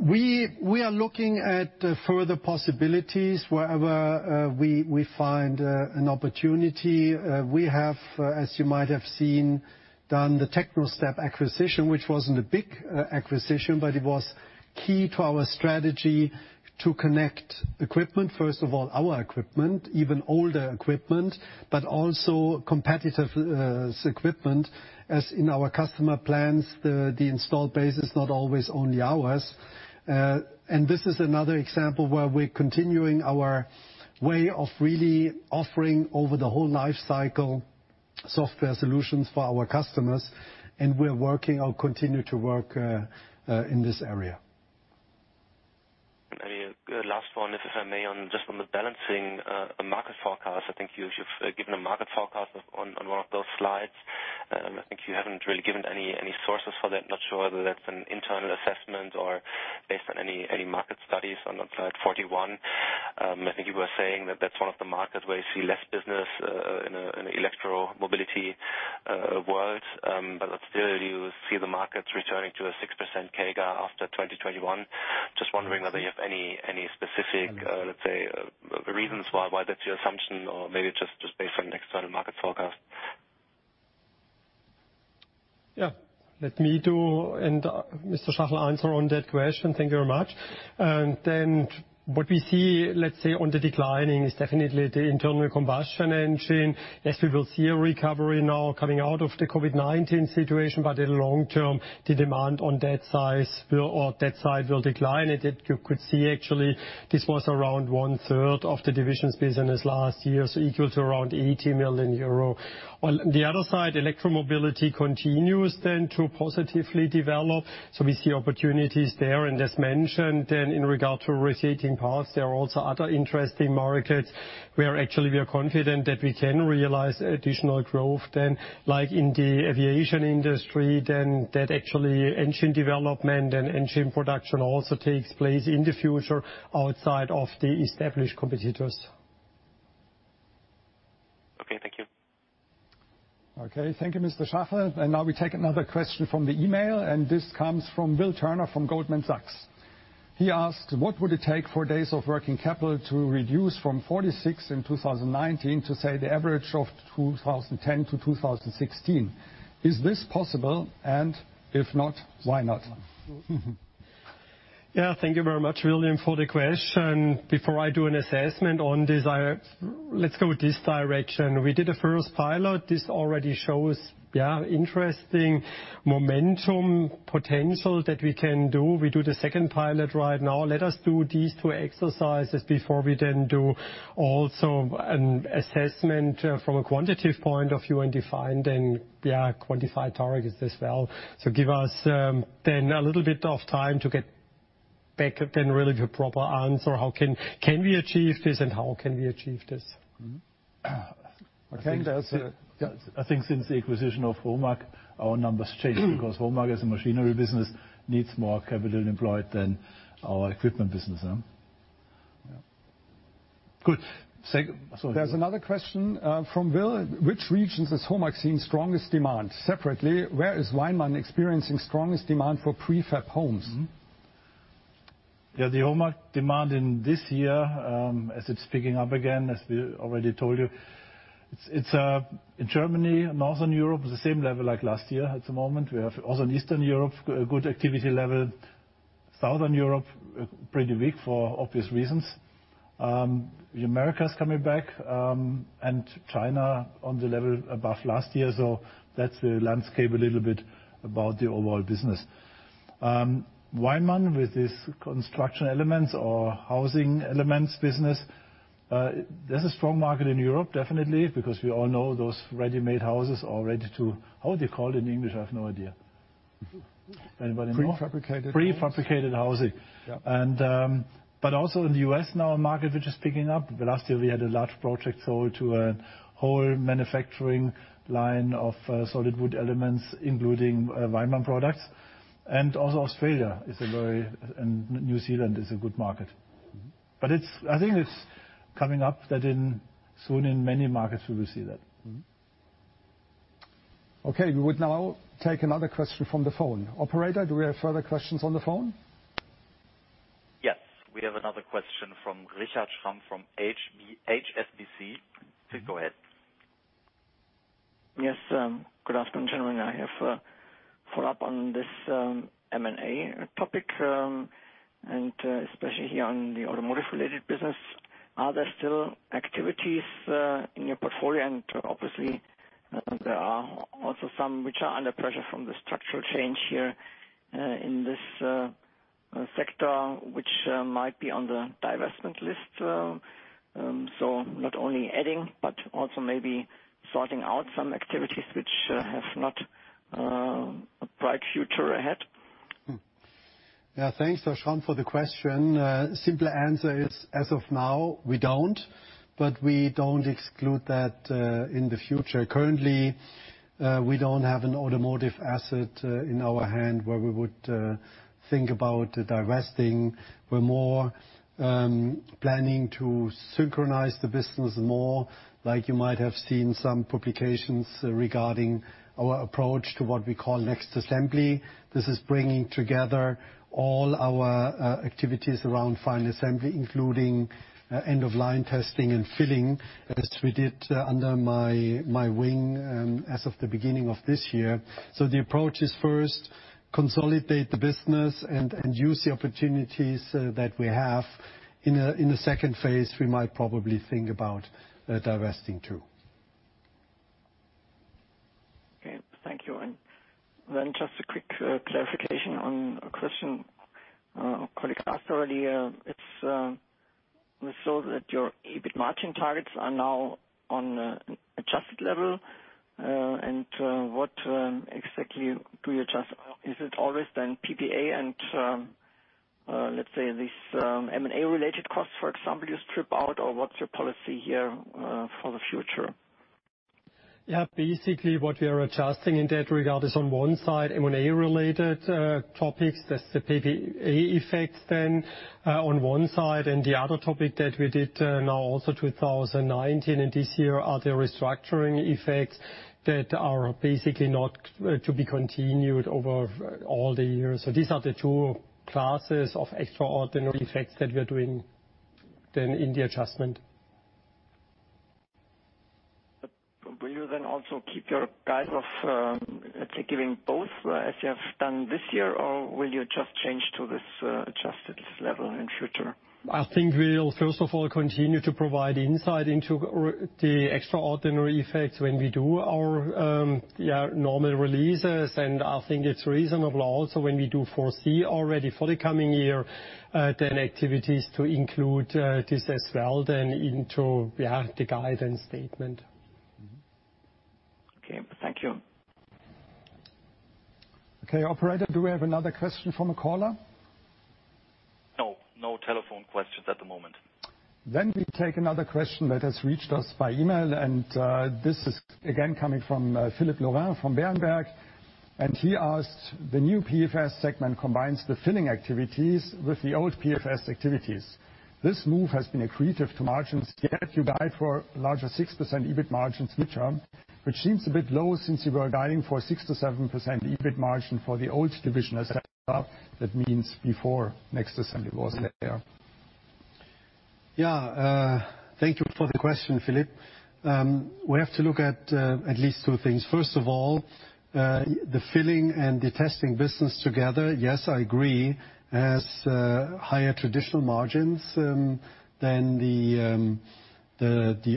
We are looking at further possibilities wherever we find an opportunity. We have, as you might have seen, done the Technostep acquisition, which wasn't a big acquisition, but it was key to our strategy to connect equipment, first of all, our equipment, even older equipment, but also competitive equipment, as in our customer plants, the installed base is not always only ours. And this is another example where we're continuing our way of really offering over the whole lifecycle software solutions for our customers. And we're working or continue to work in this area. Any last one, if I may, on just the balancing market forecast? I think you've given a market forecast on one of those slides. I think you haven't really given any sources for that. Not sure whether that's an internal assessment or based on any market studies on slide 41. I think you were saying that that's one of the markets where you see less business in the electromobility world. But still, you see the markets returning to a 6% CAGR after 2021. Just wondering whether you have any specific, let's say, reasons why that's your assumption or maybe just based on an external market forecast. Yeah, let me do, and Mr. Schaller answer on that question. Thank you very much. Then what we see, let's say, on the declining is definitely the internal combustion engine. Yes, we will see a recovery now coming out of the COVID-19 situation, but in the long term, the demand on that side will decline. You could see actually this was around one-third of the division's business last year, so equal to around 80 million euro. On the other side, electromobility continues then to positively develop. We see opportunities there. As mentioned, then in regard to receding paths, there are also other interesting markets where actually we are confident that we can realize additional growth, then like in the aviation industry, then that actually engine development and engine production also takes place in the future outside of the established competitors. Okay, thank you. Okay, thank you, Mr. Schaller. And now we take another question from the email. And this comes from Will Turner from Goldman Sachs. He asked, what would it take for days of working capital to reduce from 46 in 2019 to say the average of 2010 to 2016? Is this possible? And if not, why not? Yeah, thank you very much, William, for the question. Before I do an assessment on this, let's go this direction. We did a first pilot. This already shows, yeah, interesting momentum potential that we can do. We do the second pilot right now. Let us do these two exercises before we then do also an assessment from a quantitative point of view and define then, yeah, quantify targets as well. So give us then a little bit of time to get back then really to a proper answer. How can we achieve this and how can we achieve this? I think since the acquisition of HOMAG, our numbers changed because HOMAG as a machinery business needs more capital employed than our equipment business. Good. There's another question from Will. Which regions is HOMAG seeing strongest demand? Separately, where is Weinmann experiencing strongest demand for prefab homes? Yeah, the HOMAG demand in this year, as it's picking up again, as we already told you, it's in Germany, Northern Europe, the same level like last year at the moment. We have also in Eastern Europe, a good activity level. Southern Europe, pretty weak for obvious reasons. America is coming back and China on the level above last year. So that's the landscape a little bit about the overall business. Weinmann with this construction elements or housing elements business, there's a strong market in Europe, definitely, because we all know those ready-made houses are ready to, how would you call it in English? I have no idea. Anybody know? Prefabricated. Prefabricated housing. But also in the U.S. now, a market which is picking up. Last year, we had a large project sold to a whole manufacturing line of solid wood elements, including Weinmann products. And also Australia is a very, and New Zealand is a good market. But I think it's coming up that soon in many markets we will see that. Okay, we would now take another question from the phone. Operator, do we have further questions on the phone? Yes, we have another question from Richard Schramm from HSBC. Please go ahead. Yes, good afternoon, gentlemen. I have followed up on this M&A topic and especially here on the automotive-related business. Are there still activities in your portfolio? And obviously, there are also some which are under pressure from the structural change here in this sector, which might be on the divestment list. So not only adding, but also maybe sorting out some activities which have not a bright future ahead. Yeah, thanks, Mr. Schramm, for the question. Simple answer is, as of now, we don't, but we don't exclude that in the future. Currently, we don't have an automotive asset in our hand where we would think about divesting. We're more planning to synchronize the business more, like you might have seen some publications regarding our approach to what we call next assembly. This is bringing together all our activities around final assembly, including end-of-line testing and filling, as we did under my wing as of the beginning of this year. So the approach is first consolidate the business and use the opportunities that we have. In a second phase, we might probably think about divesting too. Okay, thank you. And then just a quick clarification on a question a colleague asked earlier. It's so that your EBIT margin targets are now on an adjusted level. And what exactly do you adjust? Is it always then PPA and let's say these M&A-related costs, for example, you strip out? Or what's your policy here for the future? Yeah, basically what we are adjusting in that regard is on one side M&A-related topics. That's the PPA effects then on one side. And the other topic that we did now also 2019 and this year are the restructuring effects that are basically not to be continued over all the years. So these are the two classes of extraordinary effects that we are doing then in the adjustment. Will you then also keep your guidance of, let's say, giving both as you have done this year, or will you just change to this adjusted level in future? I think we'll, first of all, continue to provide insight into the extraordinary effects when we do our normal releases, and I think it's reasonable also when we do foresee already for the coming year then activities to include this as well then into the guidance statement. Okay, thank you. Okay, Operator, do we have another question from a caller? No, no telephone questions at the moment. Then we take another question that has reached us by email. This is again coming from Philippe Laurent from Berenberg. He asked, the new PFS segment combines the filling activities with the old PFS activities. This move has been accretive to margins. Yet you guide for larger 6% EBIT margins mid-term, which seems a bit low since you were guiding for 6%-7% EBIT margin for the old division as it. That means before final assembly was there. Yeah, thank you for the question, Philippe. We have to look at least two things. First of all, the filling and the testing business together, yes, I agree, has higher traditional margins than the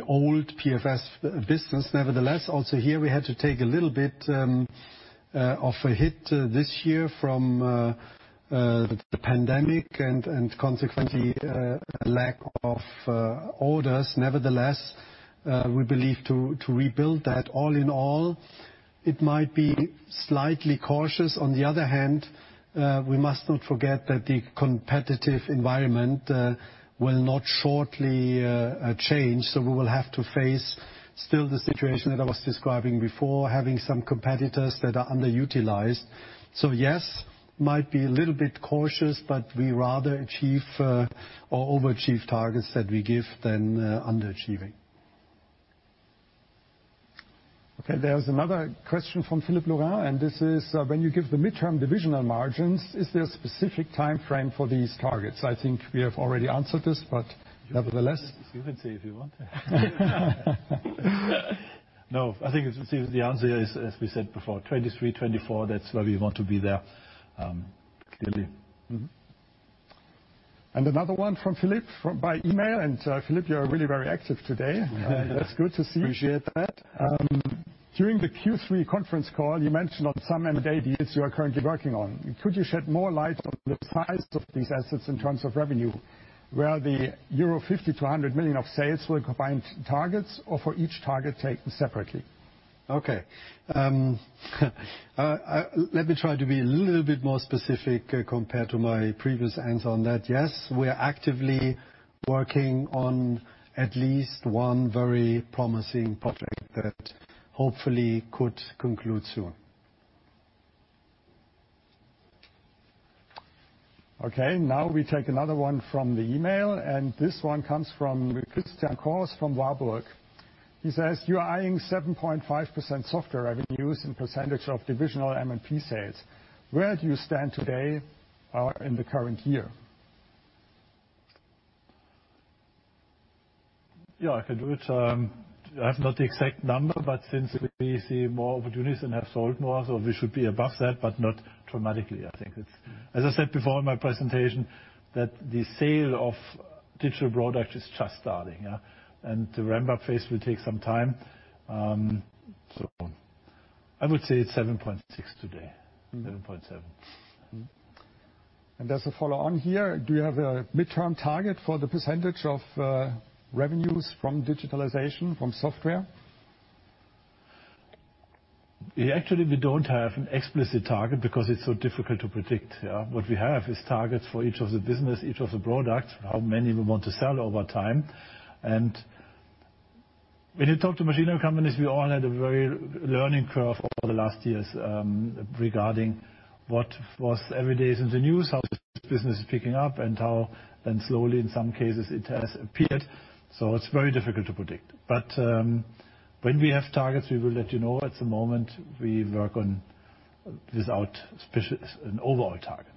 old PFS business. Nevertheless, also here we had to take a little bit of a hit this year from the pandemic and consequently a lack of orders. Nevertheless, we believe to rebuild that. All in all, it might be slightly cautious. On the other hand, we must not forget that the competitive environment will not shortly change. So we will have to face still the situation that I was describing before, having some competitors that are underutilized. So yes, might be a little bit cautious, but we rather achieve or overachieve targets that we give than underachieving. Okay, there's another question from Philippe Laurent. And this is, when you give the midterm divisional margins, is there a specific timeframe for these targets? I think we have already answered this, but nevertheless. You can see if you want to. No, I think the answer is, as we said before, 2023, 2024. That's where we want to be there. Clearly. Another one from Philip by email. Philip, you're really very active today. That's good to see. Appreciate that. During the Q3 conference call, you mentioned on some M&A deals you are currently working on. Could you shed more light on the size of these assets in terms of revenue? Where the euro 50-100 million of sales will combine targets or for each target taken separately? Okay. Let me try to be a little bit more specific compared to my previous answer on that. Yes, we're actively working on at least one very promising project that hopefully could conclude soon. Okay, now we take another one from the email. This one comes from Christian Cohrs from Warburg. He says, you are eyeing 7.5% software revenues in percentage of divisional M&P sales. Where do you stand today in the current year? Yeah, I can do it. I have not the exact number, but since we see more opportunities and have sold more, so we should be above that, but not dramatically. I think it's, as I said before in my presentation, that the sale of digital products is just starting, and the ramp-up phase will take some time, so I would say it's 7.6% today, 7.7%, and there's a follow-on here. Do you have a midterm target for the percentage of revenues from digitalization from software? Actually, we don't have an explicit target because it's so difficult to predict. What we have is targets for each of the business, each of the products, how many we want to sell over time, and when you talk to machinery companies, we all had a very learning curve over the last years regarding what was every day in the news, how the business is picking up, and how then slowly, in some cases, it has appeared, so it's very difficult to predict, but when we have targets, we will let you know. At the moment, we work on without an overall target.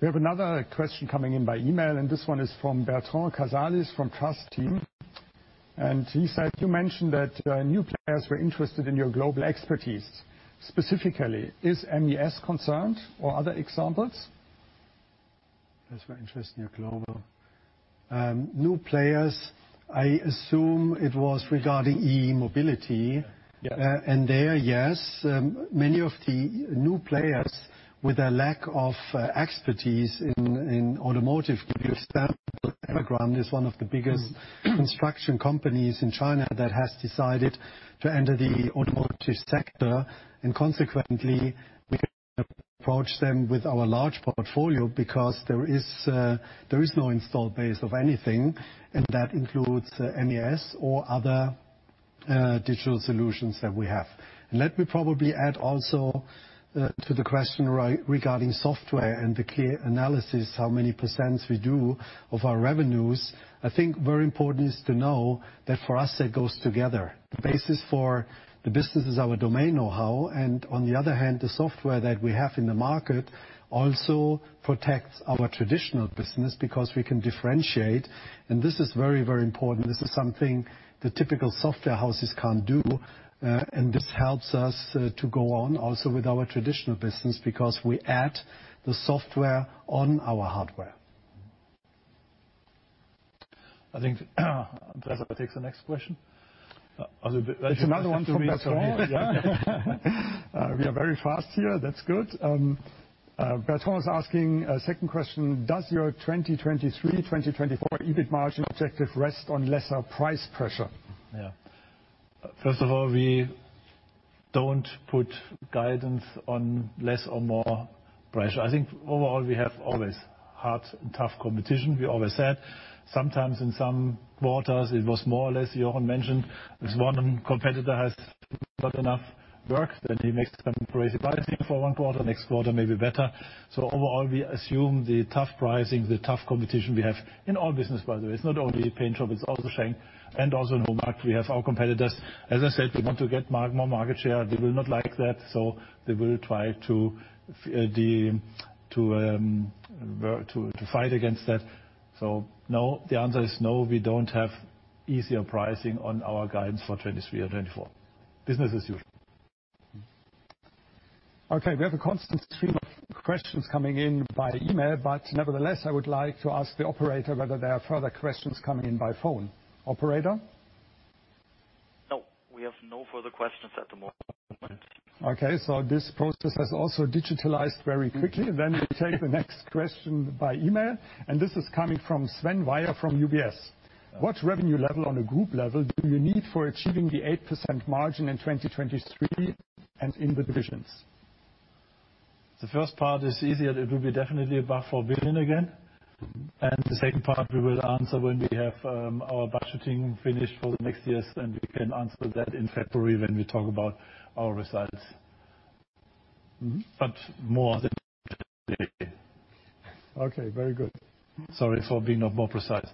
We have another question coming in by email. And this one is from Bertrand Cazalis from Trusteam. And he said, you mentioned that new players were interested in your global expertise. Specifically, is MES concerned or other examples? Yes, we're interested in your global new players. I assume it was regarding E-mobility. And there, yes, many of the new players with a lack of expertise in automotive, for example, Evergrande is one of the biggest construction companies in China that has decided to enter the automotive sector. And consequently, we approach them with our large portfolio because there is no installed base of anything. And that includes MES or other digital solutions that we have. And let me probably add also to the question regarding software and the clear analysis, how many % we do of our revenues. I think very important is to know that for us, it goes together. The basis for the business is our domain know-how. And on the other hand, the software that we have in the market also protects our traditional business because we can differentiate. And this is very, very important. This is something the typical software houses can't do. And this helps us to go on also with our traditional business because we add the software on our hardware. I think Bertrand will take the next question. It's another one for me. We are very fast here. That's good. Bertrand was asking a second question. Does your 2023, 2024 EBIT margin objective rest on lesser price pressure? Yeah. First of all, we don't put guidance on less or more pressure. I think overall, we have always hard and tough competition. We always said sometimes in some quarters, it was more or less. Jochen mentioned if one competitor has not enough work, then he makes some crazy pricing for one quarter. Next quarter, maybe better. So overall, we assume the tough pricing, the tough competition we have in all business, by the way. It's not only paint shop, it's also Schenck and also in HOMAG. We have our competitors. As I said, we want to get more market share. They will not like that. So they will try to fight against that. So no, the answer is no. We don't have easier pricing on our guidance for 2023 and 2024. Business as usual. Okay, we have a constant stream of questions coming in by email. But nevertheless, I would like to ask the operator whether there are further questions coming in by phone. Operator? No, we have no further questions at the moment. Okay, so this process has also digitized very quickly. Then we take the next question by email. This is coming from Sven Weier from UBS. What revenue level on a group level do you need for achieving the 8% margin in 2023 and in the divisions? The first part is easier. It will be definitely above 4 billion again. And the second part we will answer when we have our budgeting finished for the next years. And we can answer that in February when we talk about our results. But more than today. Okay, very good. Sorry for being not more precise.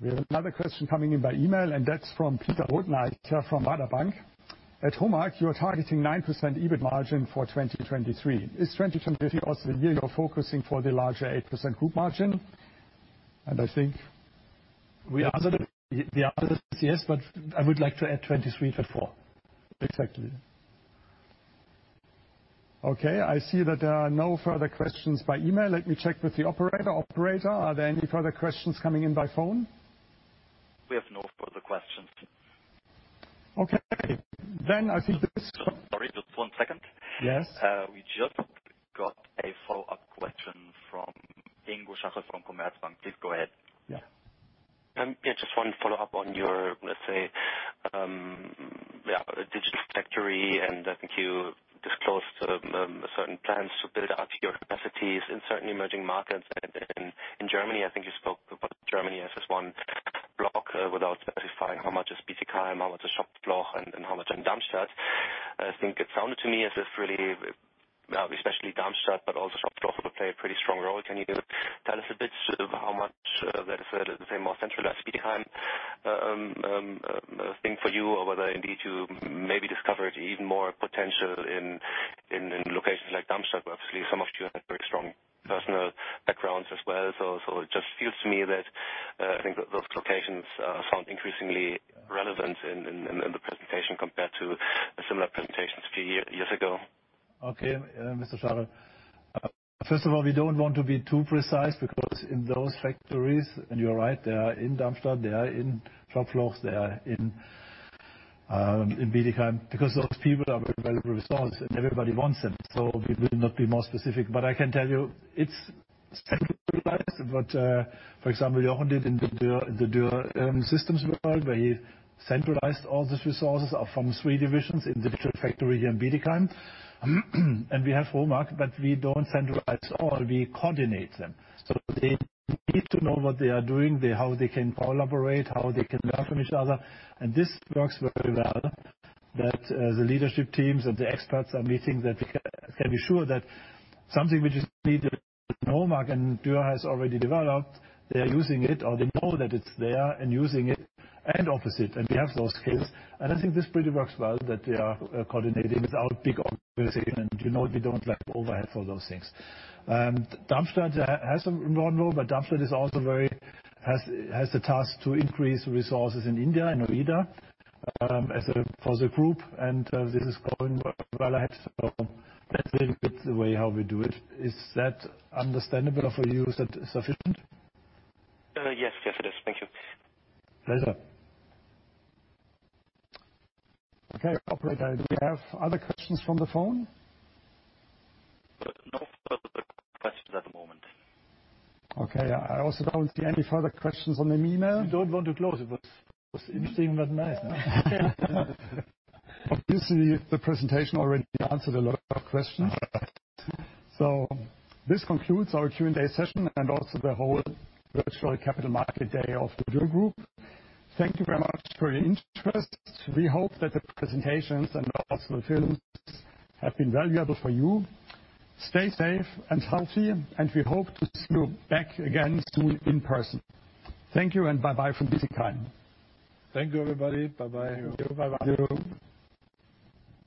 We have another question coming in by email, and that's from Peter Rothenreicher from Baader Bank. At HOMAG, you are targeting 9% EBIT margin for 2023. Is 2023 also the year you're focusing for the larger 8% group margin? And I think. We answered it. The answer is yes, but I would like to add 23 to 4. Exactly. Okay, I see that there are no further questions by email. Let me check with the operator. Operator, are there any further questions coming in by phone? We have no further questions. Okay, then I think this. Sorry, just one second. Yes. We just got a follow-up question from Ingo Schachel from Commerzbank. Please go ahead. Yeah. Yeah, just one follow-up on your, let's say, yeah, Digital Factory. And I think you disclosed certain plans to build out your capacities in certain emerging markets. And in Germany, I think you spoke about Germany as this one block without specifying how much is Bietigheim, how much is Schopfloch, and how much in Darmstadt. I think it sounded to me as if really, especially Darmstadt, but also Schopfloch will play a pretty strong role. Can you tell us a bit how much that is the same more centralized Bietigheim thing for you, or whether indeed you maybe discovered even more potential in locations like Darmstadt, where obviously some of you have very strong personal backgrounds as well. So it just feels to me that I think those locations sound increasingly relevant in the presentation compared to similar presentations a few years ago. Okay, Mr. Schaller. First of all, we don't want to be too precise because in those factories, and you're right, they are in Darmstadt, they are in Schopfloch, they are in Bietigheim, because those people are very valuable resources and everybody wants them. So we will not be more specific, but I can tell you it's centralized. For example, Jorunn did in the Dürr Systems world, where he centralized all these resources from three divisions in the Digital Factory here in Bietigheim. We have HOMAG, but we don't centralize all. We coordinate them, so they need to know what they are doing, how they can collaborate, how they can learn from each other. And this works very well that the leadership teams and the experts are meeting that we can be sure that something we just need in HOMAG and Dürr has already developed, they are using it, or they know that it's there and using it and offers it. And we have those skills. And I think this pretty much works well that they are coordinating without big organization. And we don't lack overhead for those things. Darmstadt has a role, but Darmstadt is also very much has the task to increase resources in India and Noida for the group. And this is going well ahead. So that's a little bit the way how we do it. Is that understandable for you? Is that sufficient? Yes, yes, it is. Thank you. Pleasure. Okay, Operator, do we have other questions from the phone? No further questions at the moment. Okay, I also don't see any further questions on the email. You don't want to close. It was interesting and very nice. Obviously, the presentation already answered a lot of questions. So this concludes our Q&A session and also the whole virtual capital market day of the Dürr Group. Thank you very much for your interest. We hope that the presentations and also the films have been valuable for you. Stay safe and healthy. And we hope to see you back again soon in person. Thank you and bye-bye from Bietigheim. Thank you, everybody. Bye-bye. Thank you. Bye-bye.